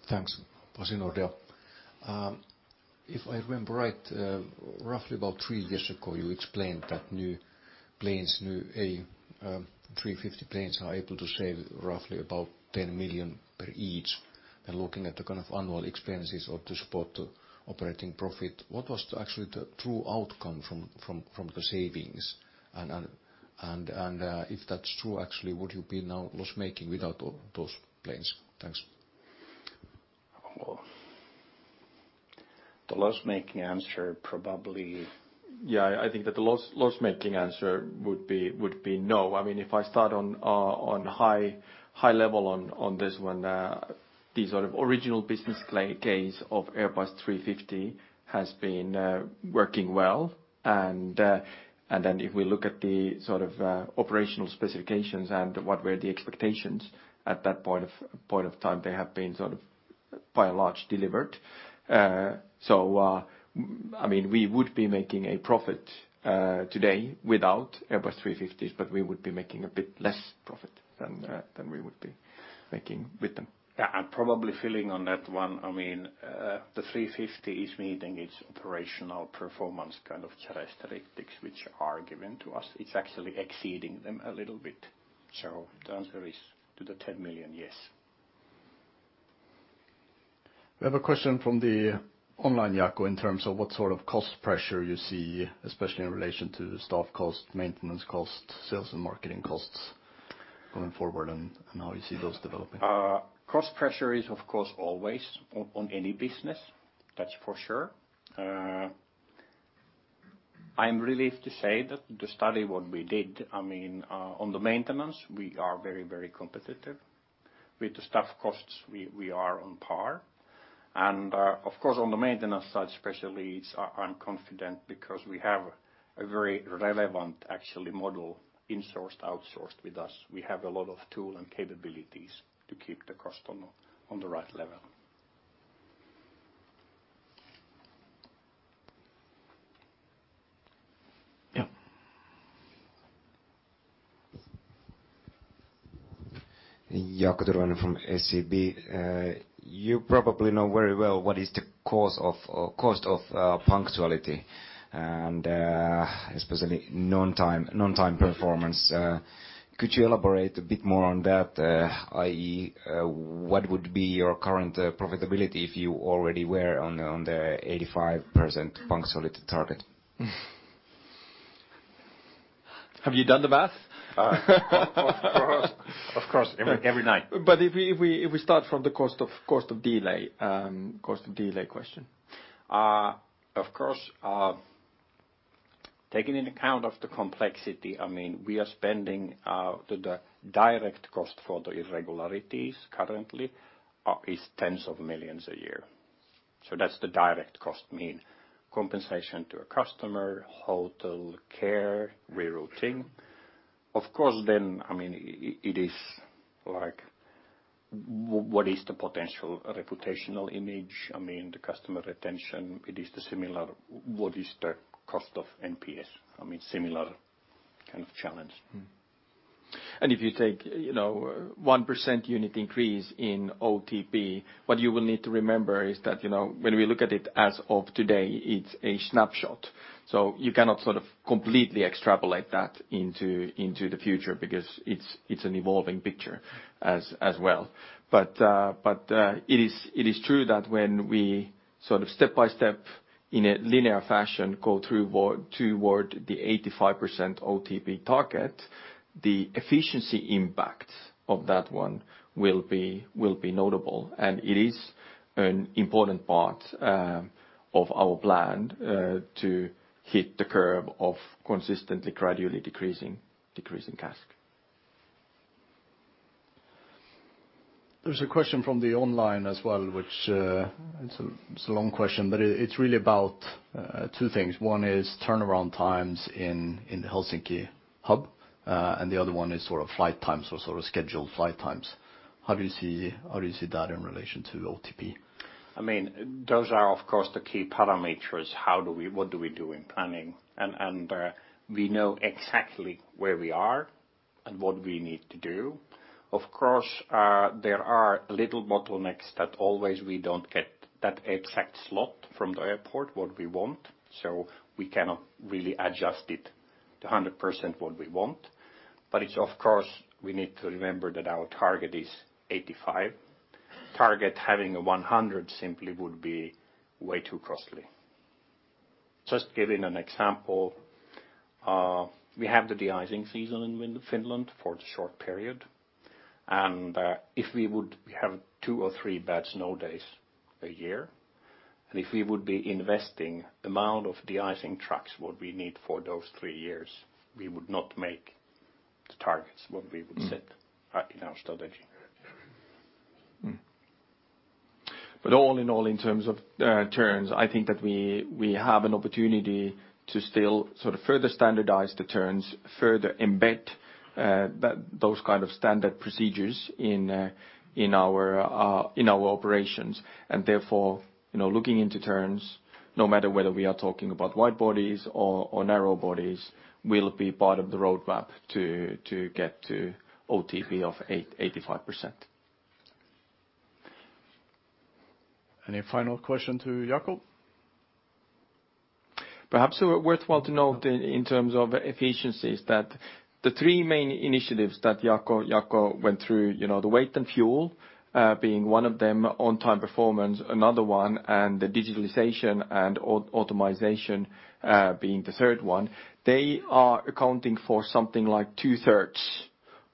Thanks. Pasi, Nordea. If I remember right, roughly about three years ago, you explained that new planes, new A350 planes are able to save roughly about 10 million per each. Looking at the kind of annual expenses or to support the operating profit, what was actually the true outcome from the savings? If that's true, actually, would you be now loss-making without those planes? Thanks. The loss-making answer probably. Yeah, I think that the loss-making answer would be no. If I start on high level on this one, the sort of original business case of Airbus A350 has been working well. If we look at the sort of operational specifications and what were the expectations at that point of time, they have been sort of By and large delivered. We would be making a profit today without Airbus 350s, but we would be making a bit less profit than we would be making with them. Yeah. Probably filling on that one, the 350 is meeting its operational performance kind of characteristics which are given to us. It's actually exceeding them a little bit. The answer is to the 10 million, yes. We have a question from the online, Jaakko, in terms of what sort of cost pressure you see, especially in relation to staff cost, maintenance cost, sales and marketing costs going forward, and how you see those developing. Cost pressure is of course always on any business. That's for sure. I'm relieved to say that the study what we did on the maintenance, we are very competitive. With the staff costs, we are on par. Of course, on the maintenance side especially, I'm confident because we have a very relevant actually model insourced, outsourced with us. We have a lot of tool and capabilities to keep the cost on the right level. Yeah. Jaakko Tyrväinen from SEB. You probably know very well what is the cost of punctuality, and especially non-time performance. Could you elaborate a bit more on that? I.e. what would be your current profitability if you already were on the 85% punctuality target? Have you done the math? Of course, every night. If we start from the cost of delay question. Of course, taking in account of the complexity, we are spending, the direct cost for the irregularities currently is tens of millions EUR a year. That's the direct cost, meaning compensation to a customer, hotel, care, rerouting. Of course, it is like, what is the potential reputational image? The customer retention. It is the similar, what is the cost of NPS? Similar kind of challenge. If you take 1% unit increase in OTP, what you will need to remember is that, when we look at it as of today, it's a snapshot. You cannot completely extrapolate that into the future because it's an evolving picture as well. It is true that when we step by step, in a linear fashion, go toward the 85% OTP target, the efficiency impact of that one will be notable. It is an important part of our plan to hit the curve of consistently gradually decreasing CASK. There's a question from the online as well, which it's a long question, but it's really about two things. One is turnaround times in the Helsinki hub. The other one is flight times or scheduled flight times. How do you see that in relation to OTP? Those are, of course, the key parameters. What do we do in planning? We know exactly where we are and what we need to do. Of course, there are little bottlenecks that always we don't get that exact slot from the airport, what we want. We cannot really adjust it to 100% what we want. It's of course, we need to remember that our target is 85. Target having a 100 simply would be way too costly. Just giving an example. We have the de-icing season in Finland for a short period. If we would have two or three bad snow days a year, and if we would be investing amount of de-icing trucks what we need for those three years, we would not make the targets what we would set in our strategy. All in all, in terms of turns, I think that we have an opportunity to still further standardize the turns, further embed those kind of standard procedures in our operations. Therefore, looking into turns, no matter whether we are talking about wide bodies or narrow bodies, will be part of the roadmap to get to OTP of 85%. Any final question to Jaakko? Perhaps worthwhile to note in terms of efficiencies that the three main initiatives that Jaakko went through, the weight and fuel being one of them, on time performance another one, and the digitalization and automization being the third one, they are accounting for something like two-thirds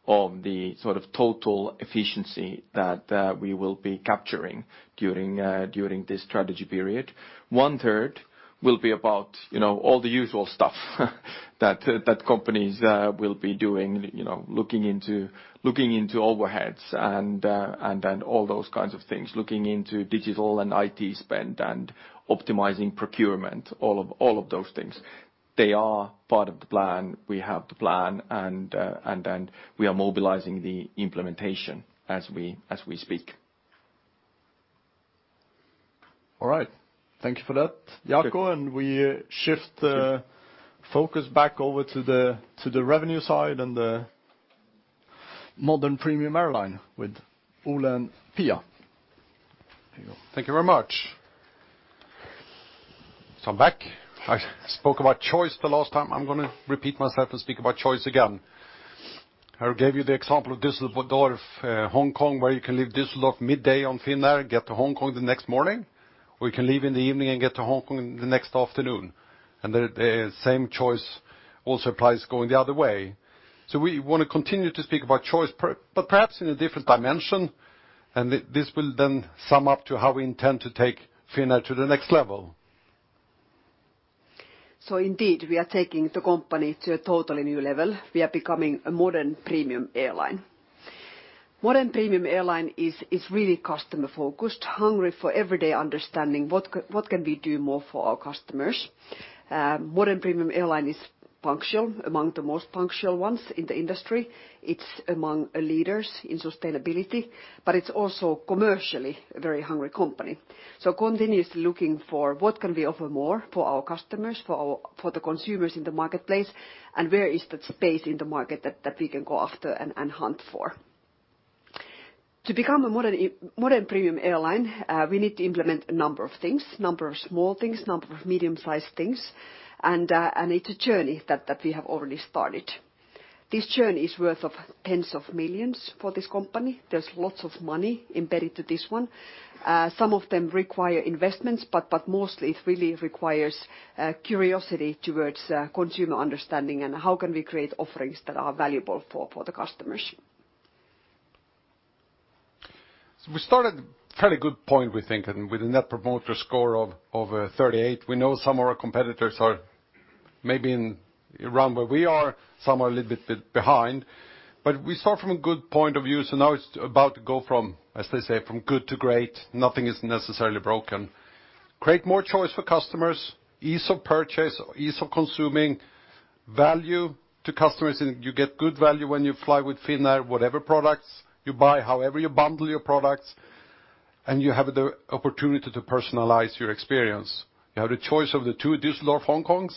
of the total efficiency that we will be capturing during this strategy period. One third will be about all the usual stuff that companies will be doing, looking into overheads and all those kinds of things. Looking into digital and IT spend and optimizing procurement, all of those things. They are part of the plan. We have the plan and then we are mobilizing the implementation as we speak. All right. Thank you for that, Jaakko. We shift the focus back over to the revenue side and the modern premium airline with Ole and Pia. Here you go. Thank you very much. I'm back. I spoke about choice the last time. I'm going to repeat myself and speak about choice again. I gave you the example of Düsseldorf, Hong Kong, where you can leave Düsseldorf midday on Finnair, get to Hong Kong the next morning, or you can leave in the evening and get to Hong Kong the next afternoon. The same choice also applies going the other way. We want to continue to speak about choice, but perhaps in a different dimension, and this will then sum up to how we intend to take Finnair to the next level. Indeed, we are taking the company to a totally new level. We are becoming a modern premium airline. Modern premium airline is really customer focused, hungry for everyday understanding what can we do more for our customers? Modern premium airline is punctual, among the most punctual ones in the industry. It's among leaders in sustainability, but it's also commercially a very hungry company. Continuously looking for what can we offer more for our customers, for the consumers in the marketplace, and where is that space in the market that we can go after and hunt for? To become a modern premium airline, we need to implement a number of things, number of small things, number of medium-sized things, and it's a journey that we have already started. This journey is worth tens of millions of EUR for this company. There's lots of money embedded to this one. Some of them require investments, but mostly it really requires curiosity towards consumer understanding, and how can we create offerings that are valuable for the customers. We start at a fairly good point, we think, and with a Net Promoter Score of over 38. We know some of our competitors are maybe in around where we are, some are a little bit behind. We start from a good point of view. Now it's about to go from, as they say, from good to great. Nothing is necessarily broken. Create more choice for customers, ease of purchase, ease of consuming, value to customers, and you get good value when you fly with Finnair, whatever products you buy, however you bundle your products, and you have the opportunity to personalize your experience. You have the choice of the two Düsseldorf, Hong Kongs,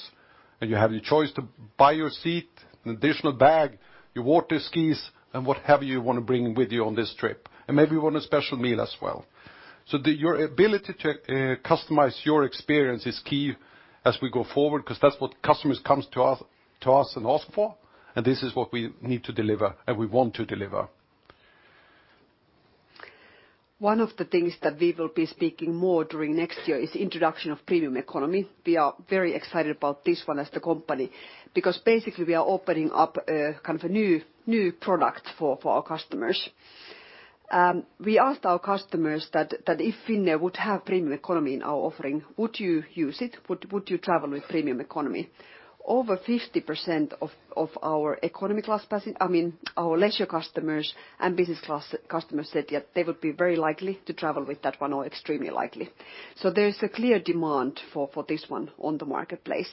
and you have your choice to buy your seat, an additional bag, your water skis, and whatever you want to bring with you on this trip. Maybe you want a special meal as well. Your ability to customize your experience is key as we go forward, because that's what customers comes to us and ask for, and this is what we need to deliver, and we want to deliver. One of the things that we will be speaking more during next year is introduction of Premium Economy. We are very excited about this one as the company, because basically we are opening up a kind of a new product for our customers. We asked our customers that if Finnair would have Premium Economy in our offering, would you use it? Would you travel with Premium Economy? Over 50% of our Economy Class, I mean, our leisure customers and Business Class customers said that they would be very likely to travel with that one or extremely likely. There is a clear demand for this one on the marketplace.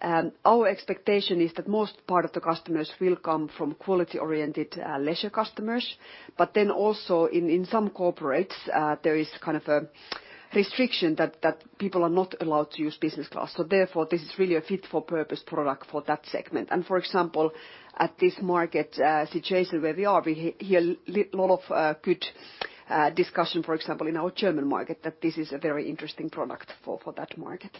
Our expectation is that most part of the customers will come from quality-oriented leisure customers. Also in some corporates, there is kind of a restriction that people are not allowed to use Business Class. This is really a fit for purpose product for that segment. For example, at this market situation where we are, we hear lot of good discussion, for example, in our German market that this is a very interesting product for that market.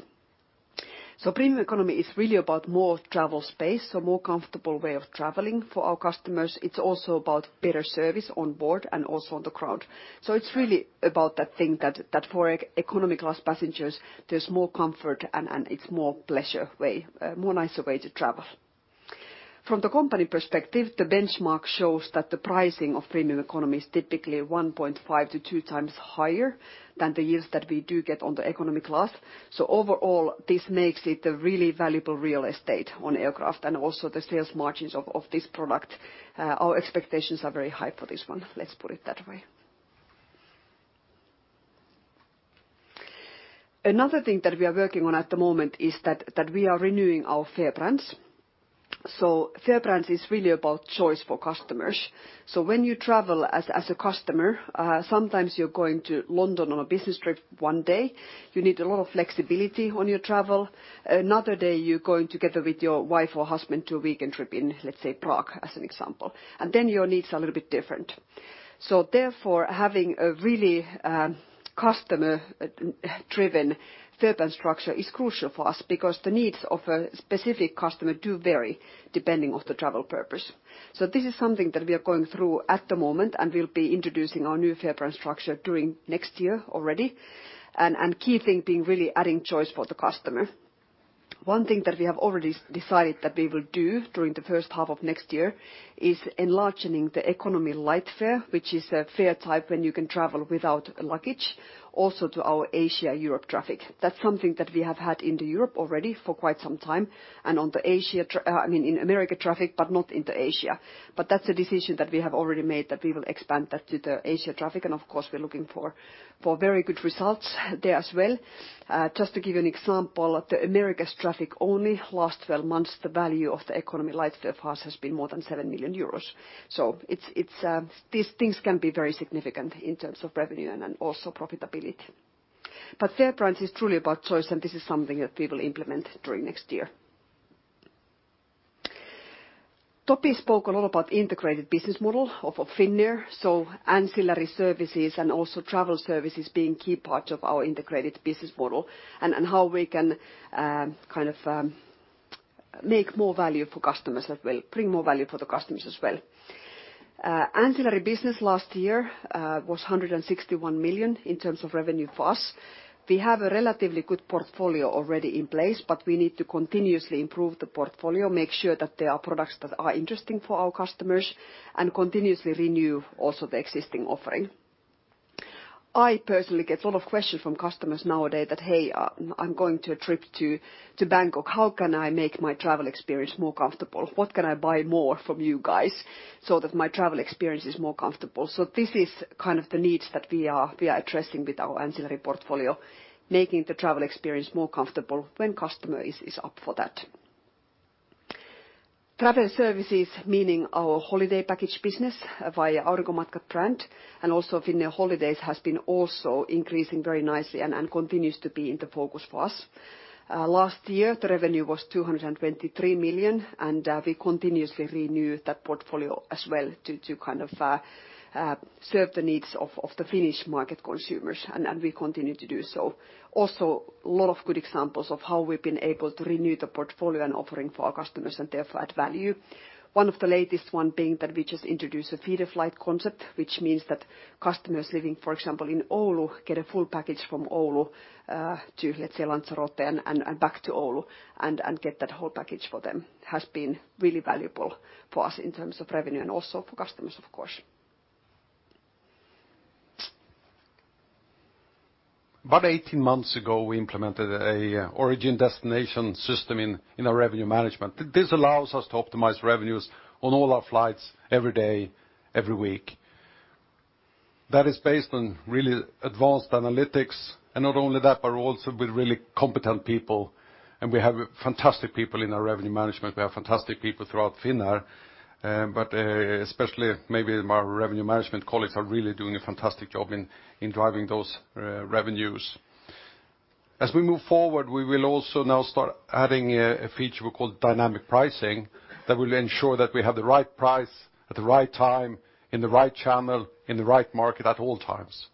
Premium Economy is really about more travel space, more comfortable way of traveling for our customers. It's also about better service on board and also on the ground. It's really about that thing that for Economy Class passengers, there's more comfort and it's more pleasure way, a more nicer way to travel. From the company perspective, the benchmark shows that the pricing of Premium Economy is typically 1.5 to two times higher than the yields that we do get on the Economy Class. Overall, this makes it a really valuable real estate on aircraft and also the sales margins of this product. Our expectations are very high for this one. Let's put it that way. Another thing that we are working on at the moment is that we are renewing our fare brands. Fare brands is really about choice for customers. When you travel as a customer, sometimes you're going to London on a business trip one day. You need a lot of flexibility on your travel. Another day, you're going together with your wife or husband to a weekend trip in, let's say, Prague as an example. Your needs are a little bit different. Having a really customer-driven fare brand structure is crucial for us because the needs of a specific customer do vary depending on the travel purpose. This is something that we are going through at the moment. We'll be introducing our new fare brand structure during next year already. Key thing being really adding choice for the customer. One thing that we have already decided that we will do during the first half of next year is enlarging the Economy Light fare, which is a fare type when you can travel without luggage, also to our Asia-Europe traffic. That's something that we have had in Europe already for quite some time. In America traffic, but not into Asia. That's a decision that we have already made, that we will expand that to the Asia traffic. Of course, we're looking for very good results there as well. Just to give you an example, the Americas traffic only, last 12 months, the value of the Economy Light fare price has been more than 7 million euros. These things can be very significant in terms of revenue and also profitability. FarePilot is truly about choice, and this is something that we will implement during next year. Topi spoke a lot about integrated business model of Finnair. Ancillary services and also travel services being key parts of our integrated business model, and how we can bring more value for the customers as well. Ancillary business last year was 161 million in terms of revenue for us. We have a relatively good portfolio already in place, but we need to continuously improve the portfolio, make sure that there are products that are interesting for our customers, and continuously renew also the existing offering. I personally get a lot of questions from customers nowadays that, "Hey, I'm going to a trip to Bangkok. How can I make my travel experience more comfortable? What can I buy more from you guys so that my travel experience is more comfortable?" This is the needs that we are addressing with our ancillary portfolio, making the travel experience more comfortable when customer is up for that. Travel services, meaning our holiday package business via Aurinkomatkat brand, and also Finnair Holidays has been also increasing very nicely and continues to be in the focus for us. Last year, the revenue was 223 million. We continuously renew that portfolio as well to serve the needs of the Finnish market consumers. We continue to do so. A lot of good examples of how we've been able to renew the portfolio and offering for our customers. Therefore add value. One of the latest one being that we just introduced a feeder flight concept, which means that customers living, for example, in Oulu, get a full package from Oulu, to let's say Lanzarote and back to Oulu, and get that whole package for them, has been really valuable for us in terms of revenue and also for customers, of course. About 18 months ago, we implemented an origin destination system in our revenue management. This allows us to optimize revenues on all our flights every day, every week. That is based on really advanced analytics, not only that, but also with really competent people. We have fantastic people in our revenue management. We have fantastic people throughout Finnair. Especially maybe my revenue management colleagues are really doing a fantastic job in driving those revenues. We will also now start adding a feature we call dynamic pricing that will ensure that we have the right price at the right time, in the right channel, in the right market at all times.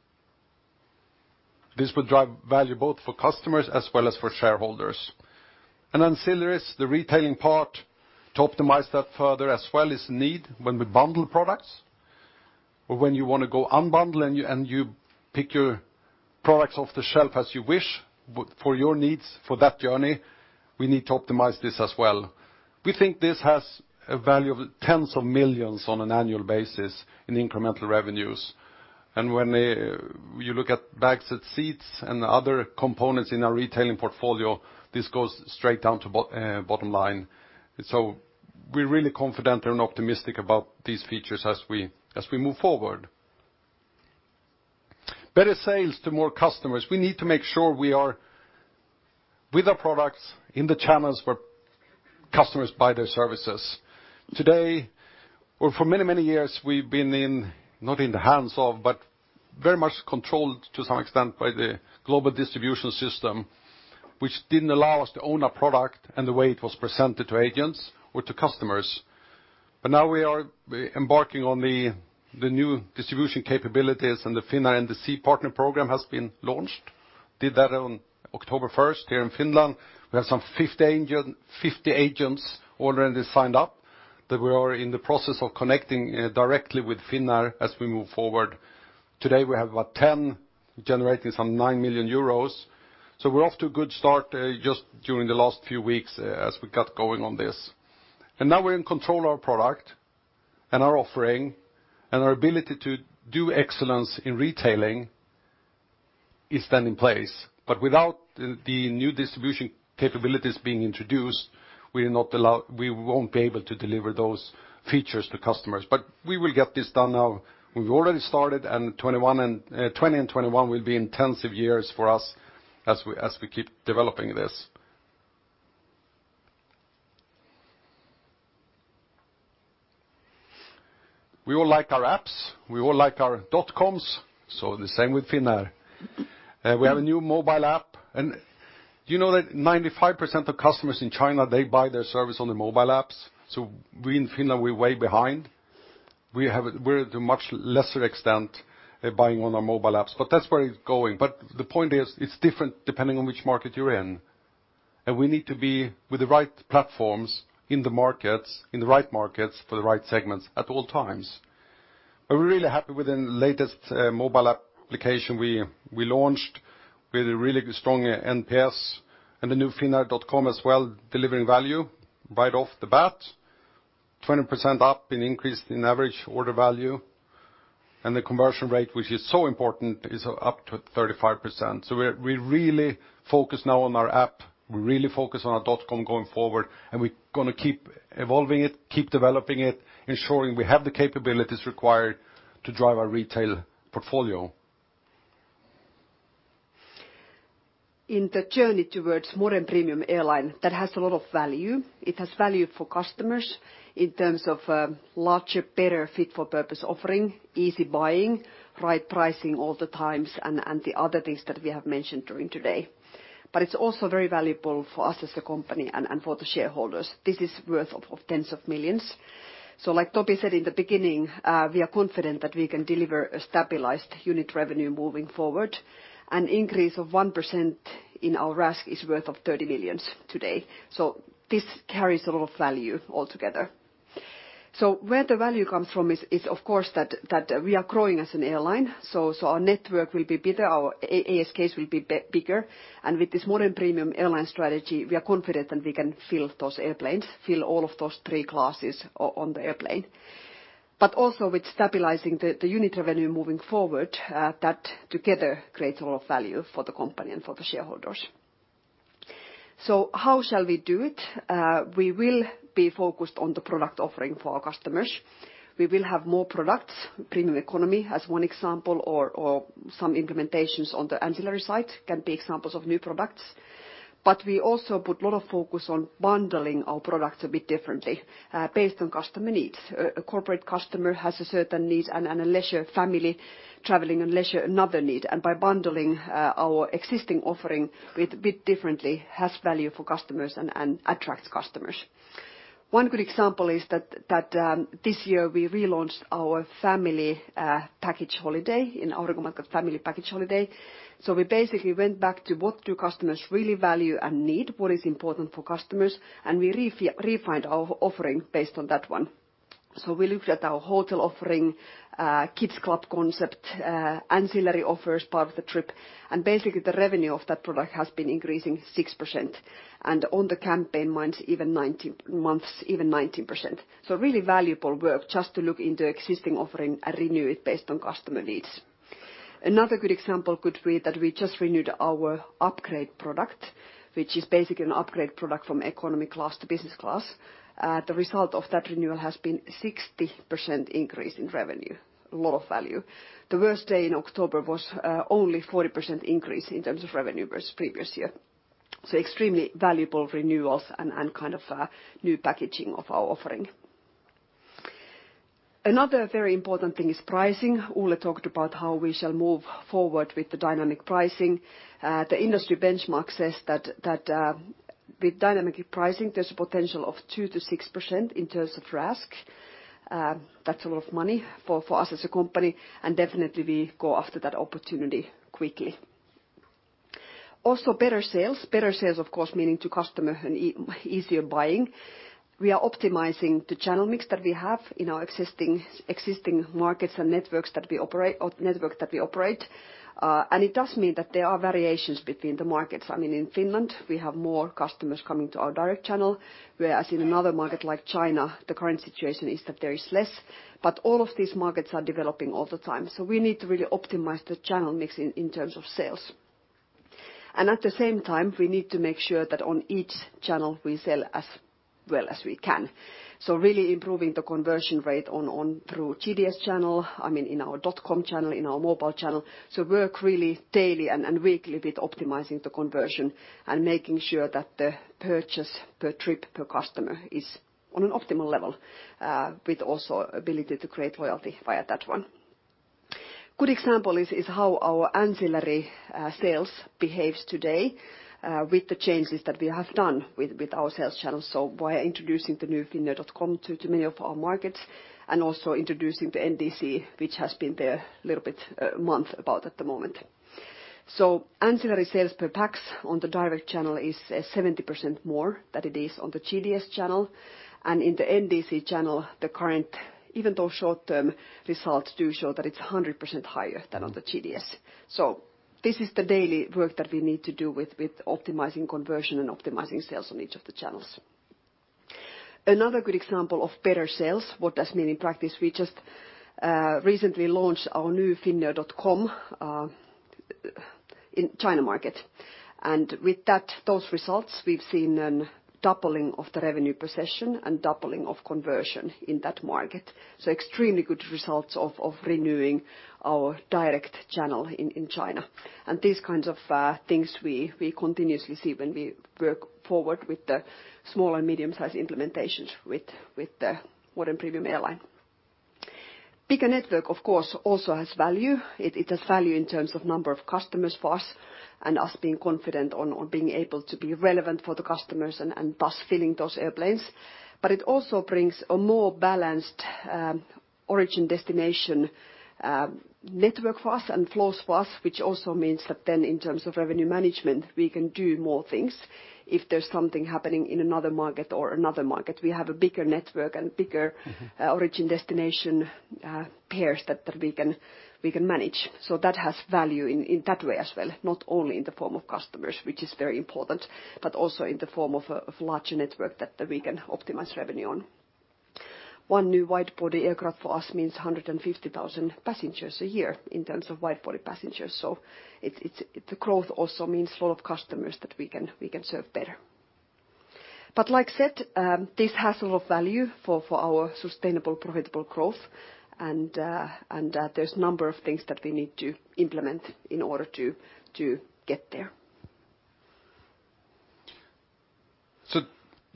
This will drive value both for customers as well as for shareholders. Ancillaries, the retailing part, to optimize that further as well is a need when we bundle products or when you want to go unbundle and you pick your products off the shelf as you wish for your needs for that journey. We need to optimize this as well. We think this has a value of tens of millions on an annual basis in incremental revenues. When you look at bags at seats and other components in our retailing portfolio, this goes straight down to bottom line. We're really confident and optimistic about these features as we move forward. Better sales to more customers. We need to make sure we are with our products in the channels where customers buy their services. Today, or for many years, we've been in, not in the hands of, but very much controlled to some extent by the global distribution system, which didn't allow us to own our product and the way it was presented to agents or to customers. Now we are embarking on the New Distribution Capabilities and the Finnair NDC Partner Program has been launched. Did that on October 1st here in Finland. We have some 50 agents already signed up that we are in the process of connecting directly with Finnair as we move forward. Today we have about 10, generating some 9 million euros. We're off to a good start just during the last few weeks as we got going on this. Now we're in control our product, and our offering, and our ability to do excellence in retailing is then in place. Without the New Distribution Capabilities being introduced, we won't be able to deliver those features to customers. We will get this done now. We've already started, 2020 and 2021 will be intensive years for us as we keep developing this. We all like our apps, we all like our dotcoms, the same with Finnair. We have a new mobile app. You know that 95% of customers in China, they buy their service on the mobile apps? We in Finnair, we're way behind. We're at a much lesser extent buying on our mobile apps, but that's where it's going. The point is, it's different depending on which market you're in. We need to be with the right platforms in the markets, in the right markets for the right segments at all times. We're really happy with the latest mobile application we launched, with a really strong NPS and the new finnair.com as well, delivering value right off the bat. 20% up in increase in average order value. The conversion rate, which is so important, is up to 35%. We really focus now on our app, we really focus on our dotcom going forward, and we're going to keep evolving it, keep developing it, ensuring we have the capabilities required to drive our retail portfolio. In the journey towards modern premium airline, that has a lot of value. It has value for customers in terms of a larger, better fit-for-purpose offering, easy buying, right pricing all the times, and the other things that we have mentioned during today. It's also very valuable for us as a company and for the shareholders. This is worth tens of millions. Like Toby said in the beginning, we are confident that we can deliver a stabilized unit revenue moving forward. An increase of 1% in our RASK is worth 30 million today. This carries a lot of value altogether. Where the value comes from is, of course, that we are growing as an airline. Our network will be bigger, our ASKs will be bigger. With this modern premium airline strategy, we are confident that we can fill those airplanes, fill all of those 3 classes on the airplane. Also with stabilizing the unit revenue moving forward, that together creates a lot of value for the company and for the shareholders. How shall we do it? We will be focused on the product offering for our customers. We will have more products, Premium Economy as one example, or some implementations on the ancillary side can be examples of new products. We also put a lot of focus on bundling our products a bit differently, based on customer needs. A corporate customer has a certain need, and a leisure family traveling and leisure, another need. By bundling our existing offering a bit differently has value for customers and attracts customers. One good example is that this year we relaunched our family package holiday in Aurinkomatkat family package holiday. We basically went back to what do customers really value and need, what is important for customers, and we refined our offering based on that one. We looked at our hotel offering, kids club concept, ancillary offers part of the trip, and basically the revenue of that product has been increasing 6%. On the campaign months, even 19%. Really valuable work just to look into existing offering and renew it based on customer needs. Another good example could be that we just renewed our upgrade product, which is basically an upgrade product from Economy Class to Business Class. The result of that renewal has been 60% increase in revenue, a lot of value. The worst day in October was only 40% increase in terms of revenue versus previous year. Extremely valuable renewals and kind of new packaging of our offering. Another very important thing is pricing. Ole talked about how we shall move forward with the dynamic pricing. The industry benchmark says that with dynamic pricing, there's a potential of 2%-6% in terms of RASK. That's a lot of money for us as a company, and definitely we go after that opportunity quickly. Also better sales. Better sales, of course, meaning to customer and easier buying. We are optimizing the channel mix that we have in our existing markets and network that we operate. It does mean that there are variations between the markets. I mean, in Finland, we have more customers coming to our direct channel, whereas in another market like China, the current situation is that there is less. All of these markets are developing all the time. We need to really optimize the channel mix in terms of sales. At the same time, we need to make sure that on each channel we sell as well as we can. Really improving the conversion rate through GDS channel, I mean, in our finnair.com channel, in our mobile channel. Work really daily and weekly with optimizing the conversion and making sure that the purchase per trip per customer is on an optimal level, with also ability to create loyalty via that one. Good example is how our ancillary sales behaves today with the changes that we have done with our sales channel. Via introducing the new finnair.com to many of our markets and also introducing the NDC, which has been there a little bit, a month about at the moment. Ancillary sales per pax on the direct channel is 70% more than it is on the GDS channel. In the NDC channel, the current, even though short-term results do show that it's 100% higher than on the GDS. This is the daily work that we need to do with optimizing conversion and optimizing sales on each of the channels. Another good example of better sales, what does it mean in practice? We just recently launched our new finnair.com in China market. With those results, we've seen a doubling of the revenue per session and doubling of conversion in that market. Extremely good results of renewing our direct channel in China. These kinds of things we continuously see when we work forward with the small and medium-sized implementations with the modern premium airline. Bigger network, of course, also has value. It has value in terms of number of customers for us and us being confident on being able to be relevant for the customers and thus filling those airplanes. It also brings a more balanced origin-destination network for us and flows for us, which also means that then in terms of revenue management, we can do more things if there's something happening in another market or another market. We have a bigger network and bigger origin-destination pairs that we can manage. That has value in that way as well, not only in the form of customers, which is very important, but also in the form of larger network that we can optimize revenue on. One new wide-body aircraft for us means 150,000 passengers a year in terms of wide-body passengers. The growth also means a lot of customers that we can serve better. Like I said, this has a lot of value for our sustainable, profitable growth, and there's a number of things that we need to implement in order to get there.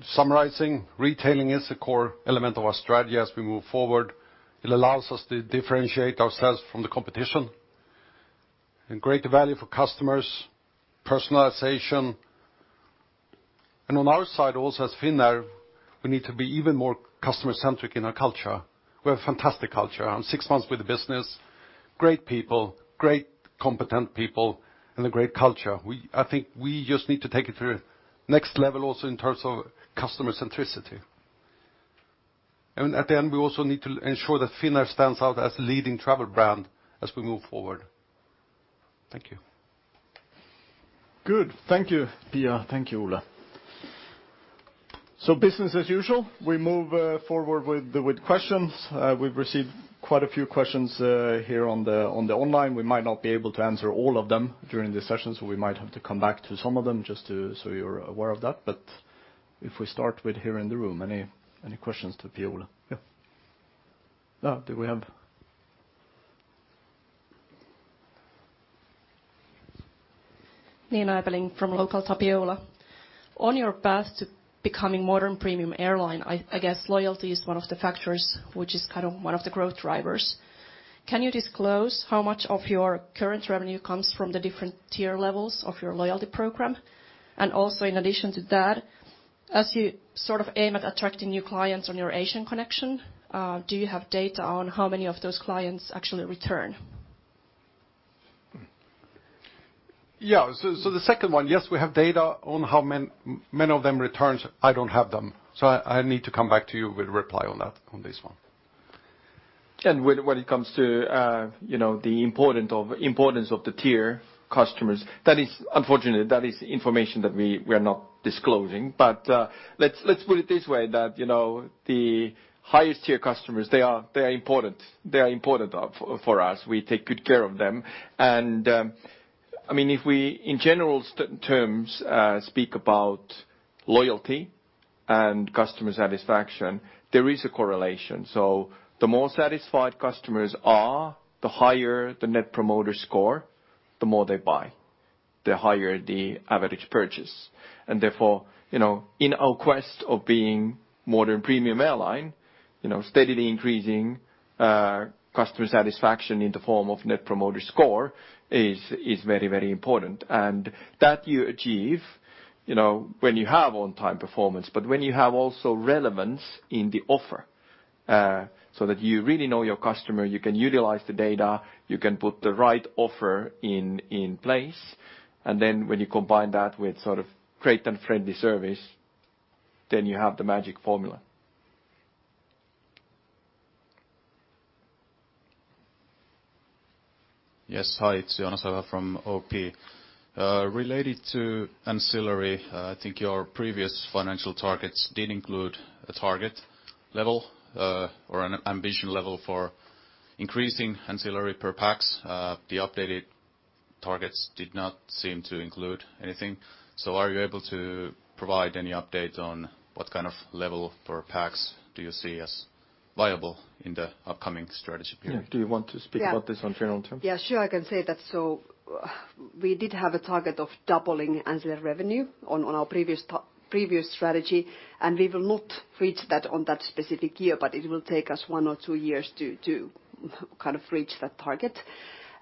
Summarizing, retailing is a core element of our strategy as we move forward. It allows us to differentiate ourselves from the competition, and create value for customers, personalization. On our side also as Finnair, we need to be even more customer-centric in our culture. We have a fantastic culture. I'm six months with the business. Great people, great competent people, and a great culture. I think we just need to take it to the next level also in terms of customer centricity. At the end, we also need to ensure that Finnair stands out as a leading travel brand as we move forward. Thank you. Good. Thank you, Pia. Thank you, Ole. Business as usual, we move forward with questions. We've received quite a few questions here on the online. We might not be able to answer all of them during the session, so we might have to come back to some of them just so you're aware of that. If we start with here in the room, any questions to Pia, Ole? Yeah. Do we have Nina Ebeling from LocalTapiola. On your path to becoming modern premium airline, I guess loyalty is one of the factors which is one of the growth drivers. Can you disclose how much of your current revenue comes from the different tier levels of your loyalty program? Also in addition to that, as you aim at attracting new clients on your Asian connection, do you have data on how many of those clients actually return? Yeah. The second one, yes, we have data on how many of them returns. I don't have them. I need to come back to you with a reply on this one. When it comes to the importance of the tier customers, unfortunately, that is information that we are not disclosing. Let's put it this way, that the highest tier customers, they are important. They are important for us. We take good care of them. If we, in general terms, speak about loyalty and customer satisfaction, there is a correlation. The more satisfied customers are, the higher the Net Promoter Score, the more they buy, the higher the average purchase. Therefore, in our quest of being modern premium airline, steadily increasing customer satisfaction in the form of Net Promoter Score is very important. That you achieve when you have on-time performance, when you have also relevance in the offer, that you really know your customer, you can utilize the data, you can put the right offer in place, when you combine that with great and friendly service, you have the magic formula. Yes. Hi, it's Joonas from OP. Related to ancillary, I think your previous financial targets did include a target level or an ambition level for increasing ancillary per pax. The updated targets did not seem to include anything. Are you able to provide any update on what kind of level per pax do you see as viable in the upcoming strategy period? Do you want to speak about this on general terms? Yeah, sure. I can say that. We did have a target of doubling ancillary revenue on our previous strategy, and we will not reach that on that specific year, but it will take us one or two years to reach that target.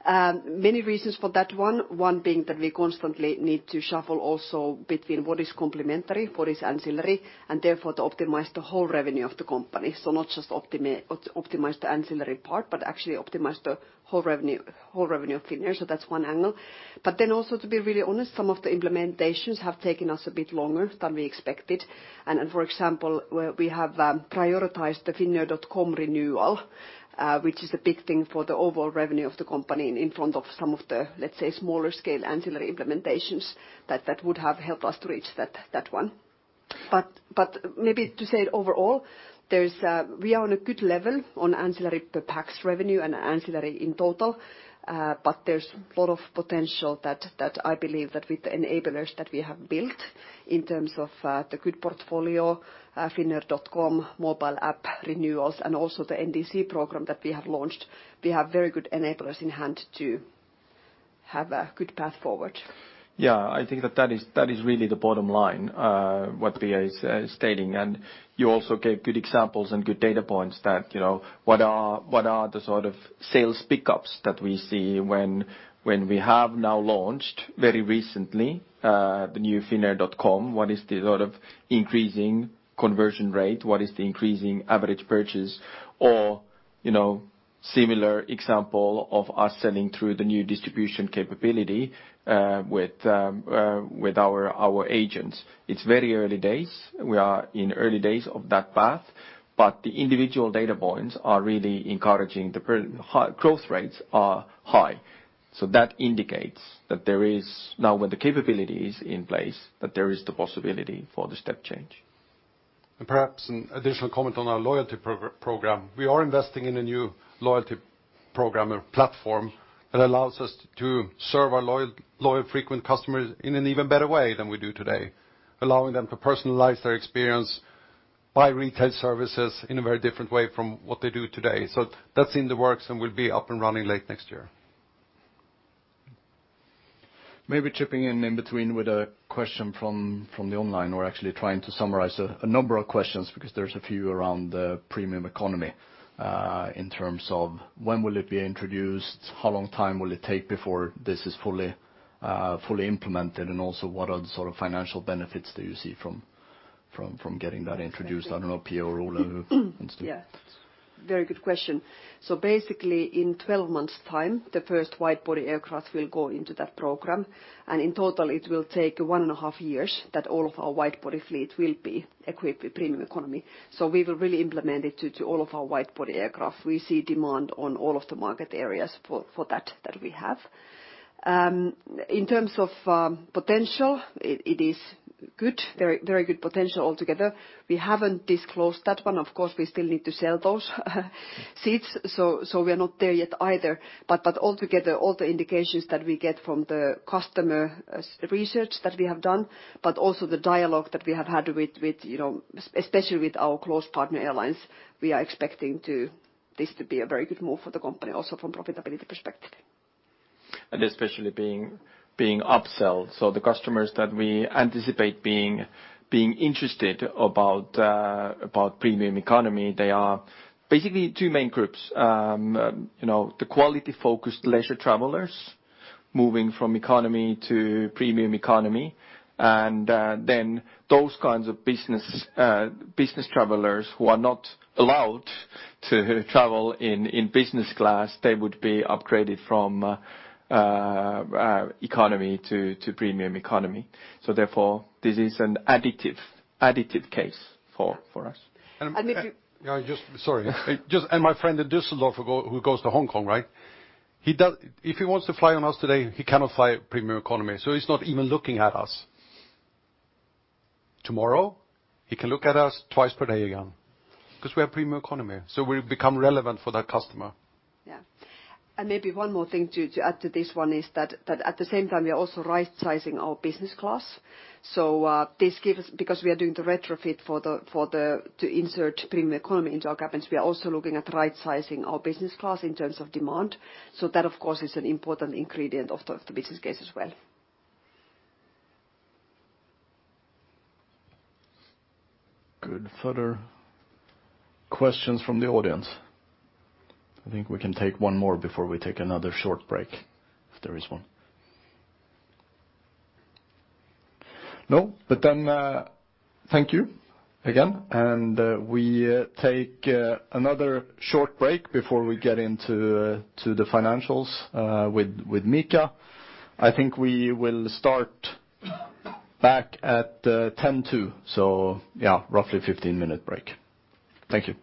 Many reasons for that. One being that we constantly need to shuffle also between what is complementary, what is ancillary, and therefore to optimize the whole revenue of the company. Not just optimize the ancillary part, but actually optimize the whole revenue of Finnair. That's one angle. Also to be really honest, some of the implementations have taken us a bit longer than we expected. For example, we have prioritized the finnair.com renewal, which is a big thing for the overall revenue of the company in front of some of the, let's say, smaller scale ancillary implementations that would have helped us to reach that one. Maybe to say overall, we are on a good level on ancillary per pax revenue and ancillary in total. There's a lot of potential that I believe that with the enablers that we have built in terms of the good portfolio, finnair.com mobile app renewals, and also the Finnair NDC Partner Program that we have launched, we have very good enablers in hand to have a good path forward. Yeah, I think that is really the bottom line, what Pia is stating. You also gave good examples and good data points that what are the sort of sales pickups that we see when we have now launched very recently, the new finnair.com. What is the sort of increasing conversion rate? What is the increasing average purchase? Similar example of us selling through the new distribution capability with our agents. It's very early days. We are in early days of that path, but the individual data points are really encouraging. The growth rates are high. That indicates that now when the capability is in place, that there is the possibility for the step change. Perhaps an additional comment on our loyalty program. We are investing in a new loyalty program platform that allows us to serve our loyal frequent customers in an even better way than we do today, allowing them to personalize their experience, buy retail services in a very different way from what they do today. That's in the works and will be up and running late next year. Maybe chipping in in between with a question from the online. We're actually trying to summarize a number of questions because there's a few around the Premium Economy, in terms of when will it be introduced, how long time will it take before this is fully implemented, and also what are the sort of financial benefits do you see from getting that introduced? I don't know, Pia or Ole can start. Yeah. Very good question. Basically in 12 months' time, the first wide body aircraft will go into that program, and in total it will take one and a half years that all of our wide body fleet will be equipped with Premium Economy. We will really implement it to all of our wide body aircraft. We see demand on all of the market areas for that we have. In terms of potential, it is very good potential altogether. We haven't disclosed that one. Of course, we still need to sell those seats, we are not there yet either. Altogether, all the indications that we get from the customer research that we have done, also the dialogue that we have had, especially with our close partner airlines, we are expecting this to be a very good move for the company, also from profitability perspective. Especially being upsell. The customers that we anticipate being interested about Premium Economy, they are basically two main groups. The quality-focused leisure travelers moving from economy to Premium Economy. Then those kinds of business travelers who are not allowed to travel in business class, they would be upgraded from economy to Premium Economy. Therefore, this is an additive case for us. And maybe- Yeah, sorry. My friend in Dusseldorf who goes to Hong Kong. If he wants to fly on us today, he cannot fly Premium Economy. He's not even looking at us. Tomorrow, he can look at us twice per day again because we have Premium Economy. We've become relevant for that customer. Yeah. Maybe one more thing to add to this one is that at the same time, we are also right-sizing our business class. Because we are doing the retrofit to insert Premium Economy into our cabins, we are also looking at right-sizing our business class in terms of demand. That of course is an important ingredient of the business case as well. Good. Further questions from the audience? I think we can take one more before we take another short break, if there is one. Thank you again, we take another short break before we get into the financials with Mika. I think we will start back at 10 to. Roughly 15-minute break. Thank you.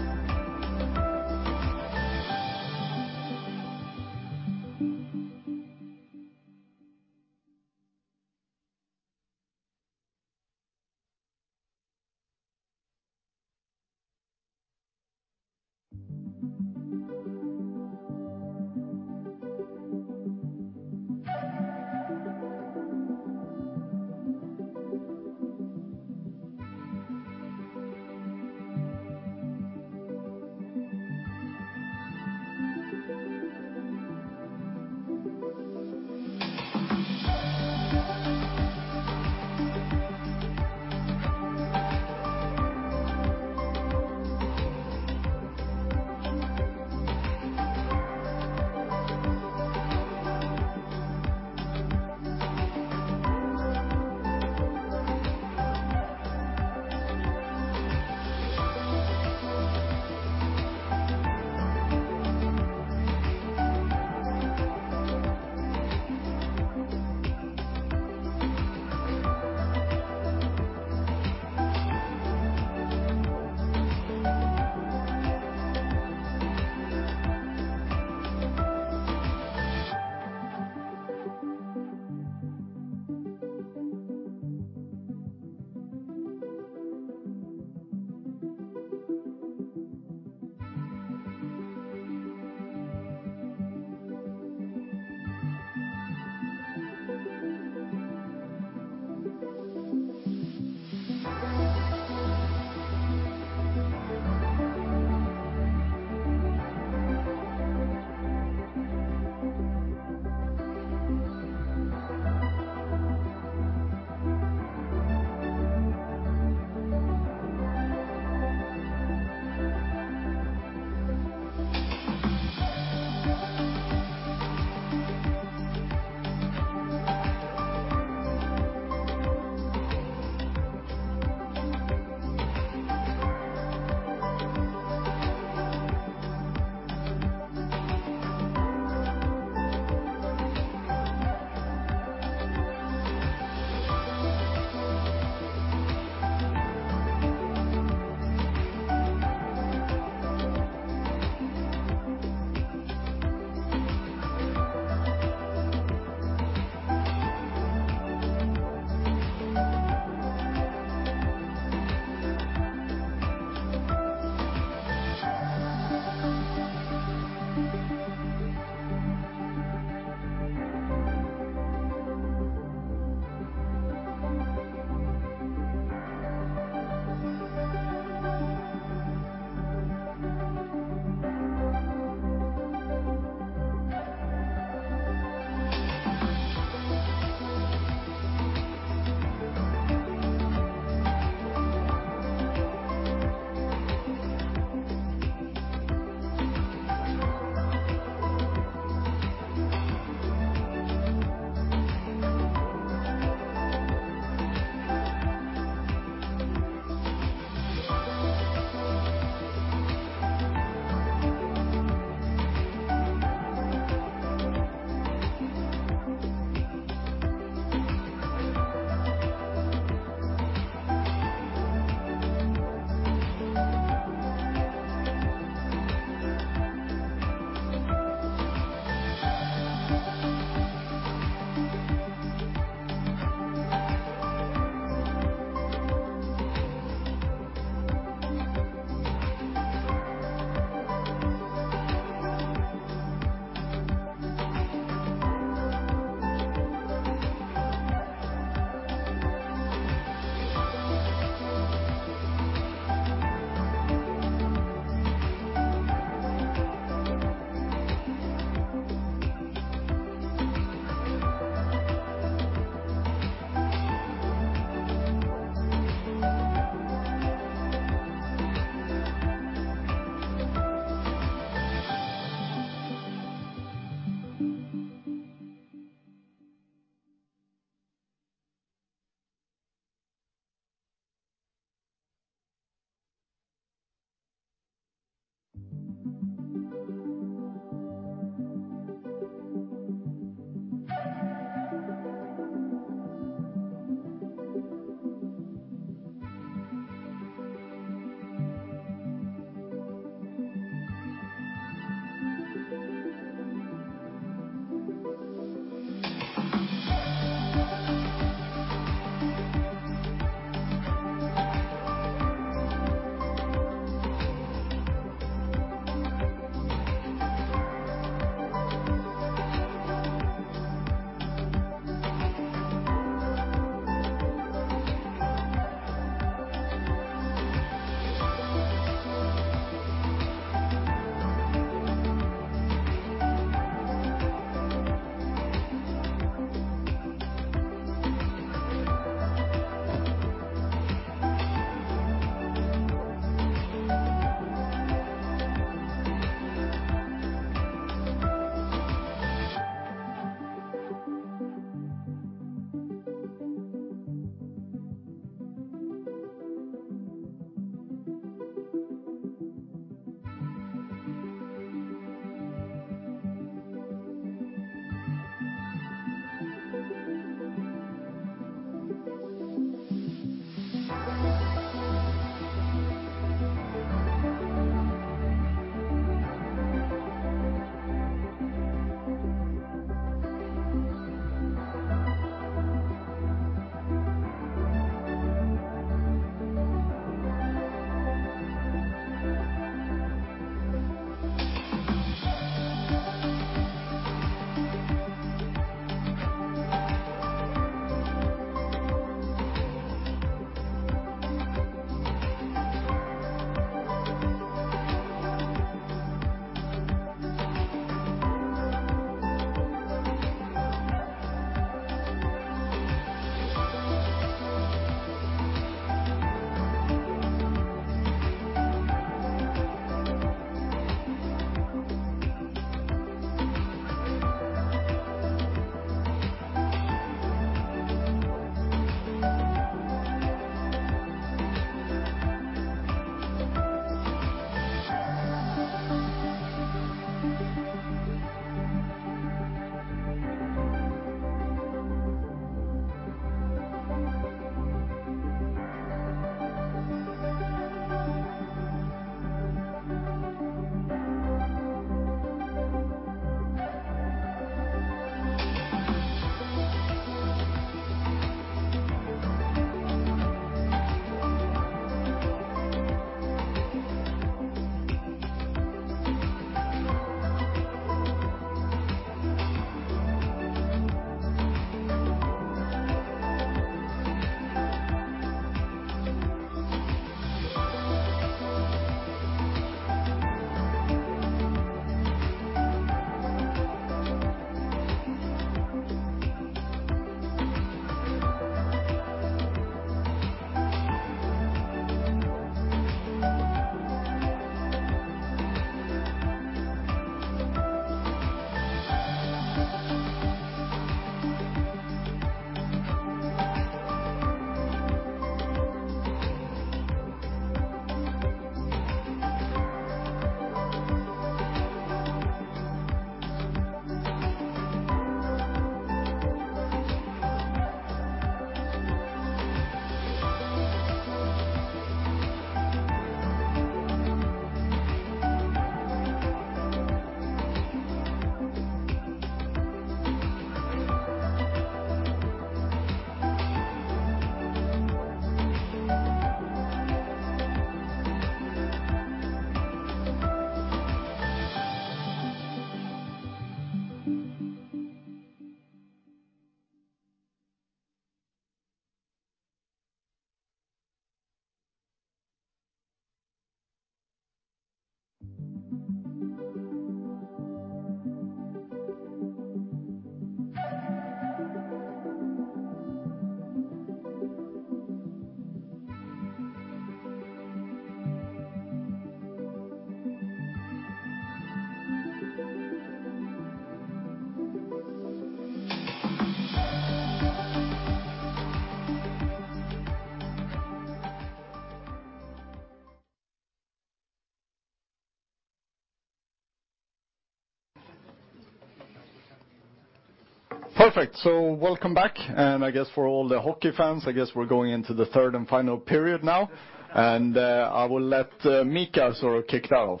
Thank you. Perfect. Welcome back, I guess for all the hockey fans, I guess we're going into the third and final period now. I will let Mika sort of kick that off.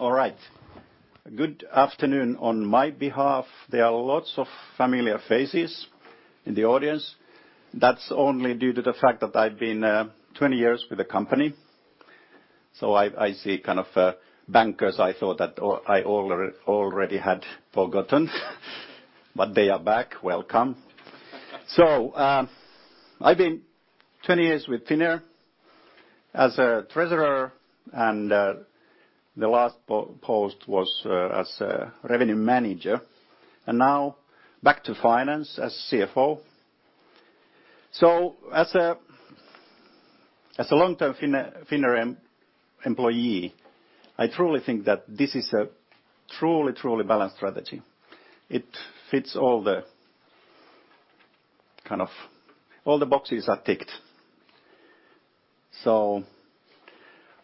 All right. Good afternoon on my behalf. There are lots of familiar faces in the audience. That's only due to the fact that I've been 20 years with the company. I see kind of bankers I thought that I already had forgotten, but they are back. Welcome. I've been 20 years with Finnair as a treasurer, and the last post was as a revenue manager, and now back to finance as CFO. As a long-term Finnair employee, I truly think that this is a truly balanced strategy. It fits all the boxes are ticked.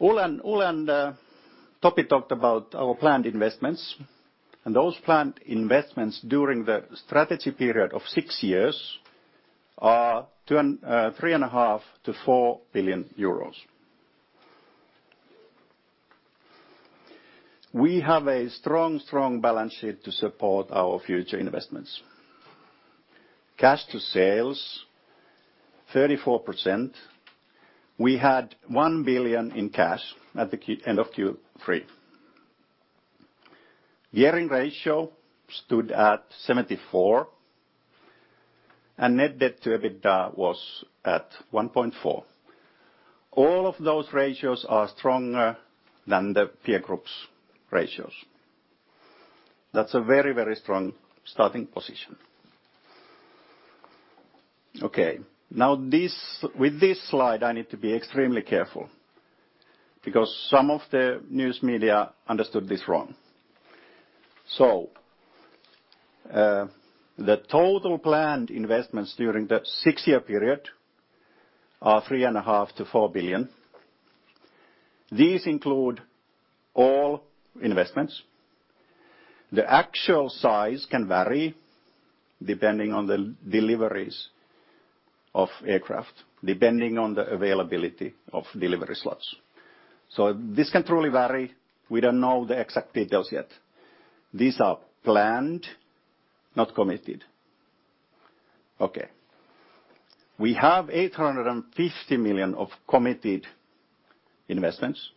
Ole and Topi talked about our planned investments, and those planned investments during the strategy period of six years are, three and a half to four billion EUR. We have a strong balance sheet to support our future investments. Cash to sales 34%. We had 1 billion in cash at the end of Q3. Gearing ratio stood at 74%, and net debt to EBITDA was at 1.4x. All of those ratios are stronger than the peer groups' ratios. That's a very strong starting position. Okay. Now with this slide, I need to be extremely careful because some of the news media understood this wrong. The total planned investments during that 6-year period are 3.5 billion to 4 billion. These include all investments. The actual size can vary depending on the deliveries of aircraft, depending on the availability of delivery slots. This can truly vary. We don't know the exact details yet. These are planned, not committed. Okay. We have 850 million of committed investments.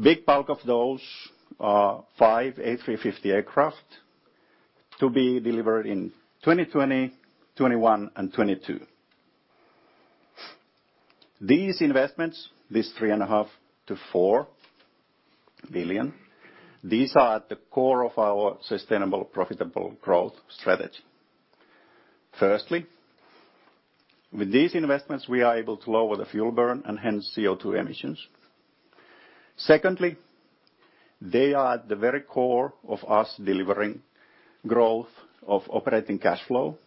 Big bulk of those five Airbus A350 aircraft to be delivered in 2020, 2021, and 2022. These investments, this 3.5 billion to 4 billion, these are at the core of our sustainable profitable growth strategy. Firstly, with these investments, we are able to lower the fuel burn and hence CO2 emissions. Secondly, they are at the very core of us delivering growth of operating cash flow,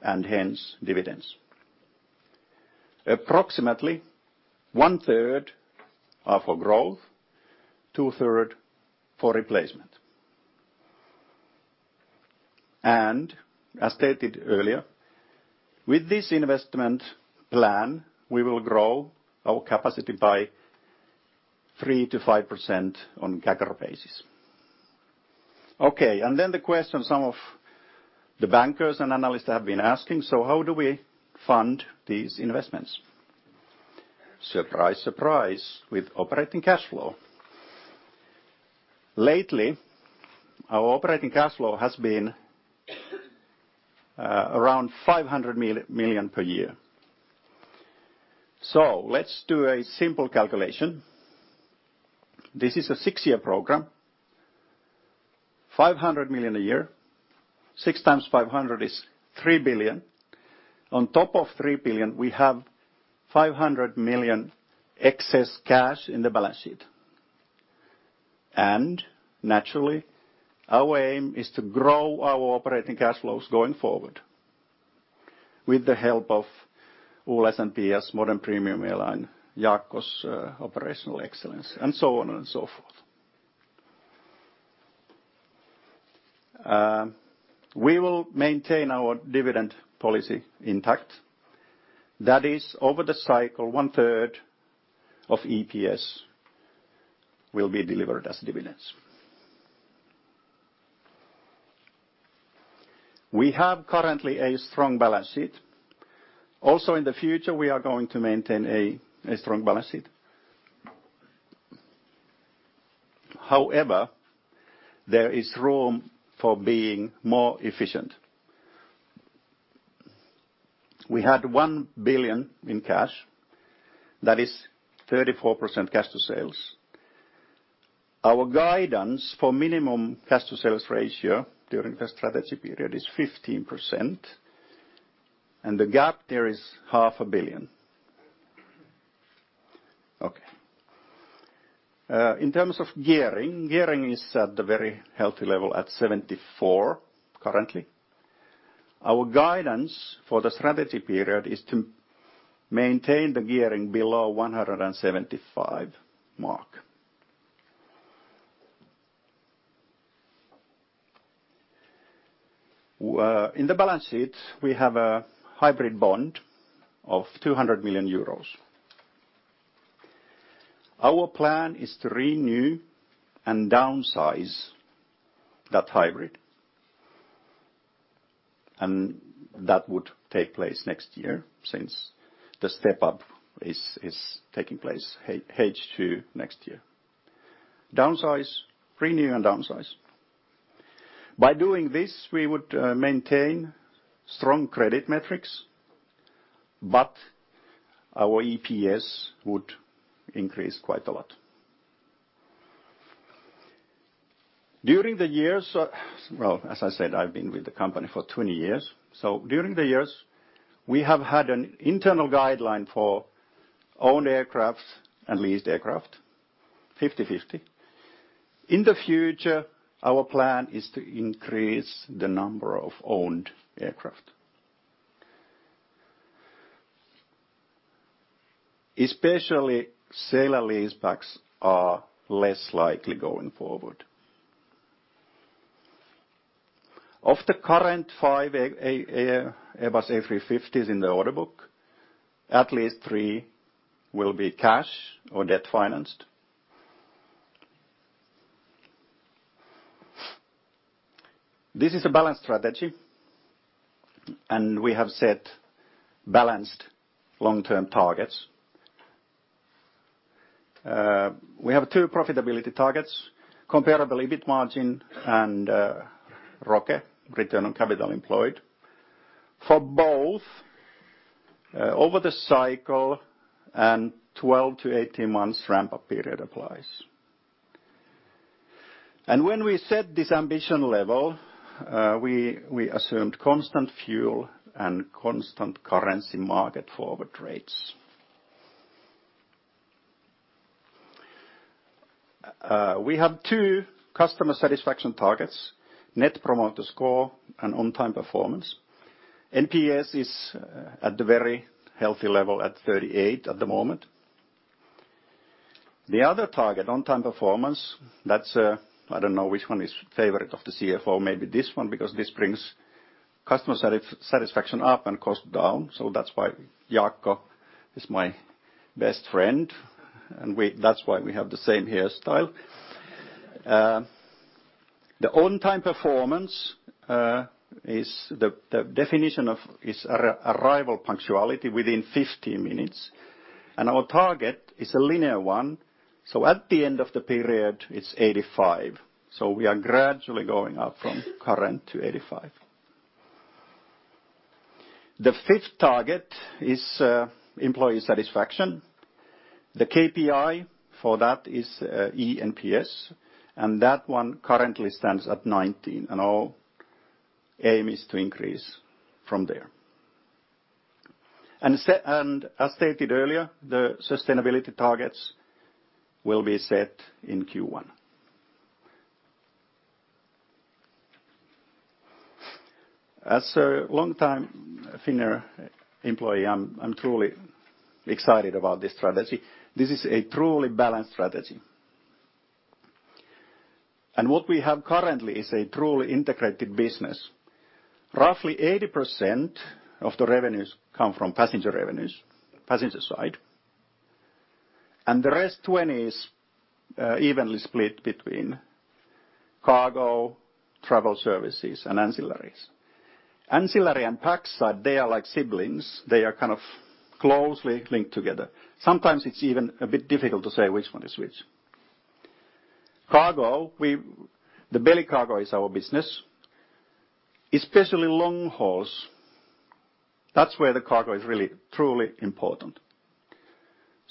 and hence dividends. Approximately one-third are for growth, two-third for replacement. As stated earlier, with this investment plan, we will grow our capacity by 3%-5% on CAGR basis. Okay. Then the question some of the bankers and analysts have been asking, how do we fund these investments? Surprise, surprise, with operating cash flow. Lately, our operating cash flow has been around 500 million per year. Let's do a simple calculation. This is a 6-year program, 500 million a year. 6 times 500 million is 3 billion. On top of 3 billion, we have 500 million excess cash in the balance sheet. Naturally, our aim is to grow our operating cash flows going forward with the help of Ole's and Piia's modern premium airline, Jaakko's operational excellence, and so on and so forth. We will maintain our dividend policy intact. That is over the cycle, one-third of EPS will be delivered as dividends. We have currently a strong balance sheet. Also in the future, we are going to maintain a strong balance sheet. However, there is room for being more efficient. We had 1 billion in cash, that is 34% cash to sales. Our guidance for minimum cash to sales ratio during the strategy period is 15%, and the gap there is half a billion EUR. Okay. In terms of gearing is at the very healthy level at 74% currently. Our guidance for the strategy period is to maintain the gearing below 175% mark. In the balance sheet, we have a hybrid bond of 200 million euros. Our plan is to renew and downsize that hybrid, and that would take place next year since the step-up is taking place H2 next year. Renew and downsize. By doing this, we would maintain strong credit metrics, but our EPS would increase quite a lot. As I said, I've been with the company for 20 years. During the years, we have had an internal guideline for owned aircraft and leased aircraft, 50/50. In the future, our plan is to increase the number of owned aircraft. Especially, sale and leasebacks are less likely going forward. Of the current five Airbus A350s in the order book, at least three will be cash or debt-financed. This is a balanced strategy. We have set balanced long-term targets. We have two profitability targets, comparable EBIT margin and ROCE, return on capital employed, for both over the cycle and 12 to 18 months ramp-up period applies. When we set this ambition level, we assumed constant fuel and constant currency market forward rates. We have two customer satisfaction targets, Net Promoter Score and On-Time Performance. NPS is at the very healthy level at 38 at the moment. The other target, On-Time Performance, I don't know which one is favorite of the CFO, maybe this one, because this brings customer satisfaction up and cost down. That's why Jaakko is my best friend, and that's why we have the same hairstyle. The On-Time Performance is the definition of its arrival punctuality within 15 minutes. Our target is a linear one. At the end of the period, it's 85. We are gradually going up from current to 85. The fifth target is employee satisfaction. The KPI for that is eNPS, and that one currently stands at 19. Our aim is to increase from there. As stated earlier, the sustainability targets will be set in Q1. As a longtime Finnair employee, I'm truly excited about this strategy. This is a truly balanced strategy. What we have currently is a truly integrated business. Roughly 80% of the revenues come from passenger revenues, passenger side. The rest, 20, is evenly split between cargo, travel services, and ancillaries. Ancillary and PAX, they are like siblings. They are kind of closely linked together. Sometimes it's even a bit difficult to say which one is which. Cargo, the belly cargo is our business, especially long hauls. That's where the cargo is really truly important.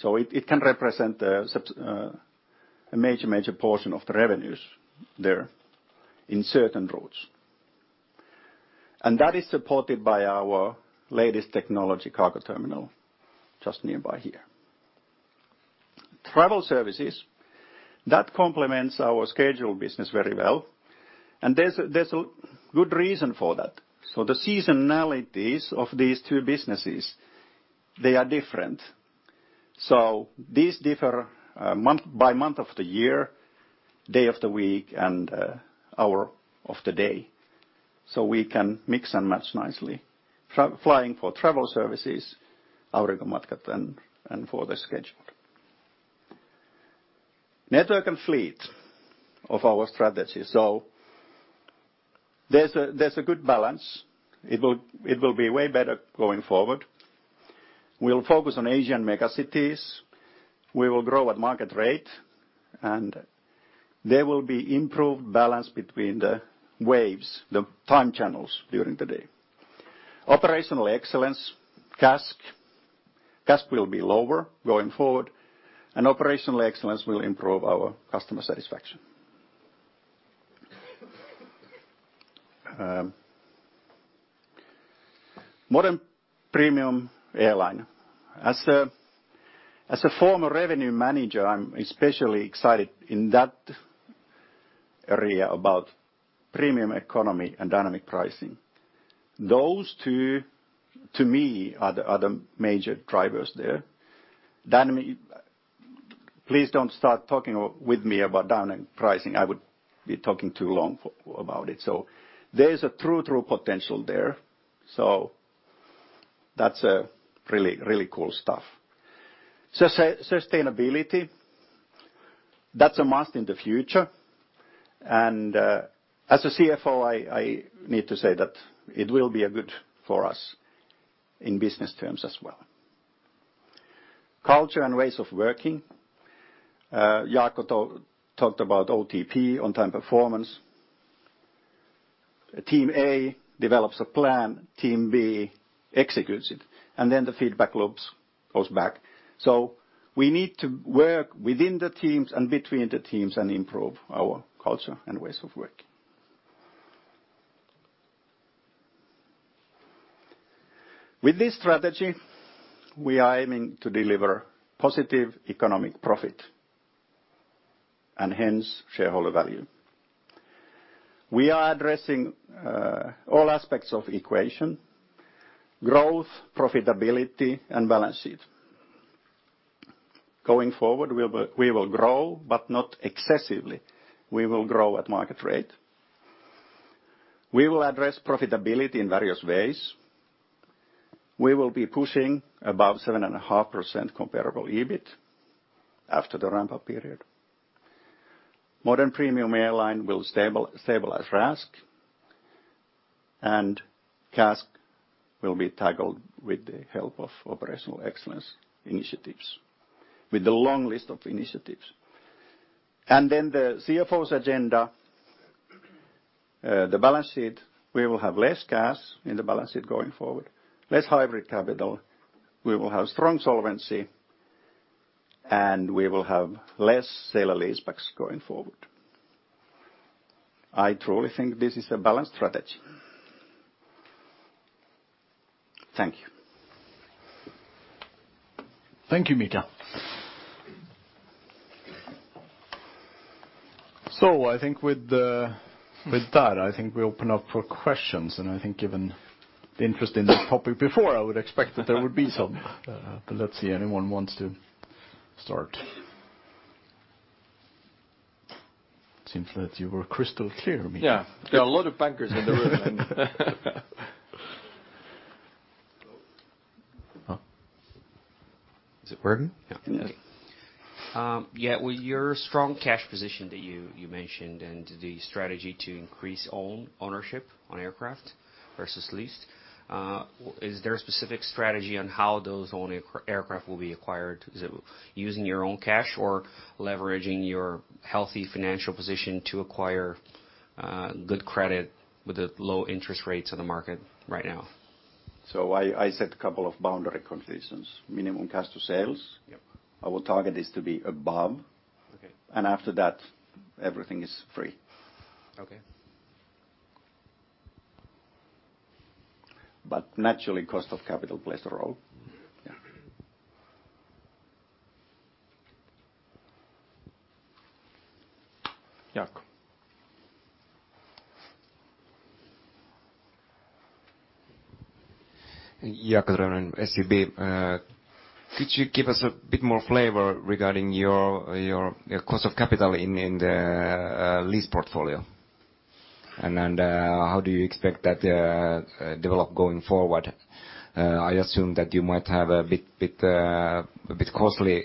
It can represent a major portion of the revenues there in certain routes. That is supported by our latest technology cargo terminal just nearby here. Travel services, that complements our scheduled business very well. There's a good reason for that. The seasonalities of these two businesses, they are different. These differ month by month of the year, day of the week, and hour of the day. We can mix and match nicely. Flying for travel services, Aurinkomatkat, and for the schedule. Network and fleet of our strategy. There's a good balance. It will be way better going forward. We'll focus on Asian megacities. We will grow at market rate, and there will be improved balance between the waves, the time channels during the day. Operational excellence, CASK. CASK will be lower going forward. Operational excellence will improve our customer satisfaction. Modern premium airline. As a former revenue manager, I'm especially excited in that area about Premium Economy and dynamic pricing. Those two, to me, are the major drivers there. Please don't start talking with me about dynamic pricing. I would be talking too long about it. There is a true potential there. That's really cool stuff. Sustainability, that's a must in the future. As a CFO, I need to say that it will be good for us in business terms as well. Culture and ways of working. Jaakko talked about OTP, On-Time Performance. Team A develops a plan, team B executes it. Then the feedback loop goes back. We need to work within the teams and between the teams and improve our culture and ways of working. With this strategy, we are aiming to deliver positive economic profit and hence shareholder value. We are addressing all aspects of equation, growth, profitability, and balance sheet. Going forward, we will grow, but not excessively. We will grow at market rate. We will address profitability in various ways. We will be pushing above 7.5% comparable EBIT after the ramp-up period. Modern premium airline will stabilize RASK, and CASK will be tackled with the help of operational excellence initiatives, with a long list of initiatives. The CFO's agenda, the balance sheet, we will have less CAS in the balance sheet going forward, less hybrid capital. We will have strong solvency, and we will have less sale and leasebacks going forward. I truly think this is a balanced strategy. Thank you. Thank you, Mika. I think with that, I think we open up for questions, I think given the interest in this topic before, I would expect that there would be some. Let's see. Anyone wants to start? Seems like you were crystal clear, Mika. Yeah. There are a lot of bankers in the room. Is it working? Yeah. Okay. Yeah. With your strong cash position that you mentioned, and the strategy to increase ownership on aircraft versus leased, is there a specific strategy on how those aircraft will be acquired? Is it using your own cash or leveraging your healthy financial position to acquire good credit with the low interest rates on the market right now? I set a couple of boundary conditions, minimum cash to sales. Yep. Our target is to be above. Okay. After that, everything is free. Okay. Naturally, cost of capital plays a role. Yeah. Jaakko. Jaakko Tyrväinen, SEB. Could you give us a bit more flavor regarding your cost of capital in the lease portfolio? How do you expect that to develop going forward? I assume that you might have a bit costly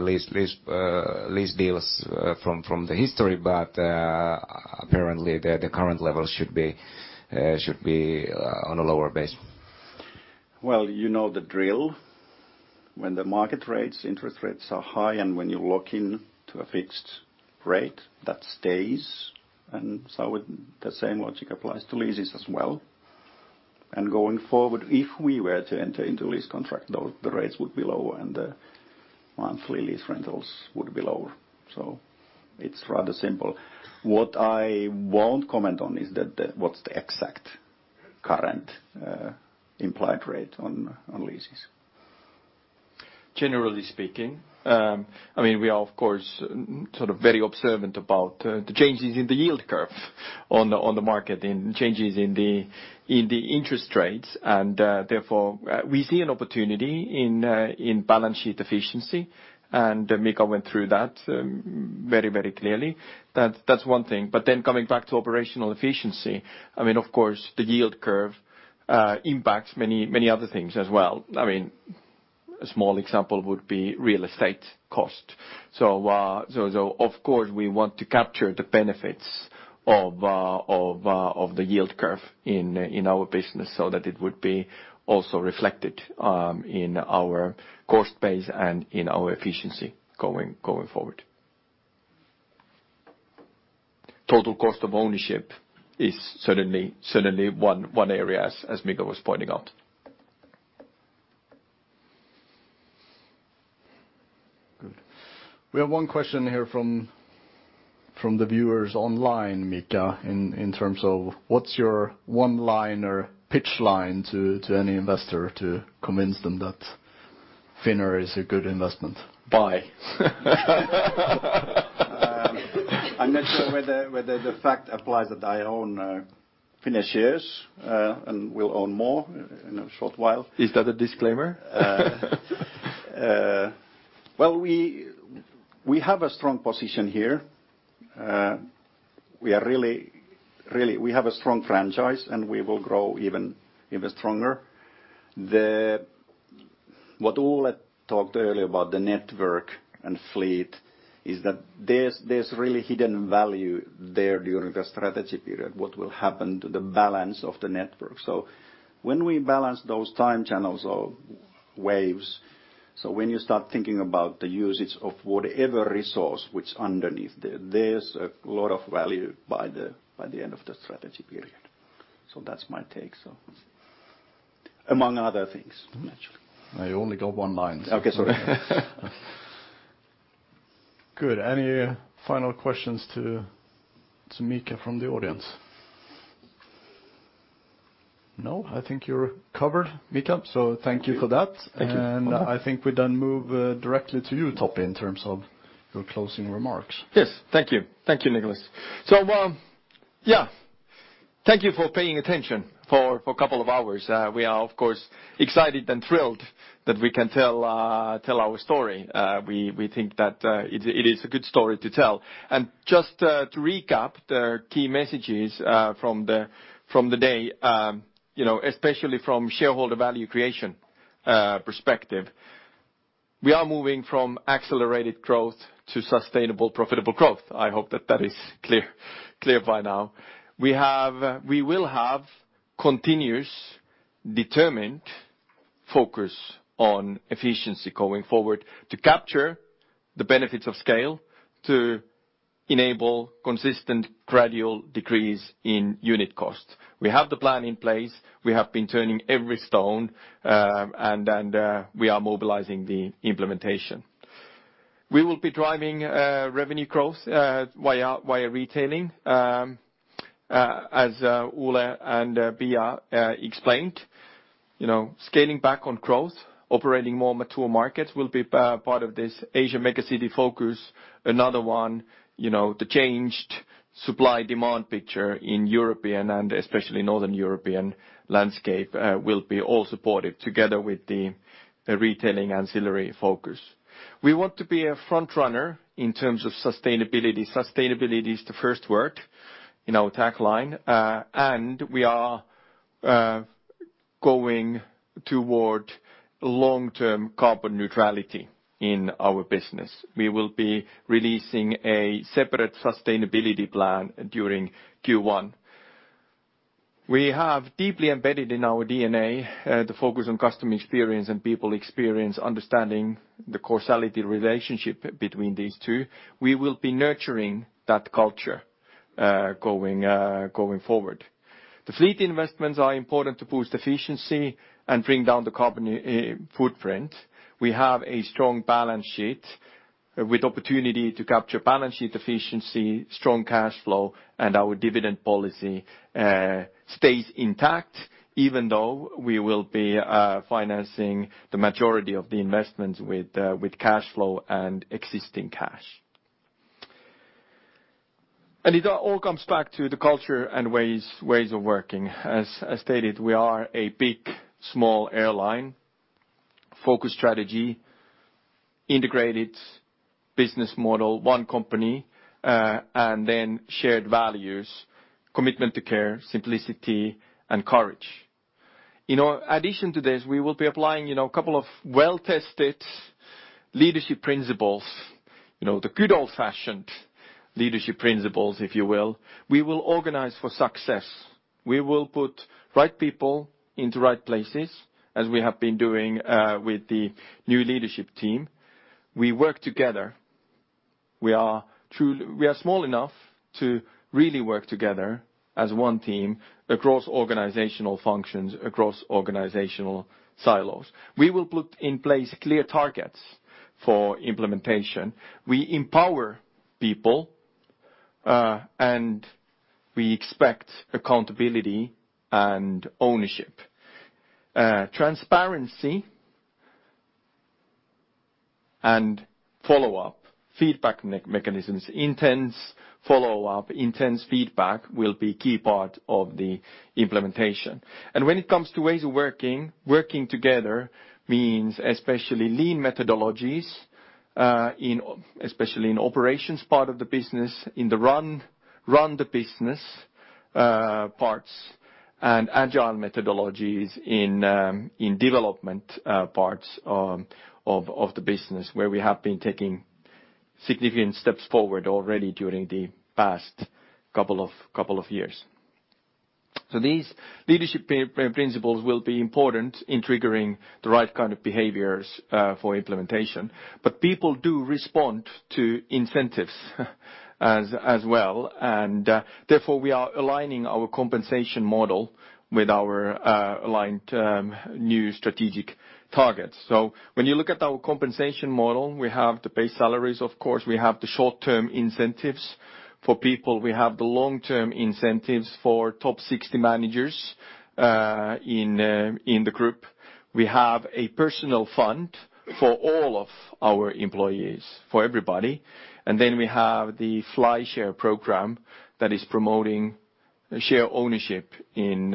lease deals from the history, apparently, the current level should be on a lower base. Well, you know the drill. When the market rates, interest rates are high, when you lock in to a fixed rate, that stays. The same logic applies to leases as well. Going forward, if we were to enter into a lease contract, the rates would be lower and the monthly lease rentals would be lower. It's rather simple. What I won't comment on is what's the exact current implied rate on leases. Generally speaking, we are, of course, very observant about the changes in the yield curve on the market and changes in the interest rates. Therefore, we see an opportunity in balance sheet efficiency. Mika went through that very clearly. That's one thing. Coming back to operational efficiency, of course, the yield curve impacts many other things as well. A small example would be real estate cost. Of course, we want to capture the benefits of the yield curve in our business so that it would be also reflected in our cost base and in our efficiency going forward. Total cost of ownership is certainly one area, as Mika was pointing out. Good. We have one question here from the viewers online, Mika, in terms of what's your one-liner pitch line to any investor to convince them that Finnair is a good investment? Buy. I'm not sure whether the fact applies that I own Finnair shares, and will own more in a short while. Is that a disclaimer? Well, we have a strong position here. We have a strong franchise, we will grow even stronger. What Ole talked earlier about the network and fleet is that there's really hidden value there during the strategy period, what will happen to the balance of the network. When we balance those time channels or waves, when you start thinking about the usage of whatever resource which underneath, there's a lot of value by the end of the strategy period. That's my take, among other things, naturally. You only got one line. Okay, sorry. Good. Any final questions to Mika from the audience? No, I think you're covered, Mika. Thank you for that. Thank you. I think we then move directly to you, Topi, in terms of your closing remarks. Yes. Thank you. Thank you, Niklas. Thank you for paying attention for a couple of hours. We are, of course, excited and thrilled that we can tell our story. We think that it is a good story to tell. Just to recap the key messages from the day, especially from shareholder value creation perspective. We are moving from accelerated growth to sustainable, profitable growth. I hope that that is clear by now. We will have continuous, determined focus on efficiency going forward to capture the benefits of scale to enable consistent gradual decrease in unit costs. We have the plan in place. We have been turning every stone. We are mobilizing the implementation. We will be driving revenue growth via retailing, as Ole and Piia explained. Scaling back on growth, operating more mature markets will be part of this Asia megacity focus. The changed supply-demand picture in European and especially Northern European landscape will be all supported together with the retailing ancillary focus. We want to be a front runner in terms of sustainability. Sustainability is the first word in our tagline. We are going toward long-term carbon neutrality in our business. We will be releasing a separate sustainability plan during Q1. We have deeply embedded in our DNA, the focus on customer experience and people experience, understanding the causality relationship between these two. We will be nurturing that culture going forward. The fleet investments are important to boost efficiency and bring down the carbon footprint. We have a strong balance sheet with opportunity to capture balance sheet efficiency, strong cash flow. Our dividend policy stays intact even though we will be financing the majority of the investments with cash flow and existing cash. It all comes back to the culture and ways of working. As stated, we are a big-small airline, focused strategy, integrated business model, one company, shared values, commitment to care, simplicity, and courage. In addition to this, we will be applying a couple of well-tested leadership principles, the good old-fashioned leadership principles, if you will. We will organize for success. We will put right people into right places, as we have been doing with the new leadership team. We work together. We are small enough to really work together as one team across organizational functions, across organizational silos. We will put in place clear targets for implementation. We empower people. We expect accountability and ownership. Transparency and follow-up, feedback mechanisms, intense follow-up, intense feedback will be key part of the implementation. When it comes to ways of working together means especially lean methodologies, especially in operations part of the business, in the run the business parts, agile methodologies in development parts of the business where we have been taking significant steps forward already during the past couple of years. These leadership principles will be important in triggering the right kind of behaviors for implementation. People do respond to incentives as well, therefore we are aligning our compensation model with our aligned new strategic targets. When you look at our compensation model, we have the base salaries, of course. We have the short-term incentives for people. We have the long-term incentives for top 60 managers in the group. We have a personal fund for all of our employees, for everybody. We have the Flyshare program that is promoting share ownership in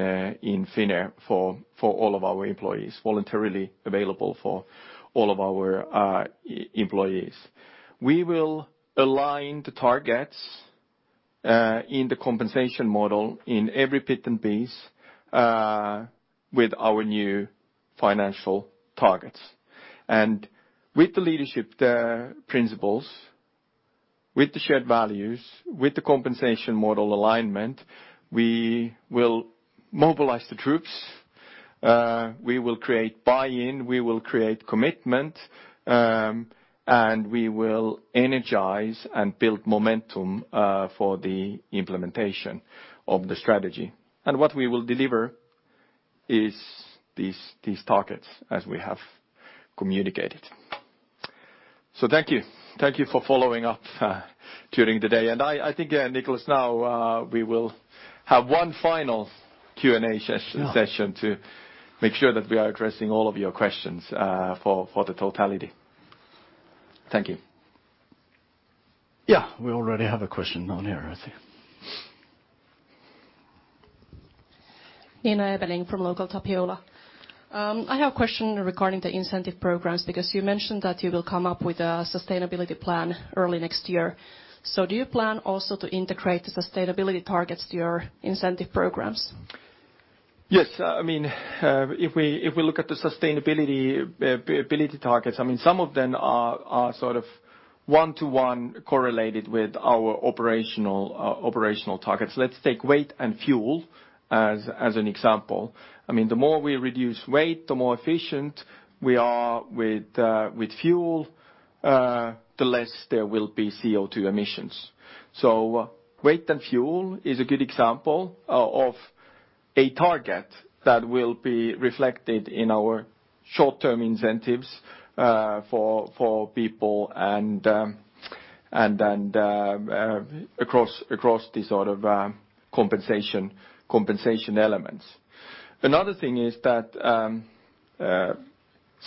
Finnair for all of our employees, voluntarily available for all of our employees. We will align the targets in the compensation model in every bit and piece with our new financial targets. With the leadership principles, with the shared values, with the compensation model alignment, we will mobilize the troops. We will create buy-in, we will create commitment, we will energize and build momentum for the implementation of the strategy. What we will deliver is these targets as we have communicated. Thank you. Thank you for following up during the day. I think, Niklas, now we will have one final Q&A session Yeah to make sure that we are addressing all of your questions for the totality. Thank you. Yeah, we already have a question on here, I think. Nina Ebeling from LocalTapiola. I have a question regarding the incentive programs, because you mentioned that you will come up with a sustainability plan early next year. Do you plan also to integrate the sustainability targets to your incentive programs? Yes. If we look at the sustainability targets, some of them are one to one correlated with our operational targets. Let's take weight and fuel as an example. The more we reduce weight, the more efficient we are with fuel, the less there will be CO2 emissions. Weight and fuel is a good example of a target that will be reflected in our short-term incentives for people and across these sort of compensation elements.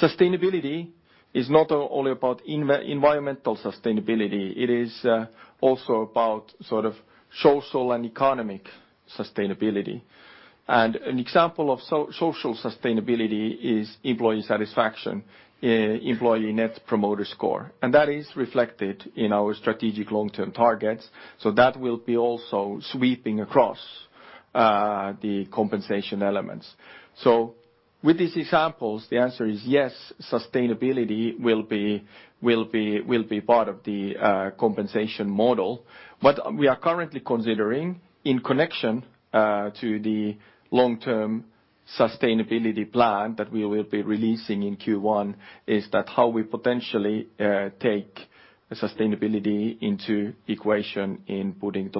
Sustainability is not only about environmental sustainability, it is also about social and economic sustainability. An example of social sustainability is employee satisfaction, Employee Net Promoter Score, and that is reflected in our strategic long-term targets. That will be also sweeping across the compensation elements. With these examples, the answer is yes, sustainability will be part of the compensation model. What we are currently considering in connection to the long-term sustainability plan that we will be releasing in Q1, is that how we potentially take sustainability into equation in putting the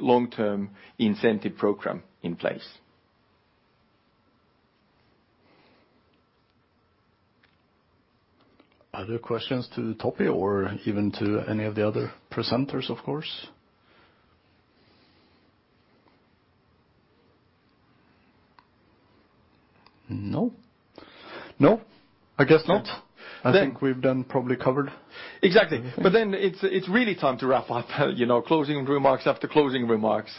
long-term incentive program in place. Other questions to Topi or even to any of the other presenters, of course? No. No, I guess not. I think we've done, probably covered. Exactly. It's really time to wrap up. Closing remarks after closing remarks.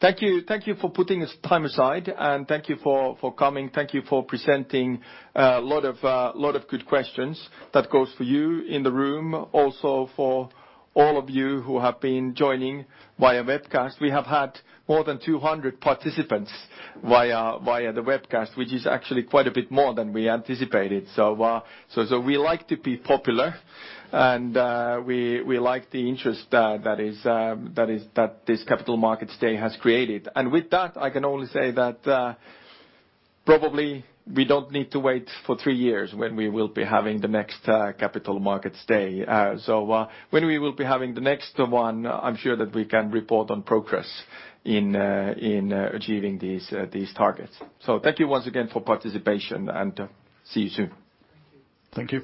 Thank you for putting this time aside, and thank you for coming. Thank you for presenting a lot of good questions. That goes for you in the room, also for all of you who have been joining via webcast. We have had more than 200 participants via the webcast, which is actually quite a bit more than we anticipated. We like to be popular, and we like the interest that this capital markets day has created. With that, I can only say that probably we don't need to wait for three years when we will be having the next capital markets day. When we will be having the next one, I'm sure that we can report on progress in achieving these targets. Thank you once again for participation, and see you soon. Thank you